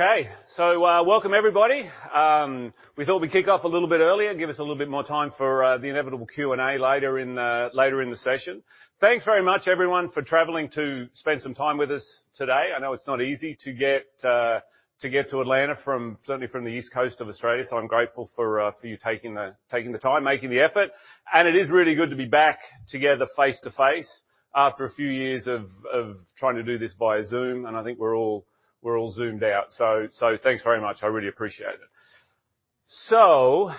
Okay. Welcome everybody. We thought we'd kick off a little bit earlier, give us a little bit more time for the inevitable Q&A later in the session. Thanks very much everyone for traveling to spend some time with us today. I know it's not easy to get to Atlanta from, certainly from the East Coast of Australia, so I'm grateful for you taking the time, making the effort. It is really good to be back together face-to-face after a few years of trying to do this via Zoom, and I think we're all Zoomed out. Thanks very much. I really appreciate it.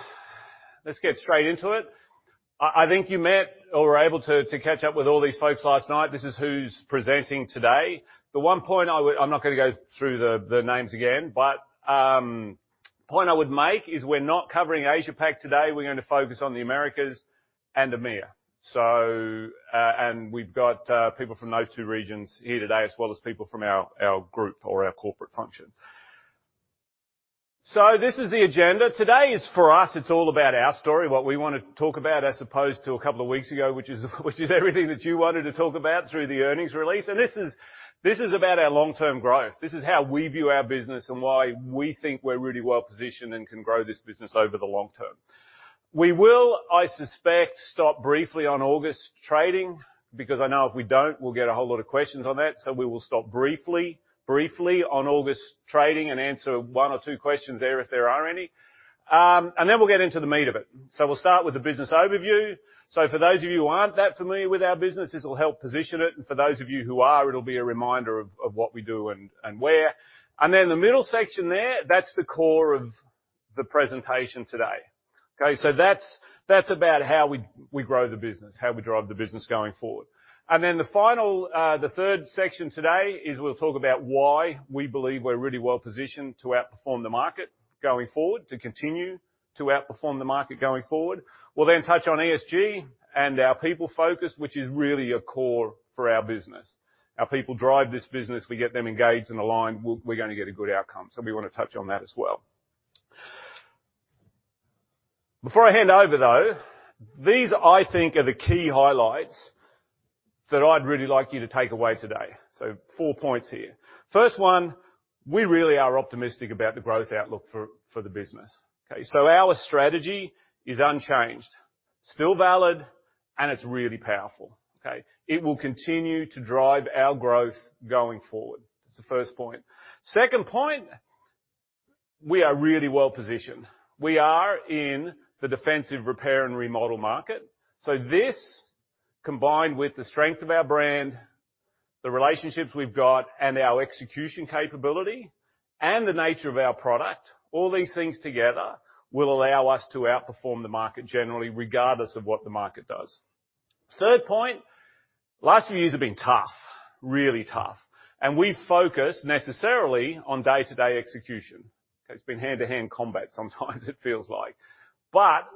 Let's get straight into it. I think you met or were able to catch up with all these folks last night. This is who's presenting today. The one point I would make is I'm not gonna go through the names again, but we're not covering Asia-Pac today. We're gonna focus on the Americas and EMEA. We've got people from those two regions here today, as well as people from our group or our corporate function. This is the agenda. Today, for us, it's all about our story, what we wanna talk about, as opposed to a couple of weeks ago, which is everything that you wanted to talk about through the earnings release. This is about our long-term growth. This is how we view our business and why we think we're really well positioned and can grow this business over the long term. We will, I suspect, stop briefly on August trading, because I know if we don't, we'll get a whole lot of questions on that. We'll stop briefly on August trading and answer one or two questions there if there are any. Then we'll get into the meat of it. We'll start with the business overview. For those of you who aren't that familiar with our business, this will help position it. For those of you who are, it'll be a reminder of what we do and where. Then the middle section there, that's the core of the presentation today, okay? That's about how we grow the business, how we drive the business going forward. The final, the third section today is we'll talk about why we believe we're really well positioned to outperform the market going forward, to continue to outperform the market going forward. We'll then touch on ESG and our people focus, which is really a core for our business. Our people drive this business. We get them engaged and aligned, we're gonna get a good outcome, so we wanna touch on that as well. Before I hand over, though, these, I think, are the key highlights that I'd really like you to take away today. So four points here. First one, we really are optimistic about the growth outlook for the business. Okay? So our strategy is unchanged, still valid, and it's really powerful, okay? It will continue to drive our growth going forward. That's the first point. Second point, we are really well positioned. We are in the defensive repair and remodel market, so this, combined with the strength of our brand, the relationships we've got, and our execution capability, and the nature of our product, all these things together will allow us to outperform the market generally, regardless of what the market does. Third point. Last few years have been tough, really tough, and we've focused necessarily on day-to-day execution. Okay, it's been hand-to-hand combat sometimes. It feels like.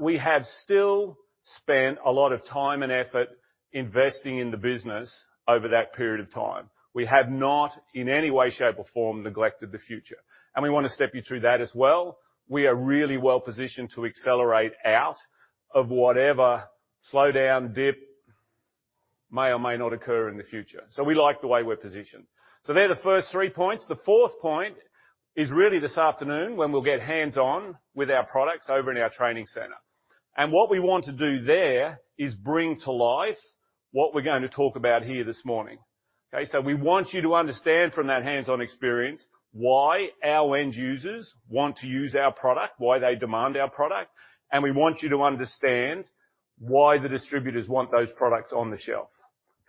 We have still spent a lot of time and effort investing in the business over that period of time. We have not in any way, shape, or form neglected the future, and we wanna step you through that as well. We are really well positioned to accelerate out of whatever slowdown, dip may or may not occur in the future, so we like the way we're positioned. They're the first three points. The fourth point is really this afternoon when we'll get hands-on with our products over in our training center. What we want to do there is bring to life what we're going to talk about here this morning. Okay? We want you to understand from that hands-on experience why our end users want to use our product, why they demand our product, and we want you to understand why the distributors want those products on the shelf.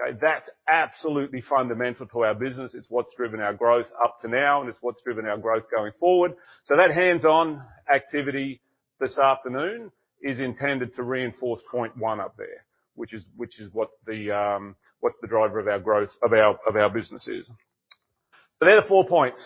Okay? That's absolutely fundamental to our business. It's what's driven our growth up to now, and it's what's driven our growth going forward. That hands-on activity this afternoon is intended to reinforce point one up there, which is what the driver of our growth of our business is. They're the four points.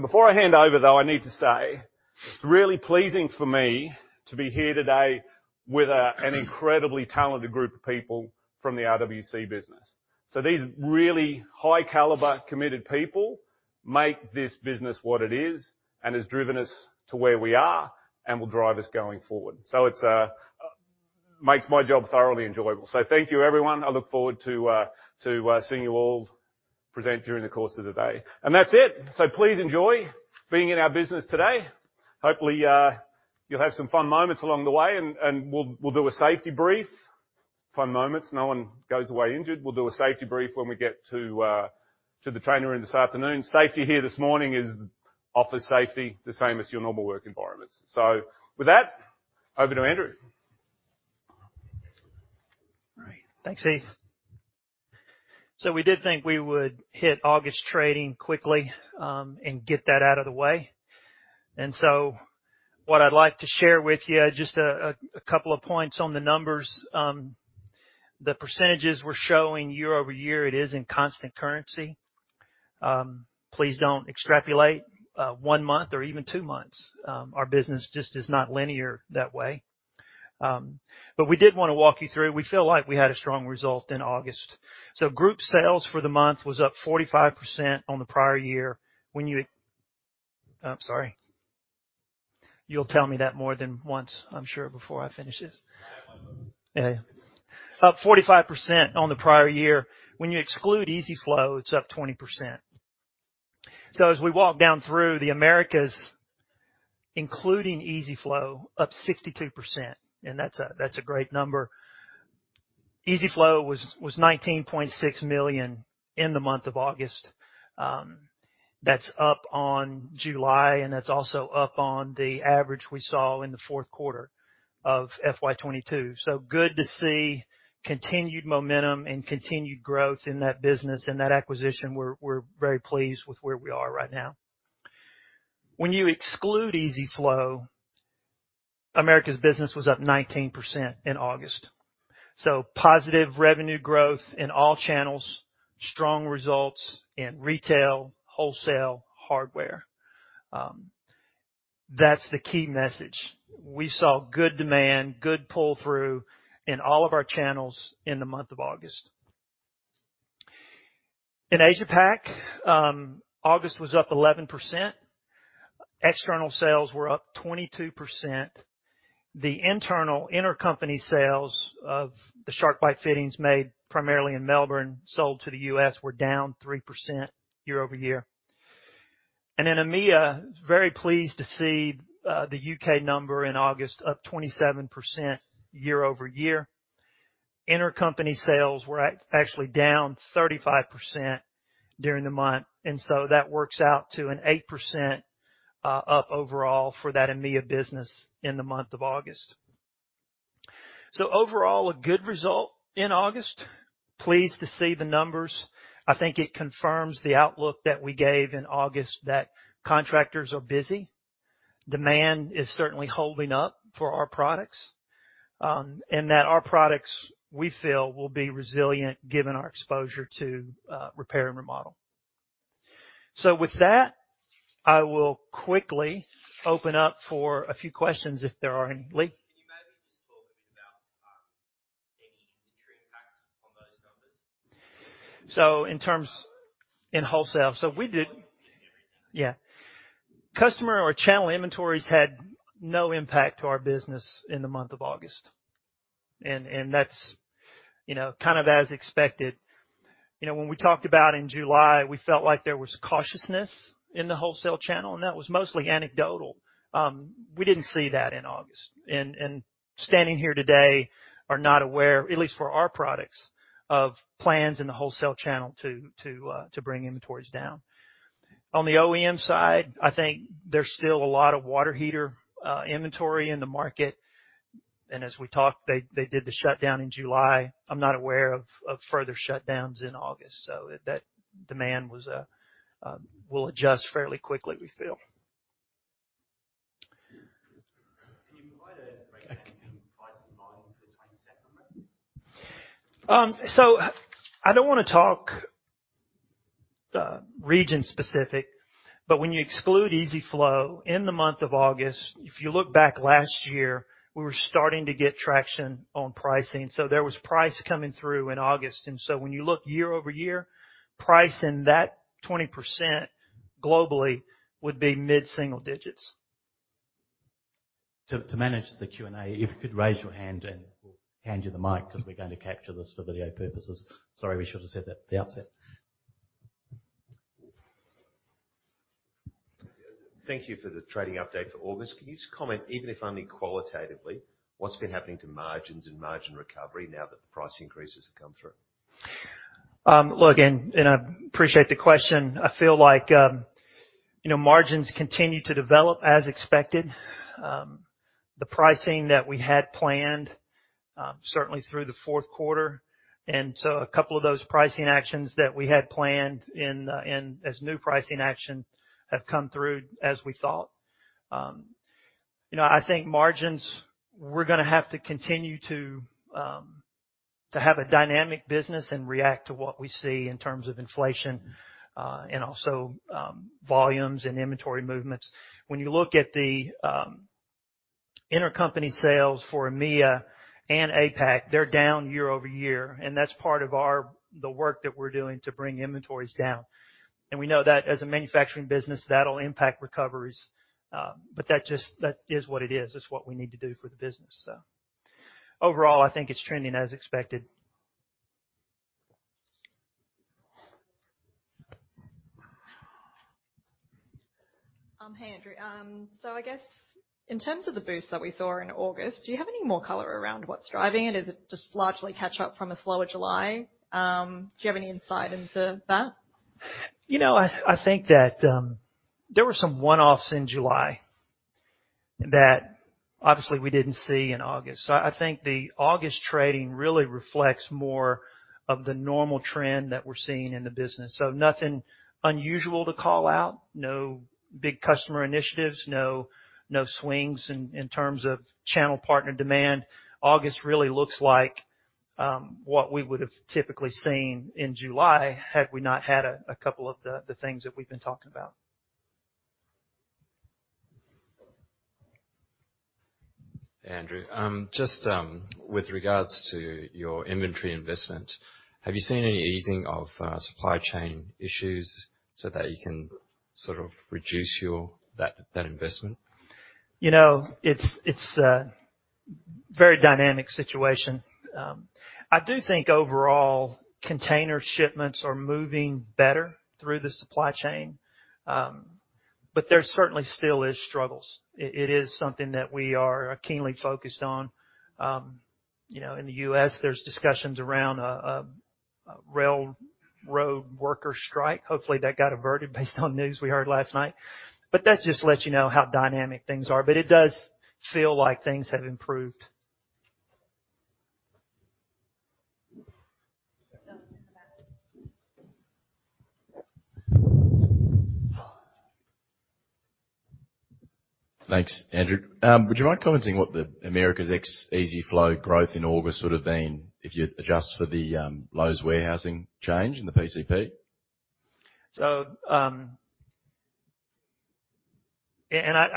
Before I hand over, though, I need to say it's really pleasing for me to be here today with an incredibly talented group of people from the RWC business. These really high-caliber, committed people make this business what it is and has driven us to where we are and will drive us going forward. It makes my job thoroughly enjoyable. Thank you, everyone. I look forward to seeing you all present during the course of the day. That's it. Please enjoy being in our business today. Hopefully, you'll have some fun moments along the way, and we'll do a safety brief. Fun moments, no one goes away injured. We'll do a safety brief when we get to the training room this afternoon. Safety here this morning is office safety, the same as your normal work environments. With that, over to Andrew. All right. Thanks, Steve. We did think we would hit August trading quickly, and get that out of the way. What I'd like to share with you, just a couple of points on the numbers. The percentages we're showing year-over-year, it is in constant currency. Please don't extrapolate, one month or even two months. Our business just is not linear that way. We did wanna walk you through. We feel like we had a strong result in August. Group sales for the month was up 45% on the prior year when you. I'm sorry. You'll tell me that more than once, I'm sure, before I finish this. Up 45% on the prior year. When you exclude EZ-FLO, it's up 20%. As we walk down through the Americas, including EZ-FLO, up 62%, and that's a great number. EZ-FLO was $19.6 million in the month of August. That's up on July, and that's also up on the average we saw in the fourth quarter of FY22. Good to see continued momentum and continued growth in that business, in that acquisition. We're very pleased with where we are right now. When you exclude EZ-FLO, Americas business was up 19% in August. Positive revenue growth in all channels, strong results in retail, wholesale, hardware. That's the key message. We saw good demand, good pull-through in all of our channels in the month of August. In Asia Pac, August was up 11%. External sales were up 22%. The internal intercompany sales of the SharkBite fittings made primarily in Melbourne, sold to the US, were down 3% year-over-year. In EMEA, very pleased to see the UK number in August up 27% year-over-year. Intercompany sales were actually down 35% during the month, and so that works out to an 8% up overall for that EMEA business in the month of August. Overall, a good result in August. Pleased to see the numbers. I think it confirms the outlook that we gave in August that contractors are busy, demand is certainly holding up for our products, and that our products, we feel, will be resilient given our exposure to repair and remodel. With that, I will quickly open up for a few questions if there are any. Lee? Can you maybe just talk a bit about, any inventory impact on those numbers? In wholesale. Customer or channel inventories had no impact to our business in the month of August, and that's, you know, kind of as expected. You know, when we talked about in July, we felt like there was cautiousness in the wholesale channel, and that was mostly anecdotal. We didn't see that in August and standing here today are not aware, at least for our products, of plans in the wholesale channel to bring inventories down. On the OEM side, I think there's still a lot of water heater inventory in the market, and as we talked, they did the shutdown in July. I'm not aware of further shutdowns in August, so that demand will adjust fairly quickly, we feel. Can you provide a breakdown in price and volume for the 27%? I don't wanna talk region-specific, but when you exclude EZ-FLO in the month of August, if you look back last year, we were starting to get traction on pricing, so there was price coming through in August. When you look year-over-year, price in that 20% globally would be mid-single digits. To manage the Q&A, if you could raise your hand and we'll hand you the mic 'cause we're going to capture this for video purposes. Sorry, we should have said that at the outset. Thank you for the trading update for August. Can you just comment, even if only qualitatively, what's been happening to margins and margin recovery now that the price increases have come through? I appreciate the question. I feel like, you know, margins continue to develop as expected. The pricing that we had planned, certainly through the fourth quarter, and so a couple of those pricing actions that we had planned as new pricing actions have come through as we thought. You know, I think margins, we're gonna have to continue to have a dynamic business and react to what we see in terms of inflation, and also, volumes and inventory movements. When you look at the intercompany sales for EMEA and APAC, they're down year-over-year, and that's part of the work that we're doing to bring inventories down. We know that as a manufacturing business, that'll impact recoveries, but that is what it is. It's what we need to do for the business. Overall, I think it's trending as expected. Hey, Andrew. I guess in terms of the boost that we saw in August, do you have any more color around what's driving it? Is it just largely catch up from a slower July? Do you have any insight into that? You know, I think that there were some one-offs in July that obviously we didn't see in August. I think the August trading really reflects more of the normal trend that we're seeing in the business. Nothing unusual to call out, no big customer initiatives, no swings in terms of channel partner demand. August really looks like what we would have typically seen in July had we not had a couple of the things that we've been talking about. Andrew, just, with regards to your inventory investment, have you seen any easing of supply chain issues so that you can sort of reduce that investment? You know, it's a very dynamic situation. I do think overall container shipments are moving better through the supply chain, but there certainly still is struggles. It is something that we are keenly focused on. You know, in the US, there's discussions around a railroad worker strike. Hopefully, that got averted based on news we heard last night. That just lets you know how dynamic things are. It does feel like things have improved. Thanks, Andrew. Would you mind commenting what the Americas ex EZ-FLO growth in August would have been if you adjust for the Lowe's warehousing change in the PCP? I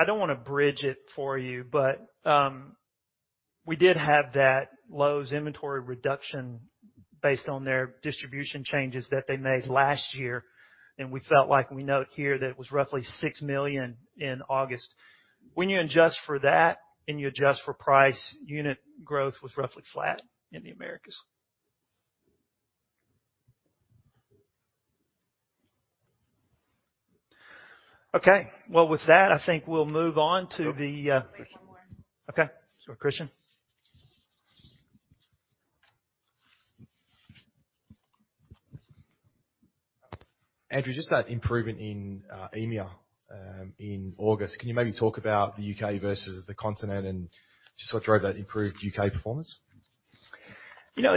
don't wanna hedge it for you, but we did have that Lowe's inventory reduction based on their distribution changes that they made last year, and we felt like we note here that it was roughly $6 million in August. When you adjust for that and you adjust for price, unit growth was roughly flat in the Americas. Well, with that, I think we'll move on to the. Wait. One more. Okay. Christian. Andrew, just that improvement in EMEA in August. Can you maybe talk about the UK versus the continent and just what drove that improved UK performance? You know,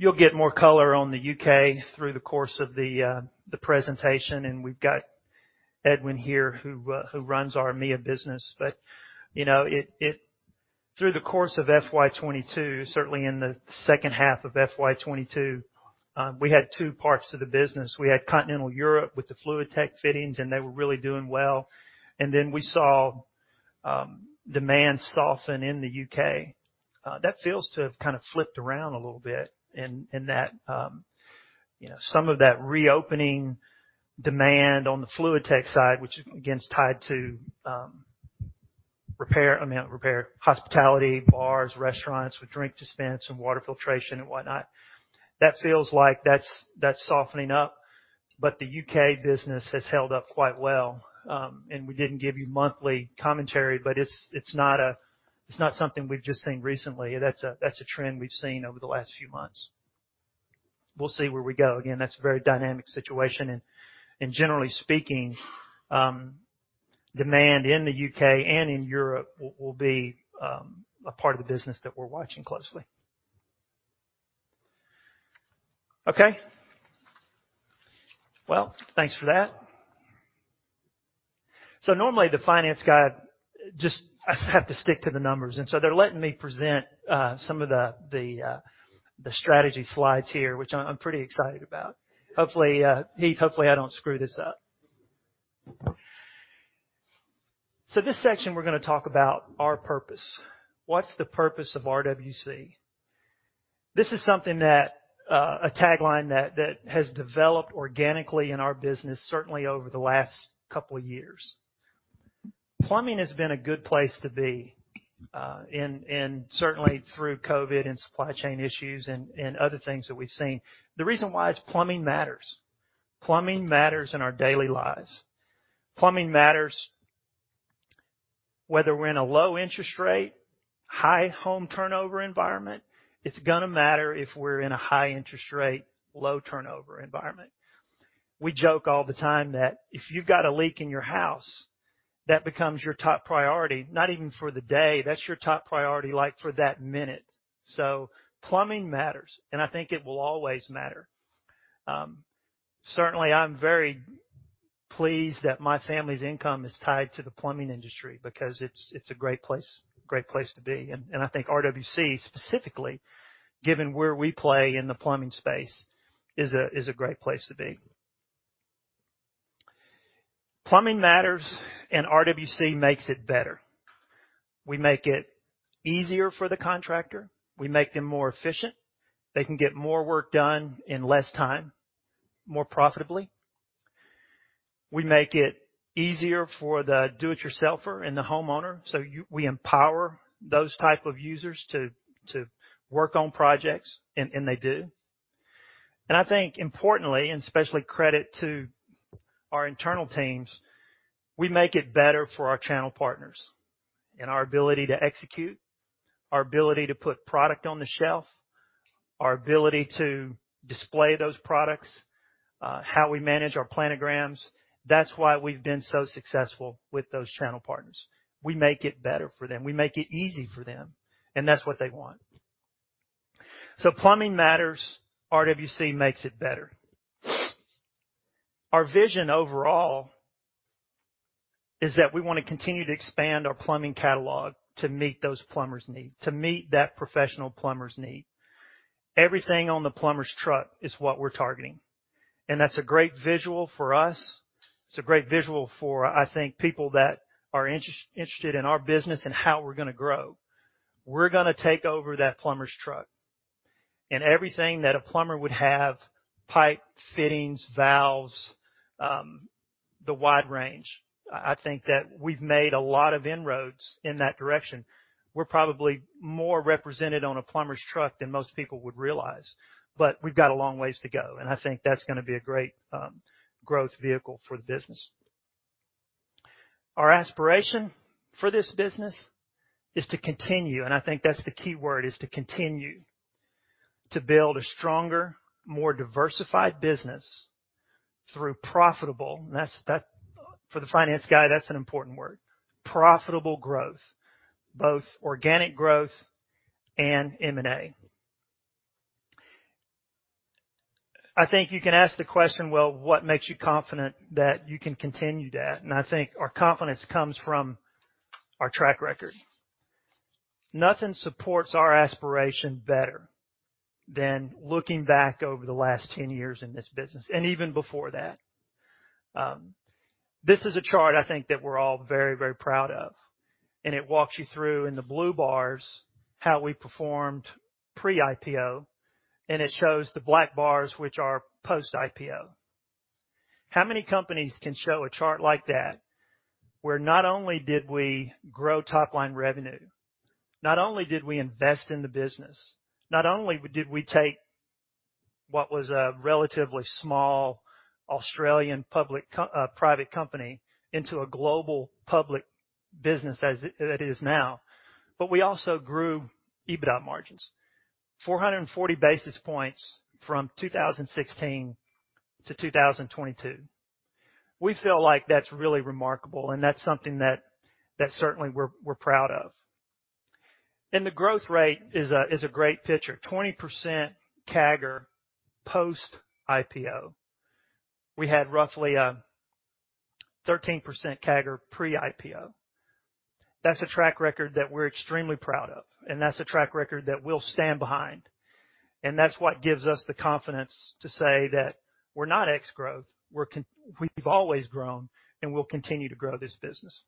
you'll get more color on the UK through the course of the presentation, and we've got Edwin here who runs our EMEA business. You know, through the course of FY22, certainly in the second half of FY22, we had two parts to the business. We had continental Europe with the FluidTech fittings, and they were really doing well. Then we saw demand soften in the UK. That feels to have kind of flipped around a little bit in that you know, some of that reopening demand on the FluidTech side, which is, again, tied to repair, I mean, not repair, hospitality, bars, restaurants with drink dispense and water filtration and whatnot. That feels like that's softening up. The UK business has held up quite well. We didn't give you monthly commentary, but it's not something we've just seen recently. That's a trend we've seen over the last few months. We'll see where we go. Again, that's a very dynamic situation. Generally speaking, demand in the UK and in Europe will be a part of the business that we're watching closely. Okay. Well, thanks for that. Normally, the finance guy just has to stick to the numbers, and so they're letting me present some of the strategy slides here, which I'm pretty excited about. Hopefully, Heath, hopefully I don't screw this up. This section we're gonna talk about our purpose. What's the purpose of RWC? This is something that a tagline that has developed organically in our business certainly over the last couple years. Plumbing has been a good place to be and certainly through COVID and supply chain issues and other things that we've seen. The reason why is plumbing matters. Plumbing matters in our daily lives. Plumbing matters whether we're in a low interest rate, high home turnover environment. It's gonna matter if we're in a high interest rate, low turnover environment. We joke all the time that if you've got a leak in your house, that becomes your top priority, not even for the day. That's your top priority, like, for that minute. Plumbing matters, and I think it will always matter. Certainly I'm very pleased that my family's income is tied to the plumbing industry because it's a great place to be. I think RWC specifically, given where we play in the plumbing space, is a great place to be. Plumbing matters, and RWC makes it better. We make it easier for the contractor. We make them more efficient. They can get more work done in less time, more profitably. We make it easier for the do-it-yourselfer and the homeowner. We empower those type of users to work on projects, and they do. I think importantly, especially credit to our internal teams, we make it better for our channel partners in our ability to execute, our ability to put product on the shelf, our ability to display those products, how we manage our planograms. That's why we've been so successful with those channel partners. We make it better for them. We make it easy for them, and that's what they want. Plumbing matters. RWC makes it better. Our vision overall is that we wanna continue to expand our plumbing catalog to meet those plumbers' need, to meet that professional plumber's need. Everything on the plumber's truck is what we're targeting. That's a great visual for us. It's a great visual for, I think, people that are interested in our business and how we're gonna grow. We're gonna take over that plumber's truck and everything that a plumber would have, pipe, fittings, valves, the wide range. I think that we've made a lot of inroads in that direction. We're probably more represented on a plumber's truck than most people would realize, but we've got a long ways to go, and I think that's gonna be a great growth vehicle for the business. Our aspiration for this business is to continue, and I think that's the key word, is to continue to build a stronger, more diversified business through profitable, that's for the finance guy, that's an important word, profitable growth, both organic growth and M&A. I think you can ask the question, well, what makes you confident that you can continue that? Our confidence comes from our track record. Nothing supports our aspiration better than looking back over the last 10 years in this business, and even before that. This is a chart I think that we're all very, very proud of, and it walks you through in the blue bars how we performed pre-IPO, and it shows the black bars which are post-IPO. How many companies can show a chart like that where not only did we grow top-line revenue, not only did we invest in the business, not only did we take what was a relatively small Australian private company into a global public business as it is now, but we also grew EBITDA margins 440 basis points from 2016 to 2022. We feel like that's really remarkable, and that's something that certainly we're proud of. The growth rate is a great picture. 20% CAGR post-IPO. We had roughly 13% CAGR pre-IPO. That's a track record that we're extremely proud of, and that's a track record that we'll stand behind. That's what gives us the confidence to say that we're not ex-growth. We've always grown, and we'll continue to grow this business.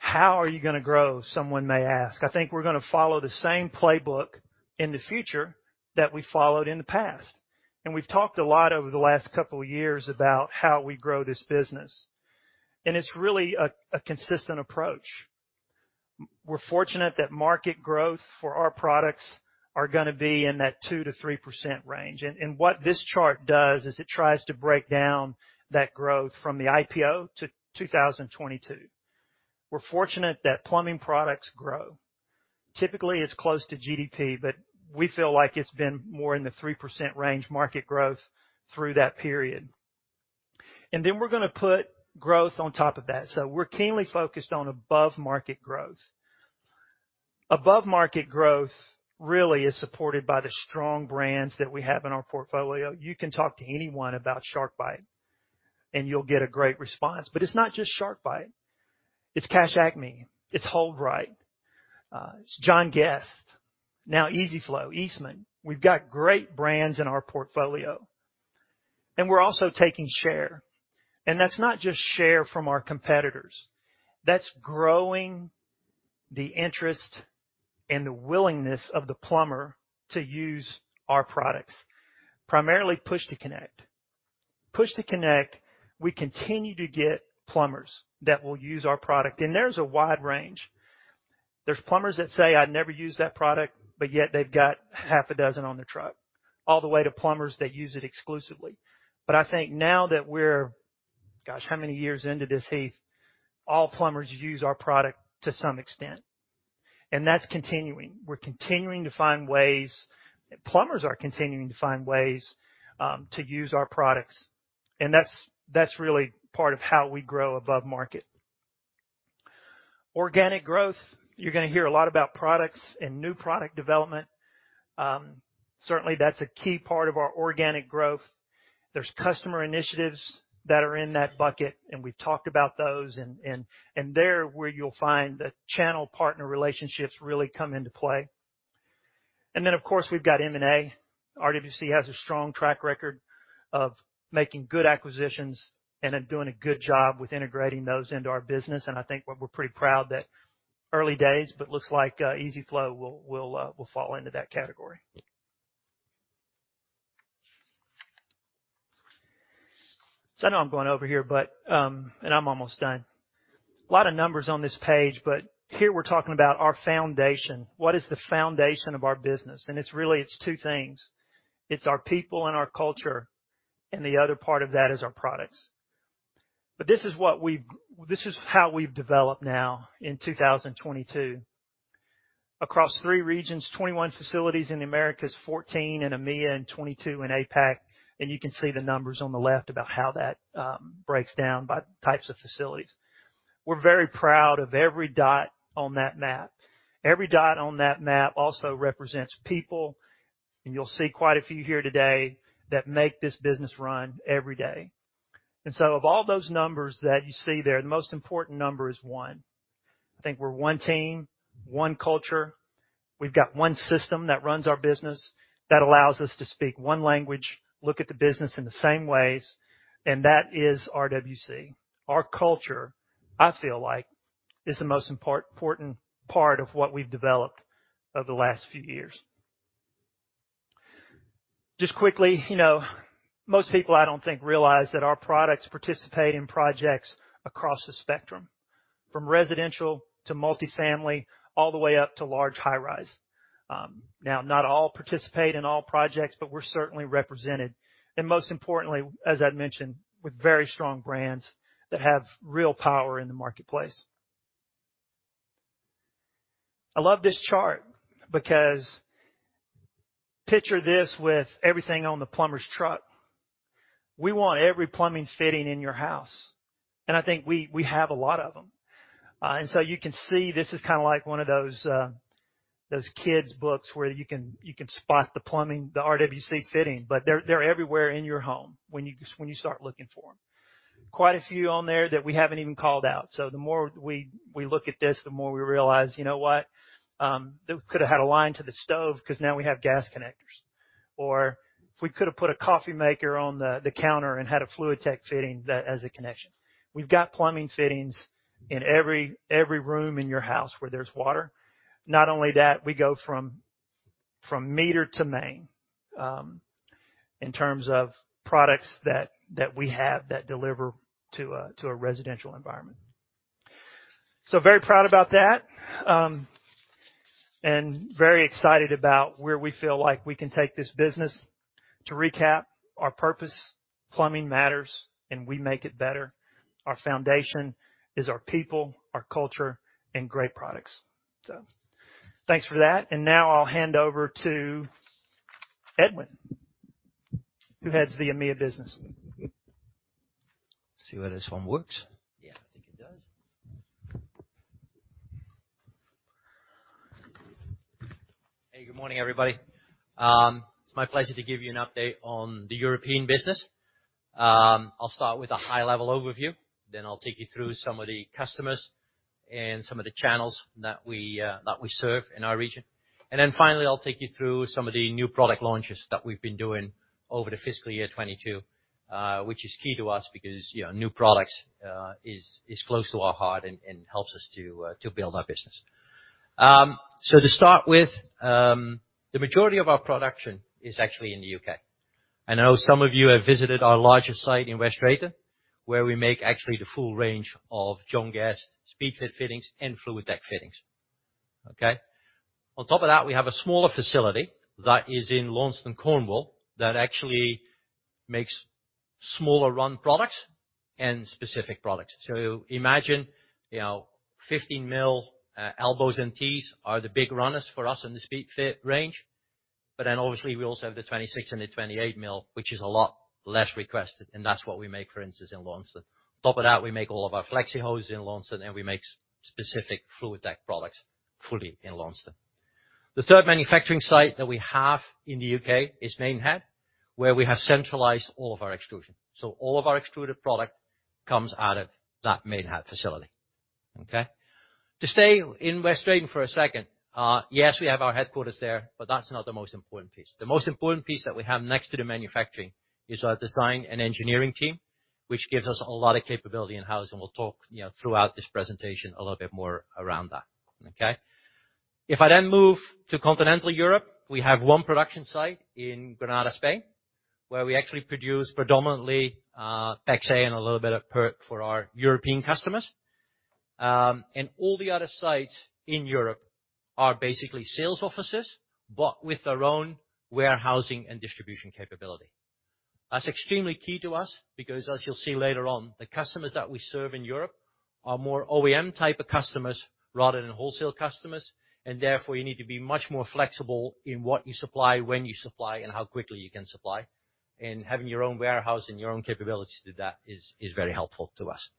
How are you gonna grow, someone may ask. I think we're gonna follow the same playbook in the future that we followed in the past. We've talked a lot over the last couple of years about how we grow this business, and it's really a consistent approach. We're fortunate that market growth for our products are gonna be in that 2%-3% range. What this chart does is it tries to break down that growth from the IPO to 2022. We're fortunate that plumbing products grow. Typically, it's close to GDP, but we feel like it's been more in the 3% range market growth through that period. Then we're gonna put growth on top of that. We're keenly focused on above-market growth. Above-market growth really is supported by the strong brands that we have in our portfolio. You can talk to anyone about SharkBite, and you'll get a great response. It's not just SharkBite. It's Cash Acme. It's HoldRite. It's John Guest. Now EZ-FLO, Eastman. We've got great brands in our portfolio. We're also taking share, and that's not just share from our competitors. That's growing the interest and the willingness of the plumber to use our products, primarily Push-to-Connect. Push-to-Connect, we continue to get plumbers that will use our product, and there's a wide range. There's plumbers that say, "I'd never use that product," but yet they've got half a dozen on their truck, all the way to plumbers that use it exclusively. I think now that we're, gosh, how many years into this, Heath? All plumbers use our product to some extent, and that's continuing. Plumbers are continuing to find ways to use our products, and that's really part of how we grow above market. Organic growth. You're gonna hear a lot about products and new product development. Certainly, that's a key part of our organic growth. There's customer initiatives that are in that bucket, and we've talked about those and there where you'll find the channel partner relationships really come into play. Then, of course, we've got M&A. RWC has a strong track record of making good acquisitions and then doing a good job with integrating those into our business. I think what we're pretty proud that early days, but looks like, EZ-FLO will fall into that category. I know I'm going over here, but, and I'm almost done. A lot of numbers on this page, but here we're talking about our foundation. What is the foundation of our business? It's really, it's two things. It's our people and our culture, and the other part of that is our products. This is what we've. This is how we've developed now in 2022. Across three regions, 21 facilities in the Americas, 14 in EMEA, and 22 in APAC. You can see the numbers on the left about how that breaks down by types of facilities. We're very proud of every dot on that map. Every dot on that map also represents people, and you'll see quite a few here today, that make this business run every day. Of all those numbers that you see there, the most important number is one. I think we're one team, one culture. We've got one system that runs our business, that allows us to speak one language, look at the business in the same ways, and that is RWC. Our culture, I feel like, is the most important part of what we've developed over the last few years. Just quickly, you know, most people I don't think realize that our products participate in projects across the spectrum, from residential to multifamily, all the way up to large high-rise. Now, not all participate in all projects, but we're certainly represented, and most importantly, as I'd mentioned, with very strong brands that have real power in the marketplace. I love this chart because picture this with everything on the plumber's truck. We want every plumbing fitting in your house, and I think we have a lot of them. You can see this is kinda like one of those kids' books where you can spot the plumbing, the RWC fitting, but they're everywhere in your home when you start looking for 'em. Quite a few on there that we haven't even called out. The more we look at this, the more we realize, you know what, they could have had a line to the stove 'cause now we have gas connectors. If we could have put a coffee maker on the counter and had a FluidTech fitting that as a connection. We've got plumbing fittings in every room in your house where there's water. Not only that, we go from meter to main in terms of products that we have that deliver to a residential environment. Very proud about that, and very excited about where we feel like we can take this business. To recap, our purpose, plumbing matters, and we make it better. Our foundation is our people, our culture, and great products. Thanks for that. Now I'll hand over to Edwin, who heads the EMEA business. See whether this one works. Yeah, I think it does. Hey, good morning, everybody. It's my pleasure to give you an update on the European business. I'll start with a high-level overview, then I'll take you through some of the customers and some of the channels that we serve in our region. Then finally, I'll take you through some of the new product launches that we've been doing over the fiscal year 2022, which is key to us because, you know, new products is close to our heart and helps us to build our business. To start with, the majority of our production is actually in the UK. I know some of you have visited our larger site in West Drayton, where we make actually the full range of John Guest Speedfit fittings and FluidTech fittings. Okay? On top of that, we have a smaller facility that is in Launceston, Cornwall, that actually makes smaller run products and specific products. Imagine, you know, 15 mm elbows and Ts are the big runners for us in the Speedfit range. Obviously we also have the 26 and the 28 mm, which is a lot less requested, and that's what we make, for instance, in Launceston. On top of that, we make all of our flexi hoses in Launceston, and we make specific FluidTech products fully in Launceston. The third manufacturing site that we have in the UK is Maidenhead, where we have centralized all of our extrusion. All of our extruded product comes out of that Maidenhead facility. Okay. To stay in West Drayton for a second, yes, we have our headquarters there, but that's not the most important piece. The most important piece that we have next to the manufacturing is our design and engineering team, which gives us a lot of capability in-house, and we'll talk, you know, throughout this presentation a little bit more around that. Okay. If I then move to continental Europe, we have one production site in Granada, Spain, where we actually produce predominantly PEX-A and a little bit of PERT for our European customers. All the other sites in Europe are basically sales offices, but with their own warehousing and distribution capability. That's extremely key to us because as you'll see later on, the customers that we serve in Europe are more OEM type of customers rather than wholesale customers, and therefore, you need to be much more flexible in what you supply, when you supply, and how quickly you can supply. Having your own warehouse and your own capability to do that is very helpful to us.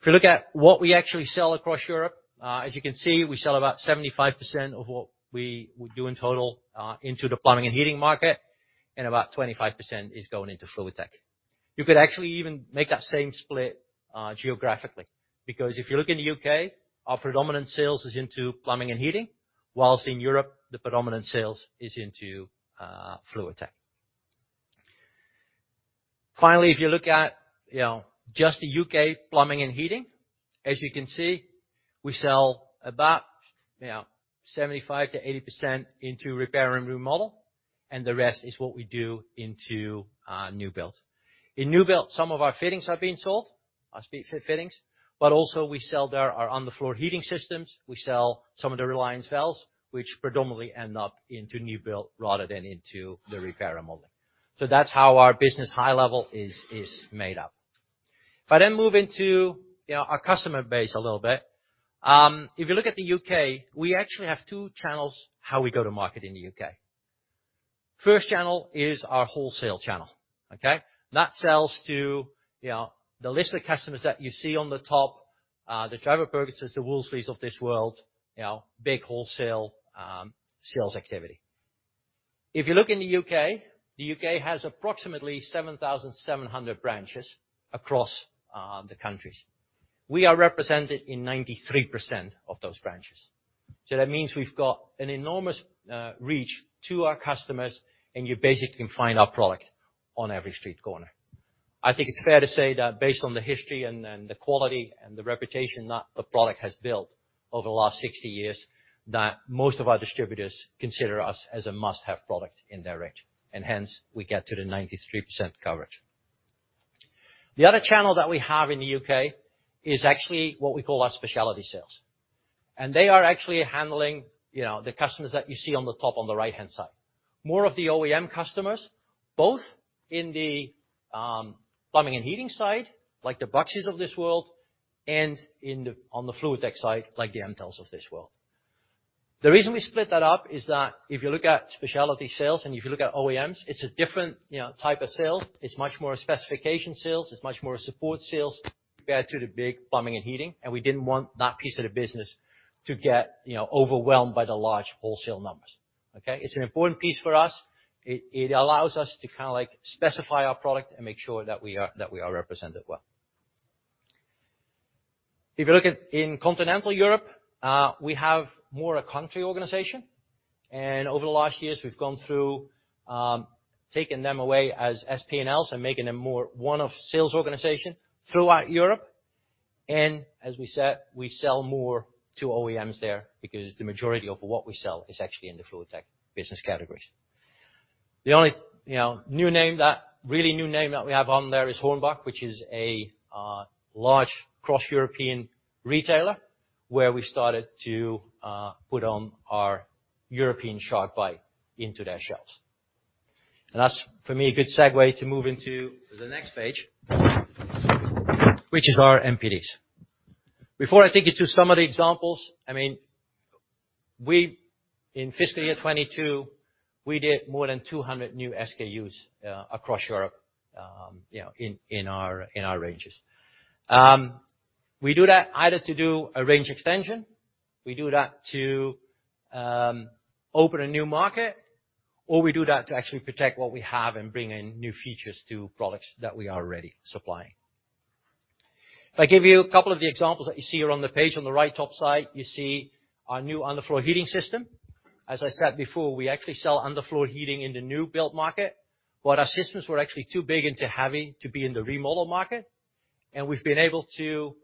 If you look at what we actually sell across Europe, as you can see, we sell about 75% of what we would do in total into the plumbing and heating market, and about 25% is going into FluidTech. You could actually even make that same split geographically, because if you look in the U.K., our predominant sales is into plumbing and heating, whilst in Europe, the predominant sales is into FluidTech. Finally, if you look at, you know, just the UK plumbing and heating, as you can see, we sell about, you know, 75%-80% into repair and remodel, and the rest is what we do into new build. In new build, some of our fittings are being sold, our Speedfit fittings, but also we sell there our underfloor heating systems. We sell some of the Reliance Valves, which predominantly end up into new build rather than into the repair and remodel. So that's how our business high level is made up. If I then move into, you know, our customer base a little bit, if you look at the UK, we actually have two channels how we go to market in the UK. First channel is our wholesale channel, okay? That sells to, you know, the list of customers that you see on the top, the Travis Perkins, the Wolseley of this world, you know, big wholesale sales activity. If you look in the U.K., the U.K. has approximately 7,700 branches across the countries. We are represented in 93% of those branches. That means we've got an enormous reach to our customers, and you basically can find our product on every street corner. I think it's fair to say that based on the history and the quality and the reputation that the product has built over the last 60 years, that most of our distributors consider us as a must-have product in their range, and hence we get to the 93% coverage. The other channel that we have in the U.K. is actually what we call our specialty sales. They are actually handling, you know, the customers that you see on the top, on the right-hand side. More of the OEM customers, both in the plumbing and heating side, like the Baxi of this world, and on the FluidTech side, like the Intelsius of this world. The reason we split that up is that if you look at specialty sales and if you look at OEMs, it's a different, you know, type of sale. It's much more a specification sales. It's much more a support sales compared to the big plumbing and heating. We didn't want that piece of the business to get, you know, overwhelmed by the large wholesale numbers, okay? It's an important piece for us. It allows us to kind of like specify our product and make sure that we are represented well. If you look at in continental Europe, we have more a country organization, and over the last years, we've gone through taking them away as P&Ls and making them more one of sales organization throughout Europe. As we said, we sell more to OEMs there because the majority of what we sell is actually in the FluidTech business categories. The only, you know, new name that we have on there is HORNBACH, which is a large cross-European retailer, where we started to put on our European SharkBite into their shelves. That's, for me, a good segue to move into the next page, which is our MPDs. Before I take you to some of the examples, I mean, we in fiscal year 2022, we did more than 200 new SKUs across Europe, you know, in our ranges. We do that either to do a range extension, we do that to open a new market, or we do that to actually protect what we have and bring in new features to products that we are already supplying. If I give you a couple of the examples that you see around the page on the right top side, you see our new underfloor heating system. As I said before, we actually sell underfloor heating in the new build market, but our systems were actually too big and too heavy to be in the remodel market. We've been able to,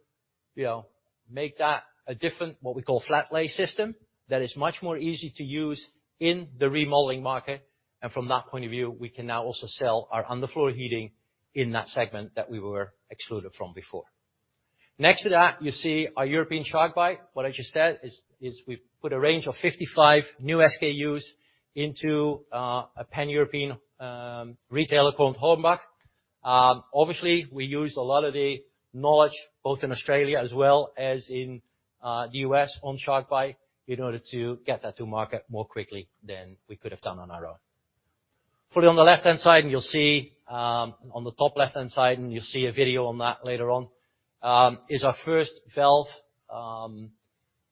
you know, make that a different, what we call flat lay system that is much more easy to use in the remodeling market. From that point of view, we can now also sell our underfloor heating in that segment that we were excluded from before. Next to that, you see our European SharkBite. What I just said is we've put a range of 55 new SKUs into a Pan-European retailer called HORNACH. Obviously, we used a lot of the knowledge both in Australia as well as in the US on SharkBite in order to get that to market more quickly than we could have done on our own. Fully on the left-hand side, you'll see on the top left-hand side a video on that later on, is our first valve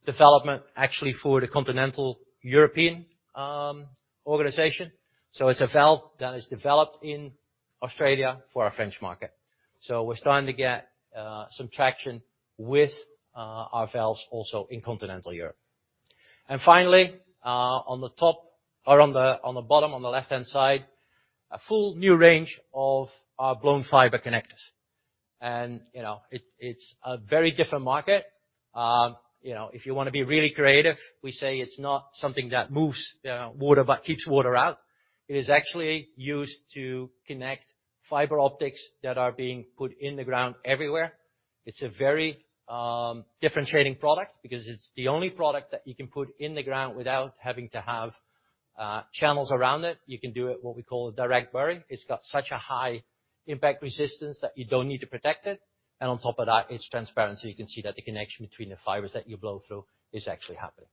development actually for the continental European organization. It's a valve that is developed in Australia for our French market. We're starting to get some traction with our valves also in continental Europe. Finally, on the bottom on the left-hand side, a full new range of our blown fiber connectors. You know, it's a very different market. You know, if you wanna be really creative, we say it's not something that moves water but keeps water out. It is actually used to connect fiber optics that are being put in the ground everywhere. It's a very differentiating product because it's the only product that you can put in the ground without having to have channels around it. You can do it, what we call direct bury. It's got such a high impact resistance that you don't need to protect it. On top of that, it's transparent, so you can see that the connection between the fibers that you blow through is actually happening.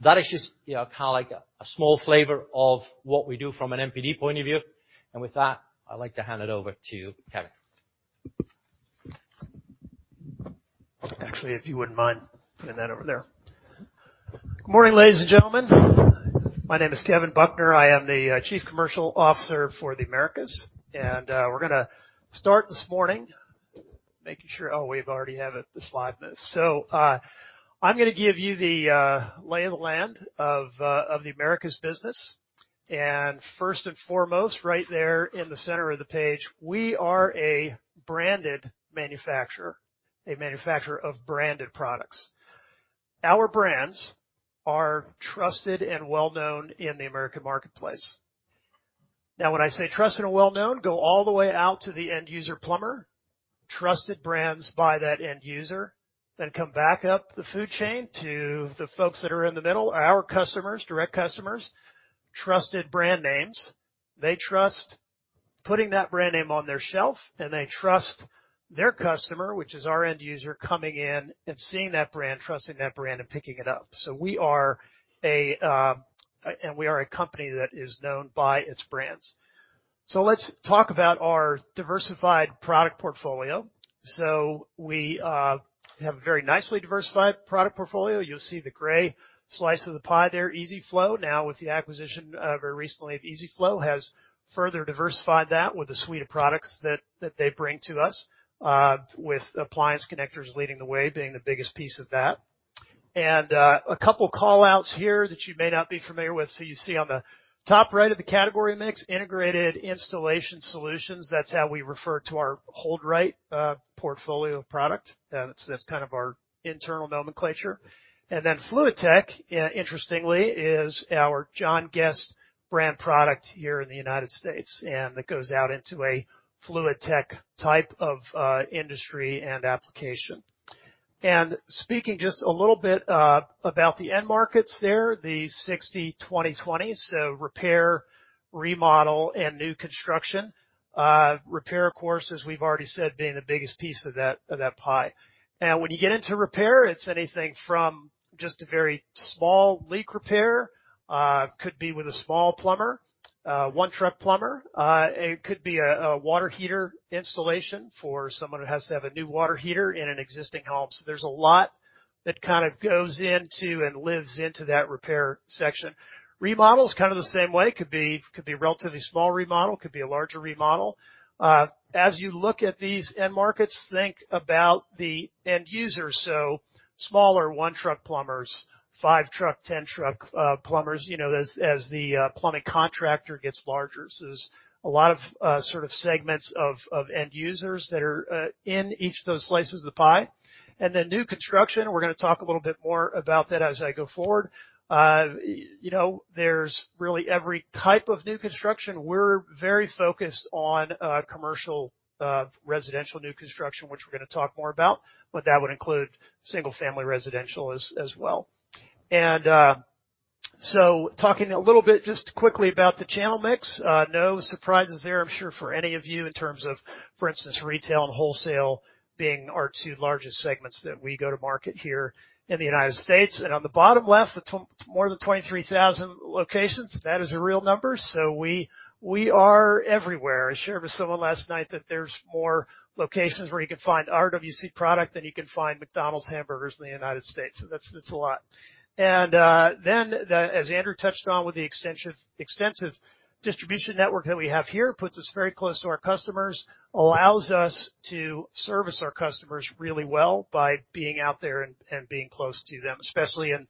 That is just, you know, kinda like a small flavor of what we do from an MPD point of view. With that, I'd like to hand it over to Kevin. Actually, if you wouldn't mind putting that over there. Good morning, ladies and gentlemen. My name is Kevin Buckner. I am the Chief Commercial Officer for the Americas. We're gonna start this morning. I'm gonna give you the lay of the land of the Americas business. First and foremost, right there in the center of the page, we are a branded manufacturer, a manufacturer of branded products. Our brands are trusted and well-known in the American marketplace. Now, when I say trusted and well-known, go all the way out to the end user plumber, trusted brands by that end user, then come back up the food chain to the folks that are in the middle, our customers, direct customers, trusted brand names. They trust putting that brand name on their shelf, and they trust their customer, which is our end user, coming in and seeing that brand, trusting that brand, and picking it up. We are a company that is known by its brands. Let's talk about our diversified product portfolio. We have a very nicely diversified product portfolio. You'll see the gray slice of the pie there, EZ-FLO. Now, with the acquisition very recently of EZ-FLO has further diversified that with a suite of products that they bring to us with appliance connectors leading the way, being the biggest piece of that. A couple call-outs here that you may not be familiar with. You see on the top right of the category mix, integrated installation solutions. That's how we refer to our HoldRite portfolio of product. That's kind of our internal nomenclature. Then Fluid Tech, interestingly, is our John Guest brand product here in the United States, and that goes out into a Fluid Tech type of industry and application. Speaking just a little bit about the end markets there, the 60/20/20, so repair, remodel, and new construction. Repair, of course, we've already said, being the biggest piece of that pie. When you get into repair, it's anything from just a very small leak repair, could be with a small plumber, one truck plumber. It could be a water heater installation for someone who has to have a new water heater in an existing home. There's a lot that kind of goes into and lives into that repair section. Remodel is kind of the same way. It could be a relatively small remodel, could be a larger remodel. As you look at these end markets, think about the end user. Smaller 1-truck plumbers, 5-truck, 10-truck plumbers, you know, as the plumbing contractor gets larger. There's a lot of sort of segments of end users that are in each of those slices of the pie. Then new construction, we're gonna talk a little bit more about that as I go forward. You know, there's really every type of new construction. We're very focused on commercial residential new construction, which we're gonna talk more about, but that would include single-family residential as well. Talking a little bit just quickly about the channel mix. No surprises there, I'm sure, for any of you in terms of, for instance, retail and wholesale being our two largest segments that we go to market here in the United States. On the bottom left, the more than 23,000 locations, that is a real number. We are everywhere. I shared with someone last night that there's more locations where you can find RWC product than you can find McDonald's hamburgers in the United States. That's a lot. As Andrew touched on with the extensive distribution network that we have here, puts us very close to our customers, allows us to service our customers really well by being out there and being close to them, especially in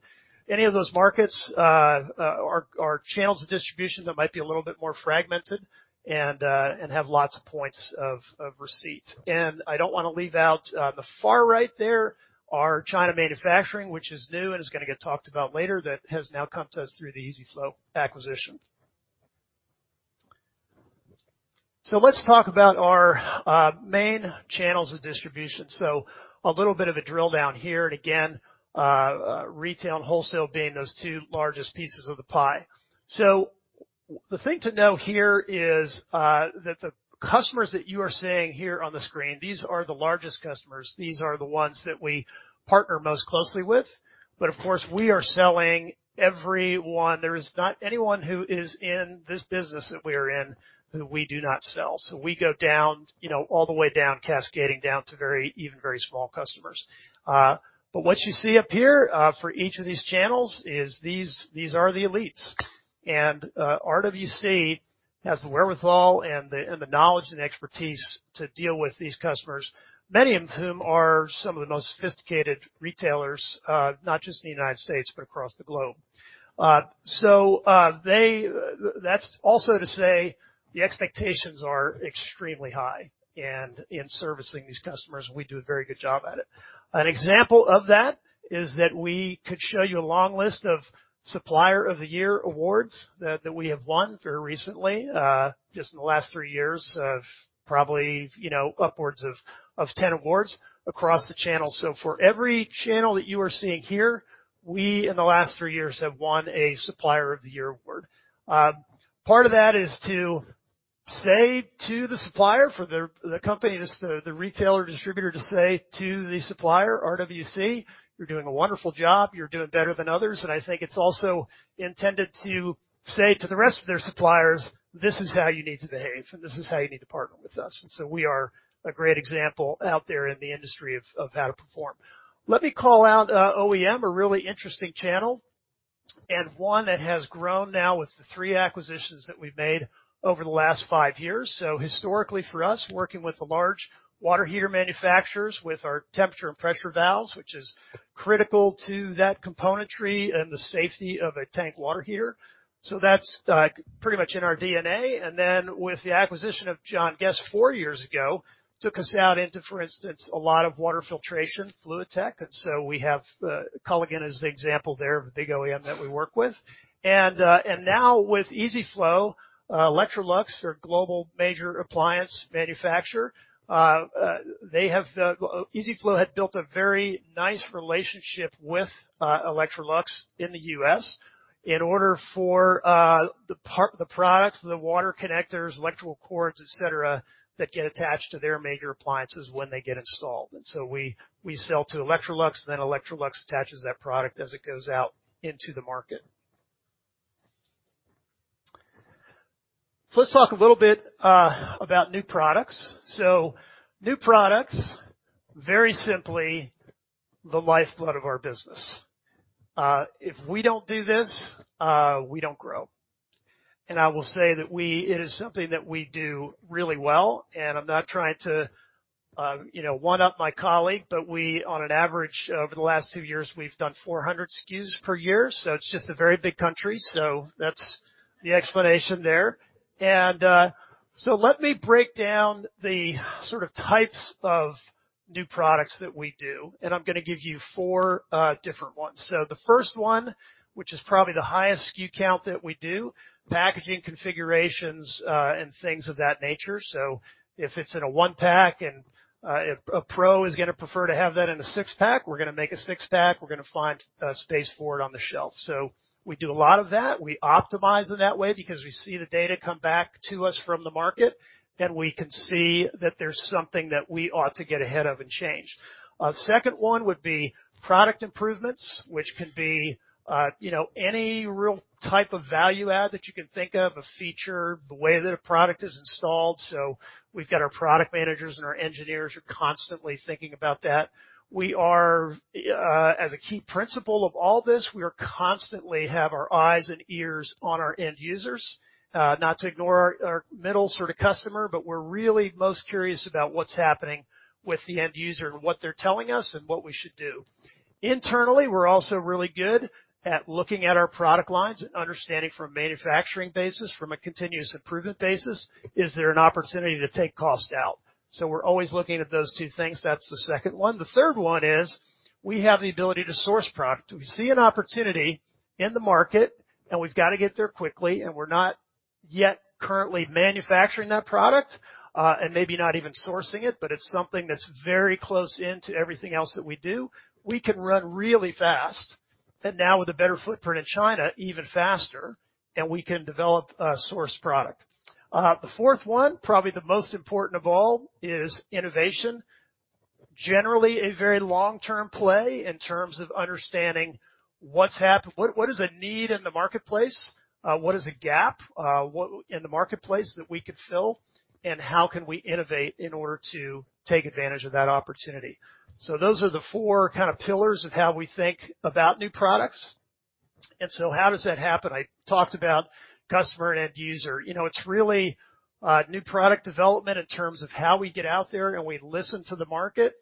any of those markets, our channels of distribution that might be a little bit more fragmented and have lots of points of receipt. I don't wanna leave out the far right there, our China manufacturing, which is new and is gonna get talked about later that has now come to us through the EZ-FLO acquisition. Let's talk about our main channels of distribution. A little bit of a drill down here. Again, retail and wholesale being those two largest pieces of the pie. The thing to know here is that the customers that you are seeing here on the screen, these are the largest customers. These are the ones that we partner most closely with. Of course, we are selling everyone. There is not anyone who is in this business that we are in who we do not sell. We go down, you know, all the way down, cascading down to very, even very small customers. What you see up here for each of these channels is these are the elites. RWC has the wherewithal and the knowledge and expertise to deal with these customers, many of whom are some of the most sophisticated retailers, not just in the United States, but across the globe. That's also to say the expectations are extremely high and in servicing these customers, we do a very good job at it. An example of that is that we could show you a long list of Supplier of the Year awards that we have won very recently just in the last three years of probably you know upwards of 10 awards across the channel. For every channel that you are seeing here, we in the last three years have won a Supplier of the Year award. Part of that is to say to the supplier for the company the retailer distributor to say to the supplier, RWC, "You're doing a wonderful job. You're doing better than others." I think it's also intended to say to the rest of their suppliers, "This is how you need to behave, and this is how you need to partner with us." We are a great example out there in the industry of how to perform. Let me call out OEM, a really interesting channel and one that has grown now with the three acquisitions that we've made over the last five years. Historically for us, working with the large water heater manufacturers with our temperature and pressure valves, which is critical to that componentry and the safety of a tank water heater. That's pretty much in our DNA. Then with the acquisition of John Guest four years ago, took us out into, for instance, a lot of water filtration, Fluid Tech. We have Culligan as the example there of a big OEM that we work with. Now with EZ-FLO, Electrolux are a global major appliance manufacturer. They have EZ-FLO had built a very nice relationship with Electrolux in the U.S. in order for the products, the water connectors, electrical cords, et cetera, that get attached to their major appliances when they get installed. We sell to Electrolux, then Electrolux attaches that product as it goes out into the market. Let's talk a little bit about new products. New products, very simply, the lifeblood of our business. If we don't do this, we don't grow. I will say that it is something that we do really well, and I'm not trying to, you know, one-up my colleague, but we on an average over the last two years, we've done 400 SKUs per year, so it's just a very big country. That's the explanation there. Let me break down the sort of types of new products that we do, and I'm gonna give you four different ones. The first one, which is probably the highest SKU count that we do, packaging configurations, and things of that nature. If it's in a one-pack and a pro is gonna prefer to have that in a six-pack, we're gonna make a six-pack, we're gonna find space for it on the shelf. We do a lot of that. We optimize in that way because we see the data come back to us from the market, then we can see that there's something that we ought to get ahead of and change. Second one would be product improvements, which can be, you know, any real type of value add that you can think of, a feature, the way that a product is installed. We've got our product managers and our engineers are constantly thinking about that. We are, as a key principle of all this, we constantly have our eyes and ears on our end users. Not to ignore our middle sort of customer, but we're really most curious about what's happening with the end user and what they're telling us and what we should do. Internally, we're also really good at looking at our product lines and understanding from a manufacturing basis, from a continuous improvement basis, is there an opportunity to take cost out? We're always looking at those two things. That's the second one. The third one is we have the ability to source product. We see an opportunity in the market, and we've got to get there quickly, and we're not yet currently manufacturing that product, and maybe not even sourcing it, but it's something that's very close in to everything else that we do. We can run really fast, and now with a better footprint in China, even faster, and we can develop a source product. The fourth one, probably the most important of all, is innovation. Generally, a very long-term play in terms of understanding what is a need in the marketplace? What is a gap in the marketplace that we could fill? How can we innovate in order to take advantage of that opportunity? Those are the four kind of pillars of how we think about new products. How does that happen? I talked about customer and end user. You know, it's really new product development in terms of how we get out there and we listen to the market.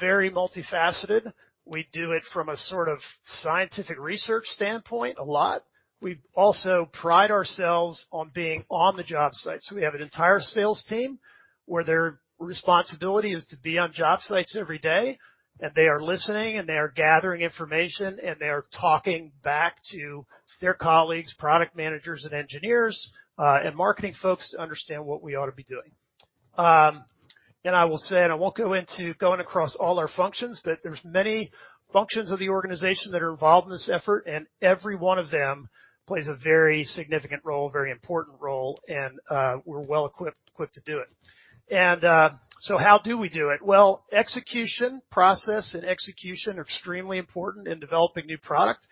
Very multifaceted. We do it from a sort of scientific research standpoint a lot. We also pride ourselves on being on the job site. We have an entire sales team where their responsibility is to be on job sites every day, and they are listening, and they are gathering information, and they are talking back to their colleagues, product managers and engineers, and marketing folks to understand what we ought to be doing. I will say, and I won't go into going across all our functions, but there's many functions of the organization that are involved in this effort, and every one of them plays a very significant role, very important role, and we're well equipped to do it. How do we do it? Well, process and execution are extremely important in developing new product.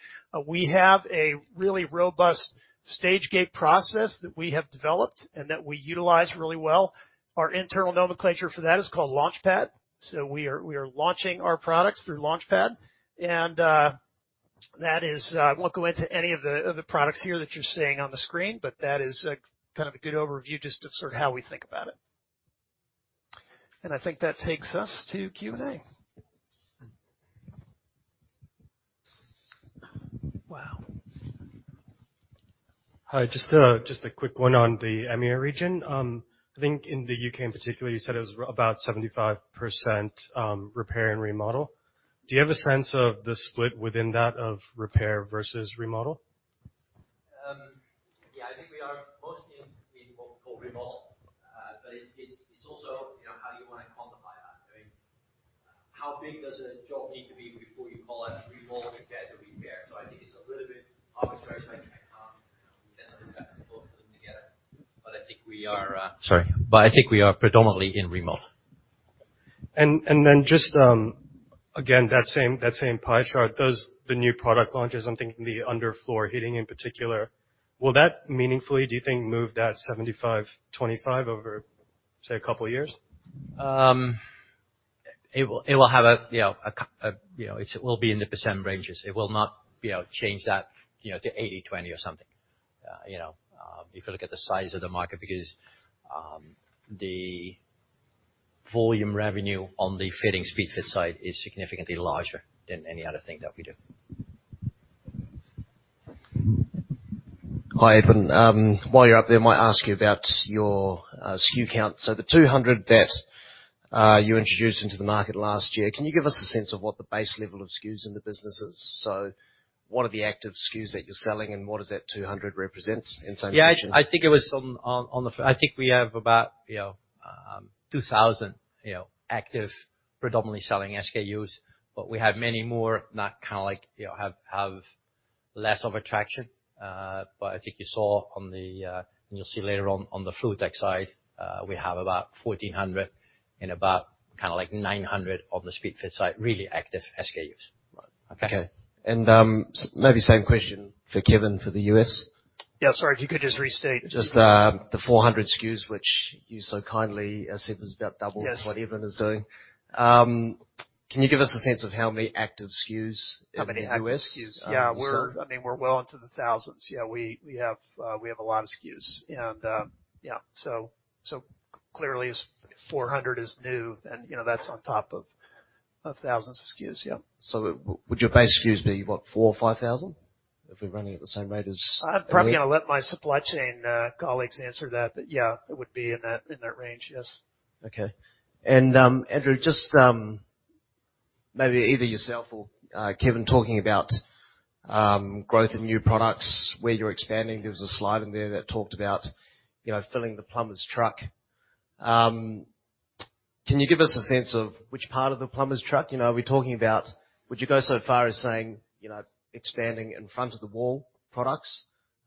We have a really robust stage gate process that we have developed and that we utilize really well. Our internal nomenclature for that is called Launchpad. We are launching our products through Launchpad. That is, I won't go into any of the products here that you're seeing on the screen, but that is kind of a good overview just of sort of how we think about it. I think that takes us to Q&A. Wow. Hi, just a quick one on the EMEA region. I think in the UK in particular, you said it was about 75%, repair and remodel. Do you have a sense of the split within that of repair versus remodel? Yeah, I think we are mostly in what we call remodel. It's also, you know, how you wanna quantify that, right? How big does a job need to be before you call it a remodel compared to repair? I think it's a little bit arbitrary. You know, we can look at both of them together. I think we are predominantly in remodel. Again, that same pie chart, does the new product launches, I'm thinking the underfloor heating in particular, will that meaningfully, do you think, move that 75/25 over, say, a couple of years? It will be in the percent ranges. It will not be able to change that, you know, to 80/20 or something. If you look at the size of the market, because the volume revenue on the fitting Speedfit side is significantly larger than any other thing that we do. Hi, Edwin. While you're up there, might ask you about your SKU count. The 200 that you introduced into the market last year, can you give us a sense of what the base level of SKUs in the business is? What are the active SKUs that you're selling and what does that 200 represent in some measure? Yeah, I think we have about, you know, 2,000, you know, active, predominantly selling SKUs, but we have many more not kinda like, you know, have less of attraction. But I think you saw on the, and you'll see later on the FluidTech side, we have about 1,400 and about kinda like 900 on the Speedfit side, really active SKUs. Okay. Maybe same question for Kevin for the U.S. Yeah. Sorry, if you could just restate. Just the 400 SKUs, which you so kindly said was about double- Yes. What Evan is doing. Can you give us a sense of how many active SKUs in the U.S.? How many active SKUs? Yeah. So- I mean, we're well into the thousands. Yeah, we have a lot of SKUs and, yeah. Clearly 400 is new and, you know, that's on top of thousands of SKUs. Yeah. Would your base SKUs be what? 4 or 5 thousand? If we're running at the same rate as- I'm probably gonna let my supply chain colleagues answer that, but yeah, it would be in that range. Yes. Okay. Andrew, just maybe either yourself or Kevin talking about growth in new products, where you're expanding. There was a slide in there that talked about, you know, filling the plumber's truck. Can you give us a sense of which part of the plumber's truck? You know, are we talking about. Would you go so far as saying, you know, expanding in front of the wall products,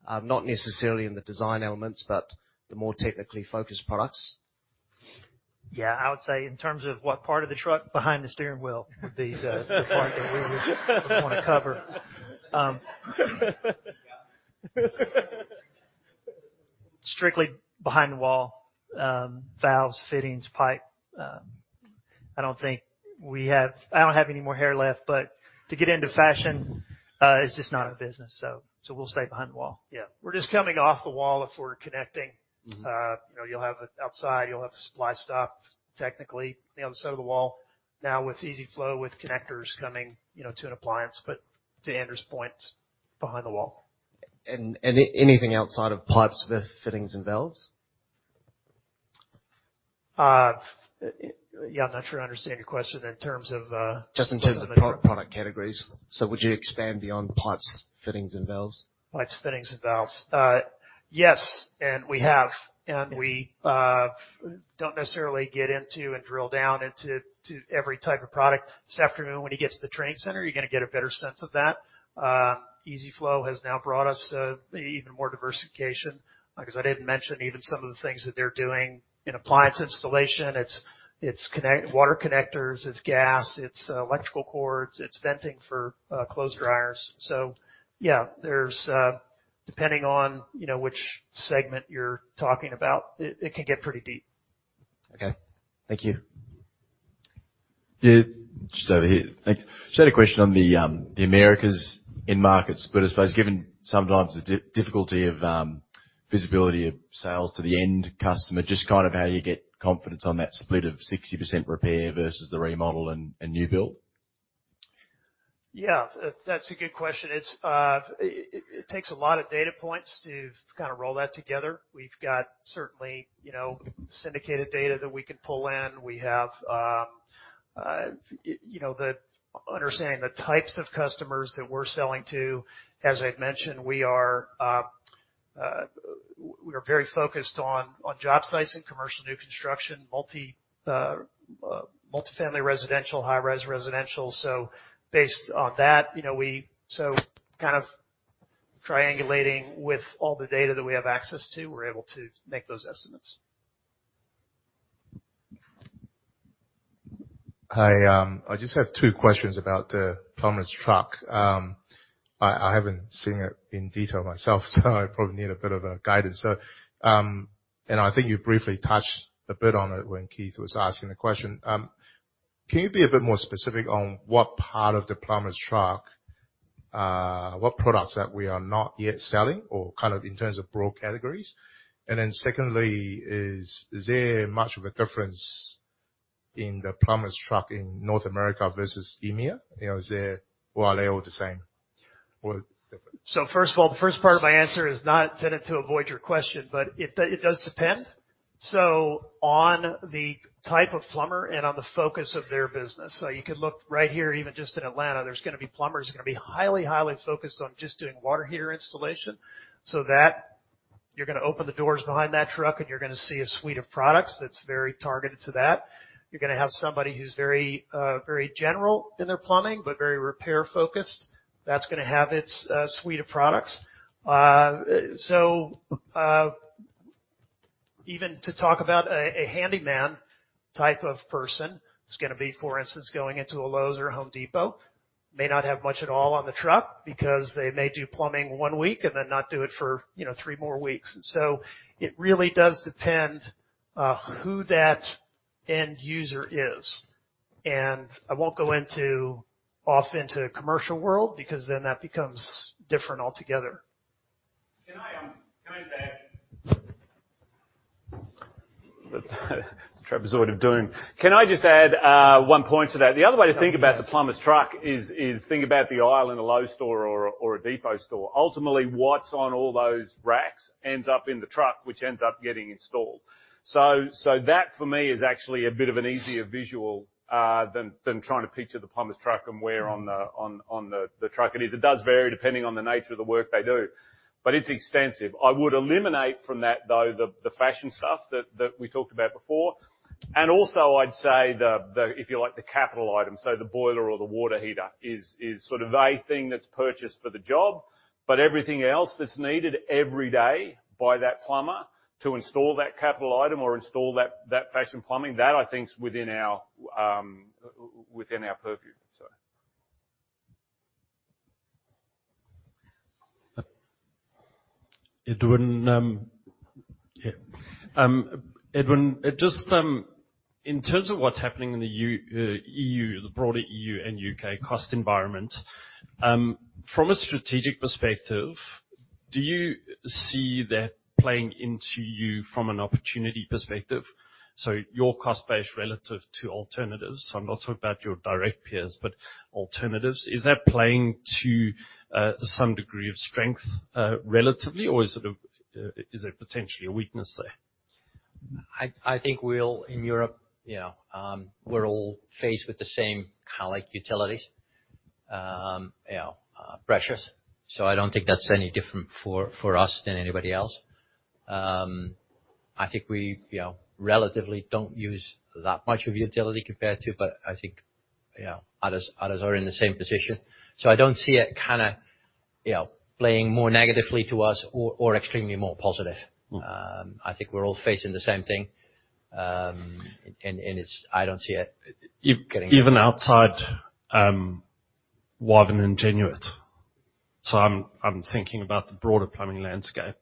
not necessarily in the design elements, but the more technically focused products? I would say in terms of what part of the truck behind the steering wheel would be the part that we would wanna cover. Strictly behind the wall, valves, fittings, pipe. I don't have any more hair left, but to get into fashion is just not a business. We'll stay behind the wall. Yeah. We're just coming off the wall if we're connecting. Mm-hmm. You know, you'll have outside, you'll have supply stops, technically, you know, on the side of the wall. Now, with EZ-FLO, with connectors coming, you know, to an appliance, but to Andrew's point, behind the wall. Anything outside of pipes with fittings and valves? Yeah, I'm not sure I understand your question in terms of, Just in terms of the core product categories. Would you expand beyond pipes, fittings and valves? Pipes, fittings and valves. Yes. We don't necessarily get into and drill down into every type of product. This afternoon when you get to the trade center, you're gonna get a better sense of that. EZ-FLO has now brought us even more diversification, because I didn't mention even some of the things that they're doing in appliance installation. It's water connectors, it's gas, it's electrical cords, it's venting for clothes dryers. Yeah, there's, depending on, you know, which segment you're talking about, it can get pretty deep. Okay. Thank you. Yeah. Just over here. Thanks. Just had a question on the Americas end markets. I suppose given sometimes the difficulty of visibility of sales to the end customer, just kind of how you get confidence on that split of 60% repair versus the remodel and new build. Yeah. That's a good question. It takes a lot of data points to kind of roll that together. We've got certainly, you know, syndicated data that we can pull in. We have, you know, the understanding the types of customers that we're selling to. As I've mentioned, we are very focused on job sites and commercial new construction, multifamily, residential, high-rise residential. Based on that, you know, kind of triangulating with all the data that we have access to, we're able to make those estimates. Hi. I just have two questions about the plumber's truck. I haven't seen it in detail myself, so I probably need a bit of a guidance. I think you briefly touched a bit on it when Heath was asking the question. Can you be a bit more specific on what part of the plumber's truck, what products that we are not yet selling or kind of in terms of broad categories? Then secondly, is there much of a difference in the plumber's truck in North America versus EMEA? You know, is there or are they all the same? First of all, the first part of my answer is not intended to avoid your question, but it does depend. On the type of plumber and on the focus of their business. You could look right here, even just in Atlanta, there's gonna be plumbers who are gonna be highly focused on just doing water heater installation, so that you're gonna open the doors behind that truck and you're gonna see a suite of products that's very targeted to that. You're gonna have somebody who's very, very general in their plumbing, but very repair-focused. That's gonna have its suite of products. Even to talk about a handyman type of person who's gonna be, for instance, going into a Lowe's or Home Depot, may not have much at all on the truck because they may do plumbing one week and then not do it for, you know, three more weeks. It really does depend who that end user is. I won't go off into commercial world because then that becomes different altogether. Can I just add one point to that? The other way to think about the plumber's truck is to think about the aisle in a Lowe's store or a Home Depot store. Ultimately, what's on all those racks ends up in the truck, which ends up getting installed. That for me is actually a bit of an easier visual than trying to picture the plumber's truck and where on the truck it is. It does vary depending on the nature of the work they do, but it's extensive. I would eliminate from that, though, the fashion stuff that we talked about before. Also I'd say the, if you like, the capital item, so the boiler or the water heater is sort of a thing that's purchased for the job. Everything else that's needed every day by that plumber to install that capital item or install that fashion plumbing, that I think is within our purview. Edwin, yeah. Edwin, just in terms of what's happening in the E.U., the broader E.U. and U.K. cost environment, from a strategic perspective, do you see that playing into you from an opportunity perspective? Your cost base relative to alternatives, I'm not talking about your direct peers, but alternatives. Is that playing to some degree of strength, relatively? Or is it potentially a weakness there? In Europe, you know, we're all faced with the same cost of utilities pressures. I don't think that's any different for us than anybody else. I think we, you know, relatively don't use that much of utilities compared to, but I think, you know, others are in the same position. I don't see it kind of playing more negatively to us or extremely more positive. Mm. I think we're all facing the same thing. Even outside, Wavin and Aliaxis. I'm thinking about the broader plumbing landscape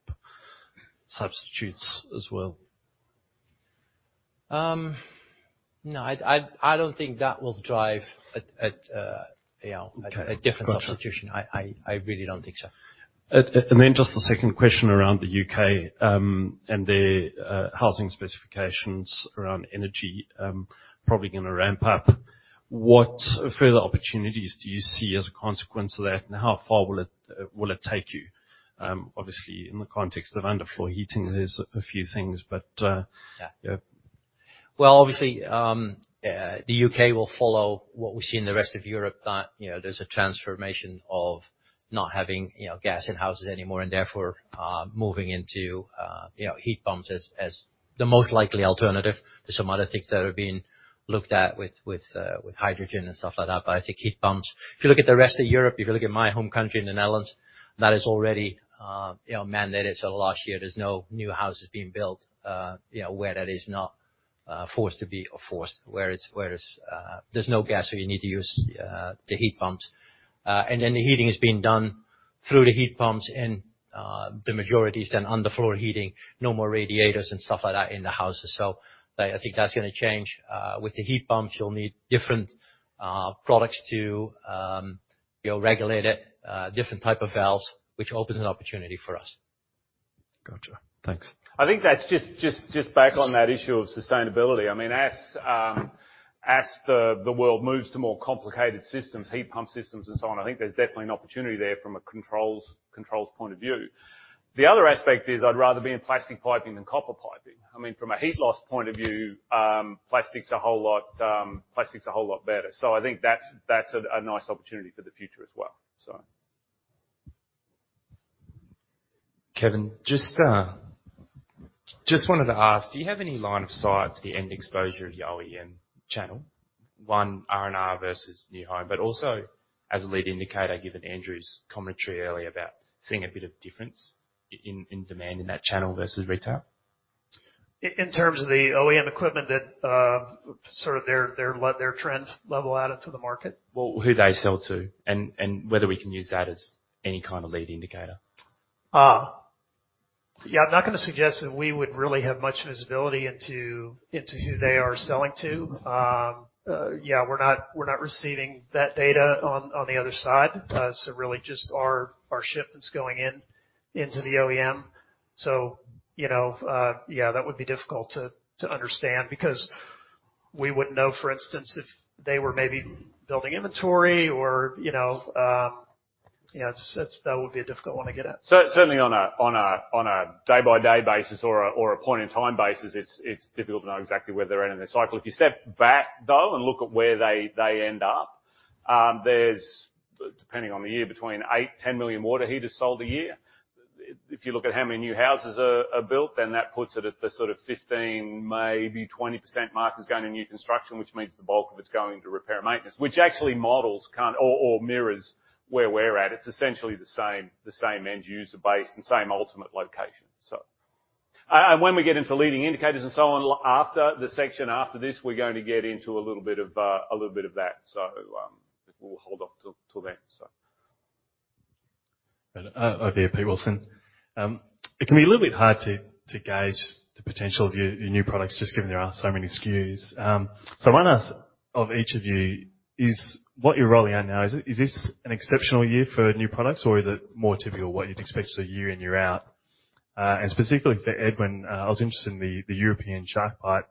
substitutes as well. No, I don't think that will drive a you know. Okay. A different substitution. Gotcha. I really don't think so. Just a second question around the UK and their housing specifications around energy, probably gonna ramp up. What further opportunities do you see as a consequence of that, and how far will it take you? Obviously in the context of underfloor heating, there's a few things, but. Yeah. Yeah. Well, obviously, the UK will follow what we see in the rest of Europe, that, you know, there's a transformation of not having, you know, gas in houses anymore, and therefore, moving into, you know, heat pumps as the most likely alternative. There's some other things that are being looked at with hydrogen and stuff like that, but I think heat pumps. If you look at the rest of Europe, if you look at my home country, the Netherlands, that is already, you know, mandated. Last year, there's no new houses being built, you know, where that is not forced to be or forced where it's, there's no gas, so you need to use the heat pumps. The heating is being done through the heat pumps and the majority is then underfloor heating, no more radiators and stuff like that in the houses. I think that's gonna change. With the heat pumps, you'll need different products to, you know, regulate it, different type of valves, which opens an opportunity for us. Gotcha. Thanks. I think that's just back on that issue of sustainability. I mean, as the world moves to more complicated systems, heat pump systems and so on, I think there's definitely an opportunity there from a controls point of view. The other aspect is I'd rather be in plastic piping than copper piping. I mean, from a heat loss point of view, plastic's a whole lot better. I think that's a nice opportunity for the future as well, so. Kevin, just wanted to ask, do you have any line of sight to the end exposure of the OEM channel, on R&R versus new build? Also, as a lead indicator, given Andrew's commentary earlier about seeing a bit of difference in demand in that channel versus retail. In terms of the OEM equipment that sort of their trends level added to the market? Well, who they sell to and whether we can use that as any kind of lead indicator. Yeah, I'm not gonna suggest that we would really have much visibility into who they are selling to. Yeah, we're not receiving that data on the other side. Really just our shipments going into the OEM. You know, yeah, that would be difficult to understand because we wouldn't know, for instance, if they were maybe building inventory or you know, just it's. That would be a difficult one to get at. Certainly on a day-by-day basis or a point-in-time basis, it's difficult to know exactly where they're at in their cycle. If you step back, though, and look at where they end up, there's depending on the year, between 8-10 million water heaters sold a year. If you look at how many new houses are built, then that puts it at the sort of 15%-20% mark is going to new construction, which means the bulk of it's going to repair and maintenance, which actually models or mirrors where we're at. It's essentially the same end user base and same ultimate location, so. When we get into leading indicators and so on, after the section after this, we're going to get into a little bit of that. We'll hold off till then. Over here, Pete Wilson. It can be a little bit hard to gauge the potential of your new products, just given there are so many SKUs. I wanna ask of each of you is what you're rolling out now, is this an exceptional year for new products, or is it more typical what you'd expect, so year in, year out? Specifically for Edwin, I was interested in the European SharkBite.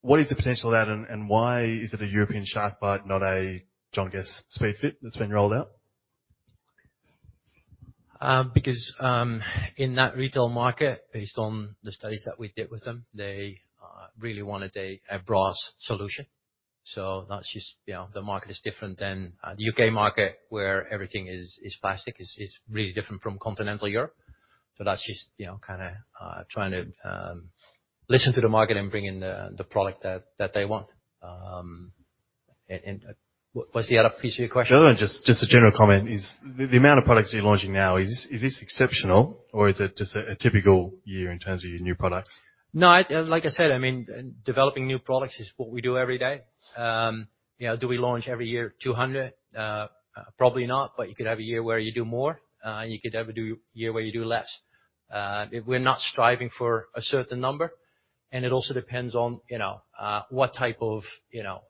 What is the potential of that, and why is it a European SharkBite, not a John Guest Speedfit that's been rolled out? Because in that retail market, based on the studies that we did with them, they really wanted a brass solution. That's just, you know, the market is different than the UK market, where everything is plastic. It's really different from continental Europe. That's just, you know, kinda trying to listen to the market and bring in the product that they want. What’s the other piece of your question? The other one, just a general comment, is the amount of products you're launching now. Is this exceptional, or is it just a typical year in terms of your new products? No, like I said, I mean, developing new products is what we do every day. You know, do we launch every year 200? Probably not, but you could have a year where you do more, and you could have a year where you do less. We're not striving for a certain number. It also depends on, you know, what type of, you know,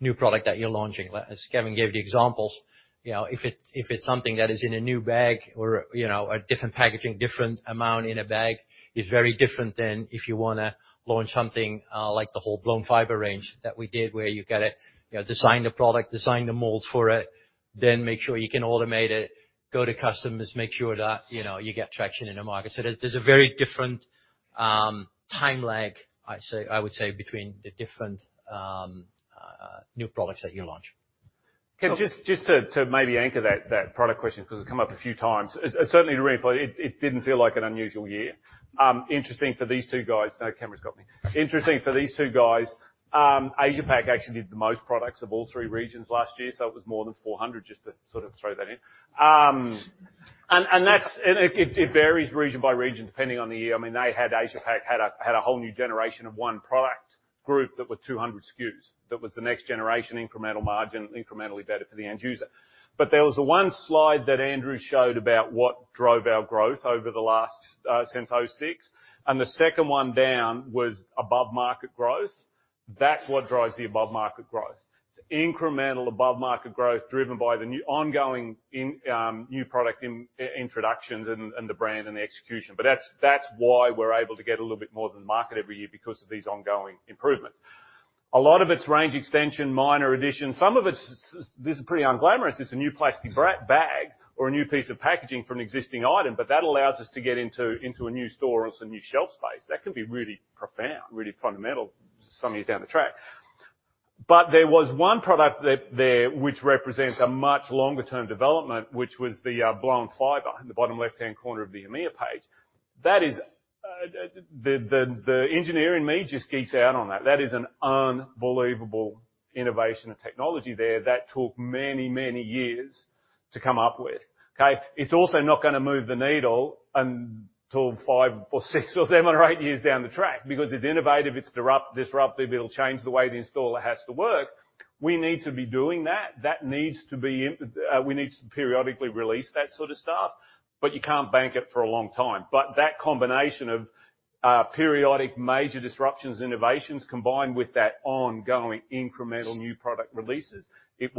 new product that you're launching. As Kevin gave the examples, you know, if it's something that is in a new bag or, you know, a different packaging, different amount in a bag, is very different than if you wanna launch something like the whole blown fiber range that we did, where you gotta, you know, design the product, design the molds for it, then make sure you can automate it, go to customers, make sure that, you know, you get traction in the market. So there's a very different time lag, I would say, between the different new products that you launch. Can I just to maybe anchor that product question because it's come up a few times. It certainly to reinforce, it didn't feel like an unusual year. Interesting for these two guys. Now Cameron's got me. Interesting for these two guys, Asia Pac actually did the most products of all three regions last year, so it was more than 400 just to sort of throw that in. And that's. It varies region by region, depending on the year. I mean, they had Asia Pac had a whole new generation of one product group that were 200 SKUs. That was the next generation incremental margin, incrementally better for the end user. There was the one slide that Andrew showed about what drove our growth over the last since 2006, and the second one down was above market growth. That's what drives the above market growth. It's incremental above market growth driven by the new ongoing new product introductions and the brand and the execution. That's why we're able to get a little bit more than the market every year because of these ongoing improvements. A lot of it's range extension, minor additions. Some of it's. This is pretty unglamorous. It's a new plastic bag or a new piece of packaging for an existing item, but that allows us to get into a new store or some new shelf space. That can be really profound, really fundamental some years down the track. There was one product that there, which represents a much longer-term development, which was the blown fiber in the bottom left-hand corner of the EMEA page. That is, the engineer in me just geeks out on that. That is an unbelievable innovation and technology there that took many, many years to come up with. Okay? It's also not gonna move the needle until 5 or 6 or 7 or 8 years down the track because it's innovative, it's disruptive, it'll change the way the installer has to work. We need to be doing that. We need to periodically release that sort of stuff, but you can't bank it for a long time. That combination of periodic major disruptions, innovations, combined with that ongoing incremental new product releases, it's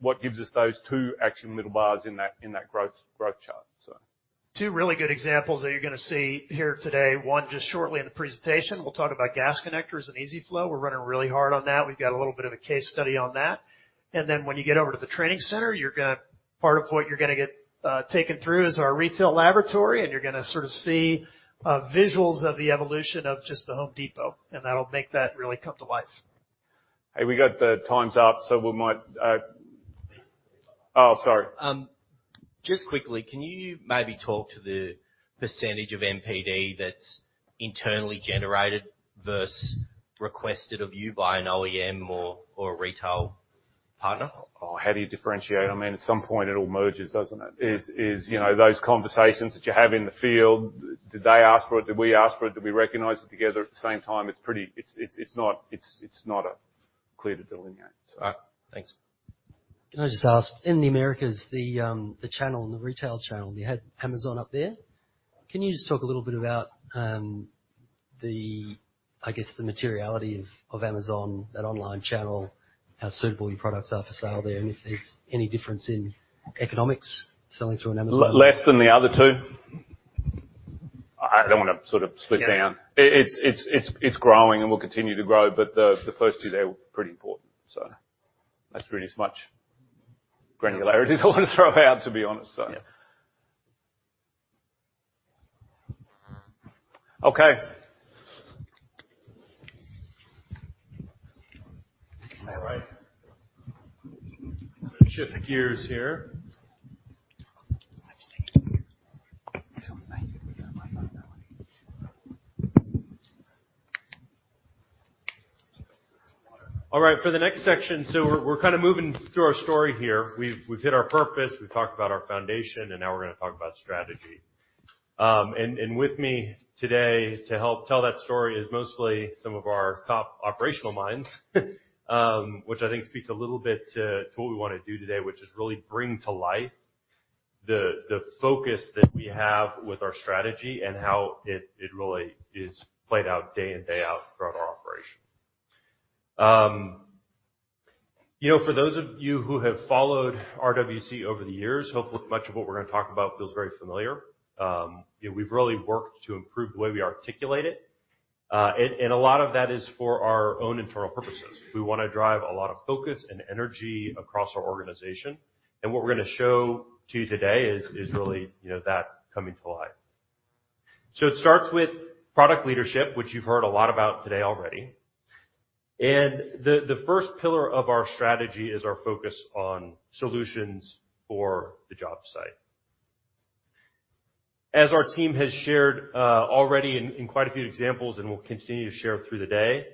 what gives us those two actual middle bars in that growth chart. Two really good examples that you're gonna see here today, one just shortly in the presentation. We'll talk about gas connectors and EZ-FLO. We're running really hard on that. We've got a little bit of a case study on that. When you get over to the training center, you're gonna get part of what you're gonna get taken through is our retail laboratory, and you're gonna sort of see visuals of the evolution of just The Home Depot, and that'll make that really come to life. Hey, we got the time's up, so we might. Oh, sorry. Just quickly, can you maybe talk to the percentage of MPD that's internally generated versus requested of you by an OEM or a retail partner? Oh, how do you differentiate them? I mean, at some point it all merges, doesn't it? You know, those conversations that you have in the field, did they ask for it? Did we ask for it? Did we recognize it together at the same time? It's pretty. It's not clear to delineate. All right. Thanks. Can I just ask, in the Americas, the channel, the retail channel, you had Amazon up there. Can you just talk a little bit about, I guess, the materiality of Amazon, that online channel, how suitable your products are for sale there, and if there's any difference in economics selling through Amazon? Less than the other two. I don't wanna sort of split down. Yeah. It's growing and will continue to grow, but the first two there were pretty important. That's really as much granularity as I wanna throw out, to be honest. Yeah. Okay. All right. Shift the gears here. All right. For the next section, we're kinda moving through our story here. We've hit our purpose, we've talked about our foundation, and now we're gonna talk about strategy. With me today to help tell that story is mostly some of our top operational minds, which I think speaks a little bit to what we wanna do today, which is really bring to life the focus that we have with our strategy and how it really is played out day in, day out throughout our operation. You know, for those of you who have followed RWC over the years, hopefully much of what we're gonna talk about feels very familiar. You know, we've really worked to improve the way we articulate it. A lot of that is for our own internal purposes. We wanna drive a lot of focus and energy across our organization, and what we're gonna show to you today is really, you know, that coming to life. It starts with product leadership, which you've heard a lot about today already. The first pillar of our strategy is our focus on solutions for the job site. As our team has shared already in quite a few examples and will continue to share through the day,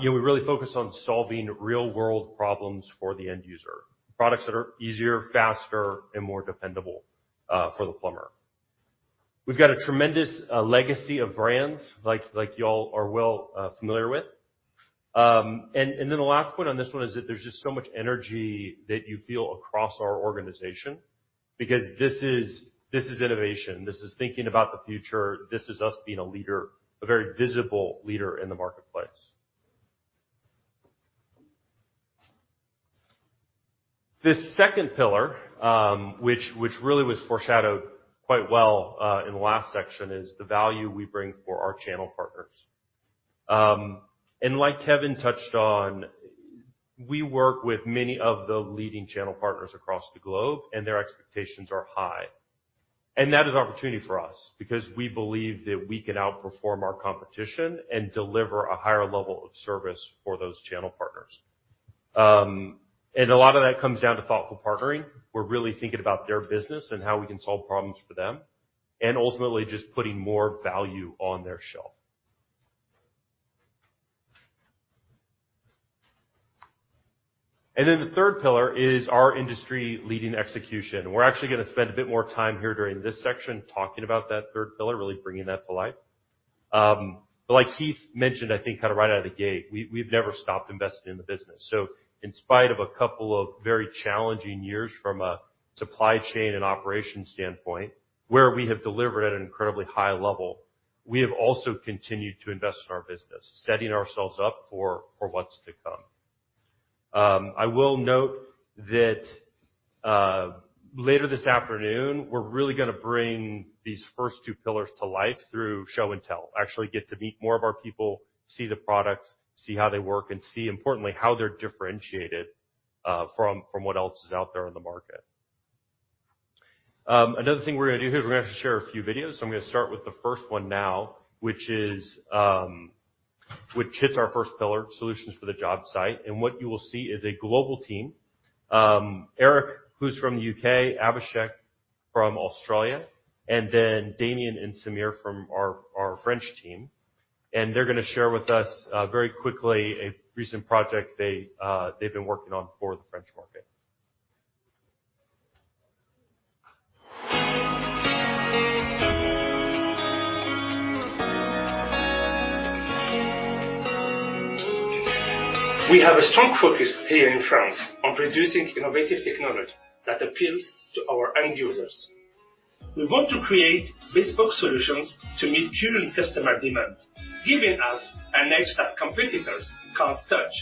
you know, we really focus on solving real-world problems for the end user. Products that are easier, faster, and more dependable for the plumber. We've got a tremendous legacy of brands like y'all are well familiar with. The last point on this one is that there's just so much energy that you feel across our organization because this is innovation, this is thinking about the future. This is us being a leader, a very visible leader in the marketplace. This second pillar, which really was foreshadowed quite well in the last section, is the value we bring for our channel partners. Like Kevin touched on, we work with many of the leading channel partners across the globe, and their expectations are high. That is opportunity for us because we believe that we can outperform our competition and deliver a higher level of service for those channel partners. A lot of that comes down to thoughtful partnering. We're really thinking about their business and how we can solve problems for them and ultimately just putting more value on their shelf. The third pillar is our industry-leading execution. We're actually gonna spend a bit more time here during this section talking about that third pillar, really bringing that to life. Like Heath mentioned, I think kinda right out of the gate, we've never stopped investing in the business. In spite of a couple of very challenging years from a supply chain and operation standpoint, where we have delivered at an incredibly high level, we have also continued to invest in our business, setting ourselves up for what's to come. I will note that later this afternoon, we're really gonna bring these first two pillars to life through show and tell. Actually get to meet more of our people, see the products, see how they work, and see importantly, how they're differentiated from what else is out there in the market. Another thing we're gonna do here is we're gonna share a few videos. I'm gonna start with the first one now, which hits our first pillar, solutions for the job site. What you will see is a global team, Eric, who's from the UK, Abhishek from Australia, and then Damien and Samir from our French team. They're gonna share with us very quickly a recent project they've been working on for the French market. We have a strong focus here in France on producing innovative technology that appeals to our end users. We want to create bespoke solutions to meet current customer demand, giving us an edge that competitors can't touch.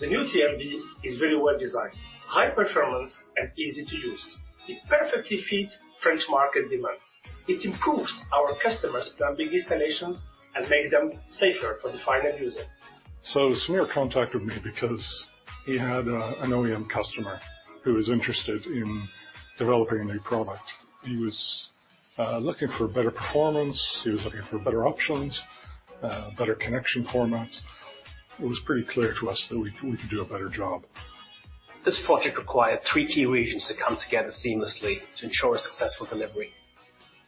The new TMV is very well designed, high performance and easy to use. It perfectly fits French market demand. It improves our customers planning installations and make them safer for the final user. Samir contacted me because he had an OEM customer who was interested in developing a new product. He was looking for better performance. He was looking for better options, better connection formats. It was pretty clear to us that we could do a better job. This project required three key regions to come together seamlessly to ensure a successful delivery.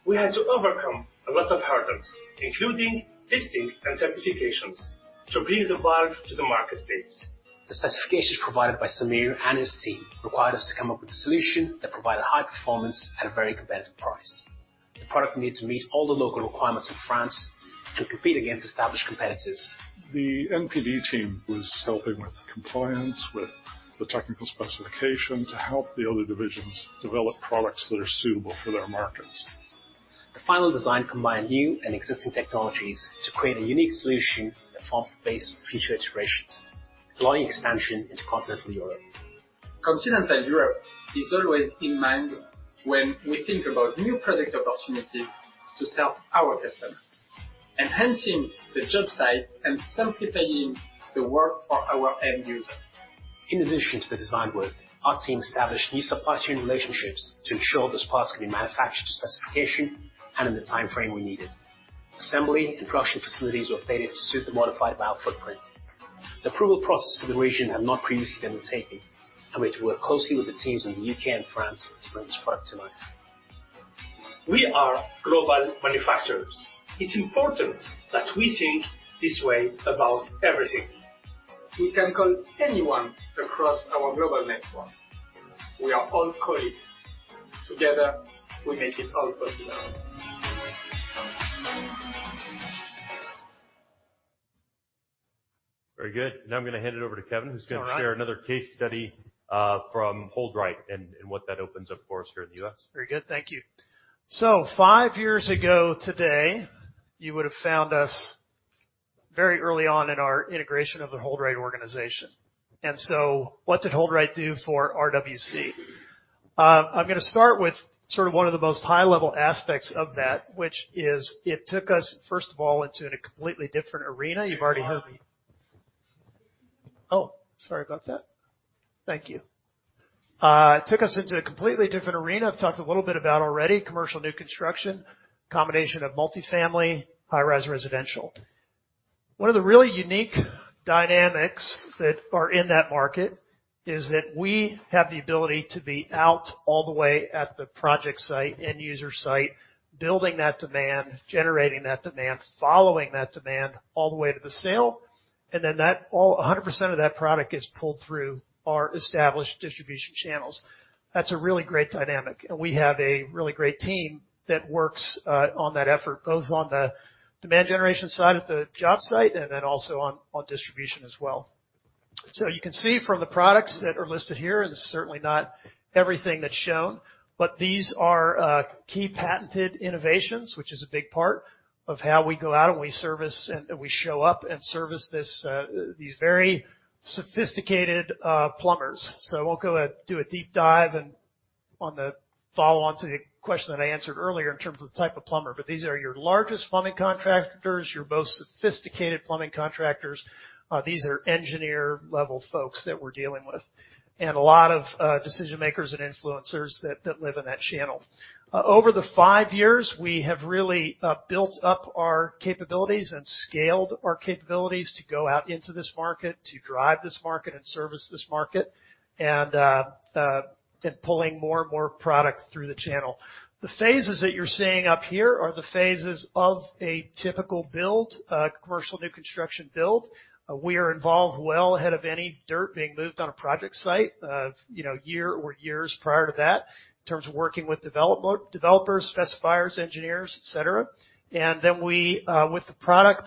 We had to overcome a lot of hurdles, including testing and certifications, to bring the valve to the marketplace. The specifications provided by Samir and his team required us to come up with a solution that provided high performance at a very competitive price. The product needed to meet all the local requirements of France to compete against established competitors. The MPD team was helping with compliance, with the technical specification to help the other divisions develop products that are suitable for their markets. The final design combined new and existing technologies to create a unique solution that forms the base for future iterations, allowing expansion into continental Europe. Continental Europe is always in mind when we think about new product opportunities to sell to our customers, enhancing the job site and simplifying the work for our end users. In addition to the design work, our team established new supply chain relationships to ensure this product could be manufactured to specification and in the timeframe we needed. Assembly and production facilities were updated to suit the modified valve footprint. The approval process for the region had not previously been undertaken, and we had to work closely with the teams in the UK and France to bring this product to life. We are global manufacturers. It's important that we think this way about everything. We can call anyone across our global network. We are all colleagues. Together, we make it all possible. Very good. Now I'm gonna hand it over to Kevin, who's gonna share another case study from HoldRite and what that opens up for us here in the U.S. Very good. Thank you. Five years ago today, you would have found us very early on in our integration of the HoldRite organization. What did HoldRite do for RWC? I'm gonna start with sort of one of the most high-level aspects of that, which is it took us, first of all, into a completely different arena. I've talked a little bit about already, commercial new construction, combination of multifamily, high-rise residential. One of the really unique dynamics that are in that market is that we have the ability to be out all the way at the project site, end user site, building that demand, generating that demand, following that demand all the way to the sale, and then 100% of that product is pulled through our established distribution channels. That's a really great dynamic, and we have a really great team that works on that effort, both on the demand generation side at the job site and then also on distribution as well. You can see from the products that are listed here, and this is certainly not everything that's shown, but these are key patented innovations, which is a big part of how we go out and we service and we show up and service these very sophisticated plumbers. I won't go do a deep dive and on the follow-on to the question that I answered earlier in terms of the type of plumber, but these are your largest plumbing contractors, your most sophisticated plumbing contractors. These are engineer-level folks that we're dealing with, and a lot of decision-makers and influencers that live in that channel. Over the five years, we have really built up our capabilities and scaled our capabilities to go out into this market, to drive this market and service this market and pulling more and more product through the channel. The phases that you're seeing up here are the phases of a typical build, commercial new construction build. We are involved well ahead of any dirt being moved on a project site of, you know, year or years prior to that, in terms of working with developers, specifiers, engineers, et cetera. We, with the product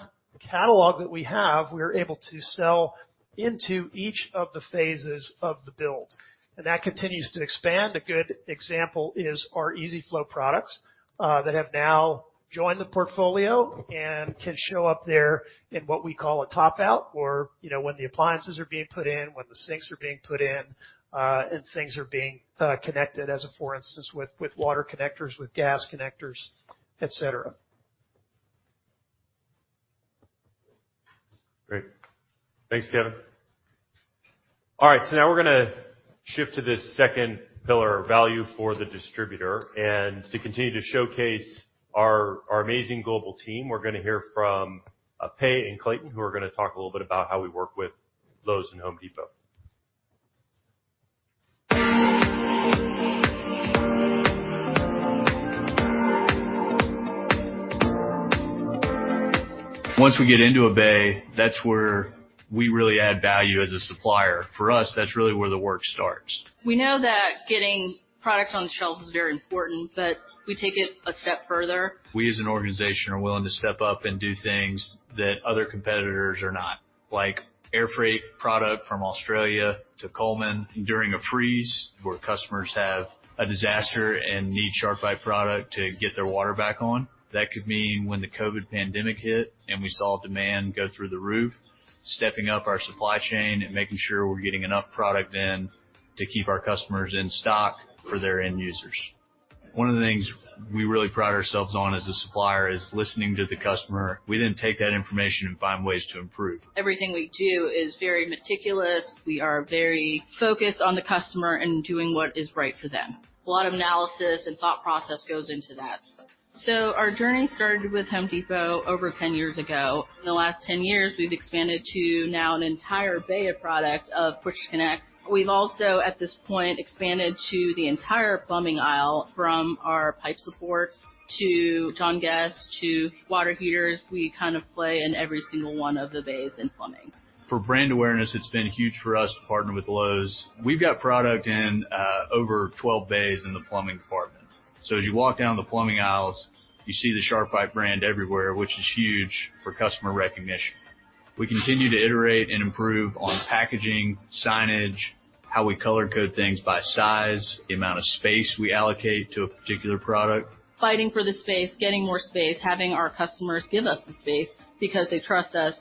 catalog that we have, we are able to sell into each of the phases of the build, and that continues to expand. A good example is our EZ-FLO products that have now joined the portfolio and can show up there in what we call a top out or, you know, when the appliances are being put in, when the sinks are being put in, and things are being connected as, for instance, with water connectors, with gas connectors, et cetera. Great. Thanks, Kevin. All right, so now we're gonna shift to this second pillar, value for the distributor. To continue to showcase our amazing global team, we're gonna hear from Pei and Clayton, who are gonna talk a little bit about how we work with Lowe's and Home Depot. Once we get into a bay, that's where we really add value as a supplier. For us, that's really where the work starts. We know that getting product on the shelves is very important, but we take it a step further. We as an organization are willing to step up and do things that other competitors are not. Like air freight product from Australia to Cullman during a freeze where customers have a disaster and need SharkBite product to get their water back on. That could mean when the COVID pandemic hit, and we saw demand go through the roof, stepping up our supply chain and making sure we're getting enough product in to keep our customers in stock for their end users. One of the things we really pride ourselves on as a supplier is listening to the customer. We then take that information and find ways to improve. Everything we do is very meticulous. We are very focused on the customer and doing what is right for them. A lot of analysis and thought process goes into that. Our journey started with Home Depot over 10 years ago. In the last 10 years, we've expanded to now an entire bay of product of Push-to-Connect. We've also, at this point, expanded to the entire plumbing aisle, from our pipe supports to John Guest to water heaters. We kind of play in every single one of the bays in plumbing. For brand awareness, it's been huge for us to partner with Lowe's. We've got product in over 12 bays in the plumbing department. As you walk down the plumbing aisles, you see the SharkBite brand everywhere, which is huge for customer recognition. We continue to iterate and improve on packaging, signage, how we color code things by size, the amount of space we allocate to a particular product. Fighting for the space, getting more space, having our customers give us the space because they trust us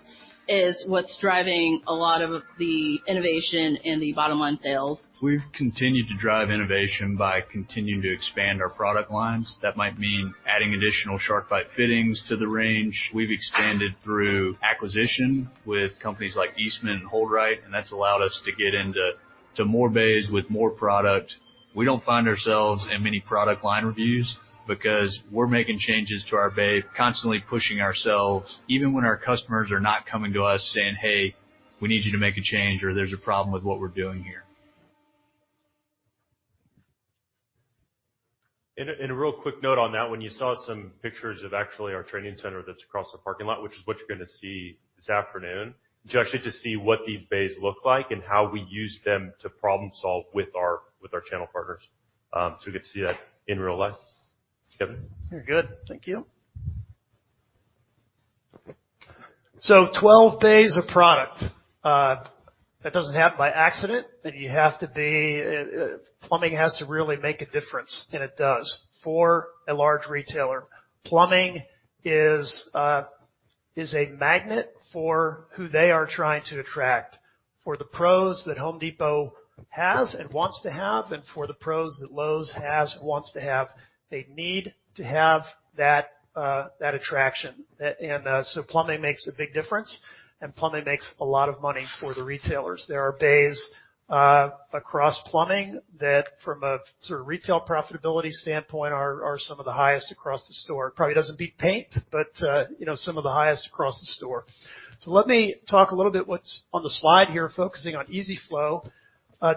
is what's driving a lot of the innovation and the bottom-line sales. We've continued to drive innovation by continuing to expand our product lines. That might mean adding additional SharkBite fittings to the range. We've expanded through acquisition with companies like Eastman and HoldRite, and that's allowed us to get into more bays with more product. We don't find ourselves in many product line reviews because we're making changes to our bay, constantly pushing ourselves, even when our customers are not coming to us saying, "Hey, we need you to make a change," or, "There's a problem with what we're doing here. A real quick note on that, when you saw some pictures of actually our training center that's across the parking lot, which is what you're gonna see this afternoon, just you to see what these bays look like and how we use them to problem solve with our channel partners. We get to see that in real life. Kevin? Very good. Thank you. 12 bays of product, that doesn't happen by accident, and you have to be, plumbing has to really make a difference, and it does. For a large retailer, plumbing is a magnet for who they are trying to attract. For the pros that Home Depot has and wants to have and for the pros that Lowe's has and wants to have, they need to have that attraction. Plumbing makes a big difference, and plumbing makes a lot of money for the retailers. There are bays across plumbing that from a sort of retail profitability standpoint are some of the highest across the store. It probably doesn't beat paint, but, you know, some of the highest across the store. Let me talk a little bit about what's on the slide here, focusing on EZ-FLO,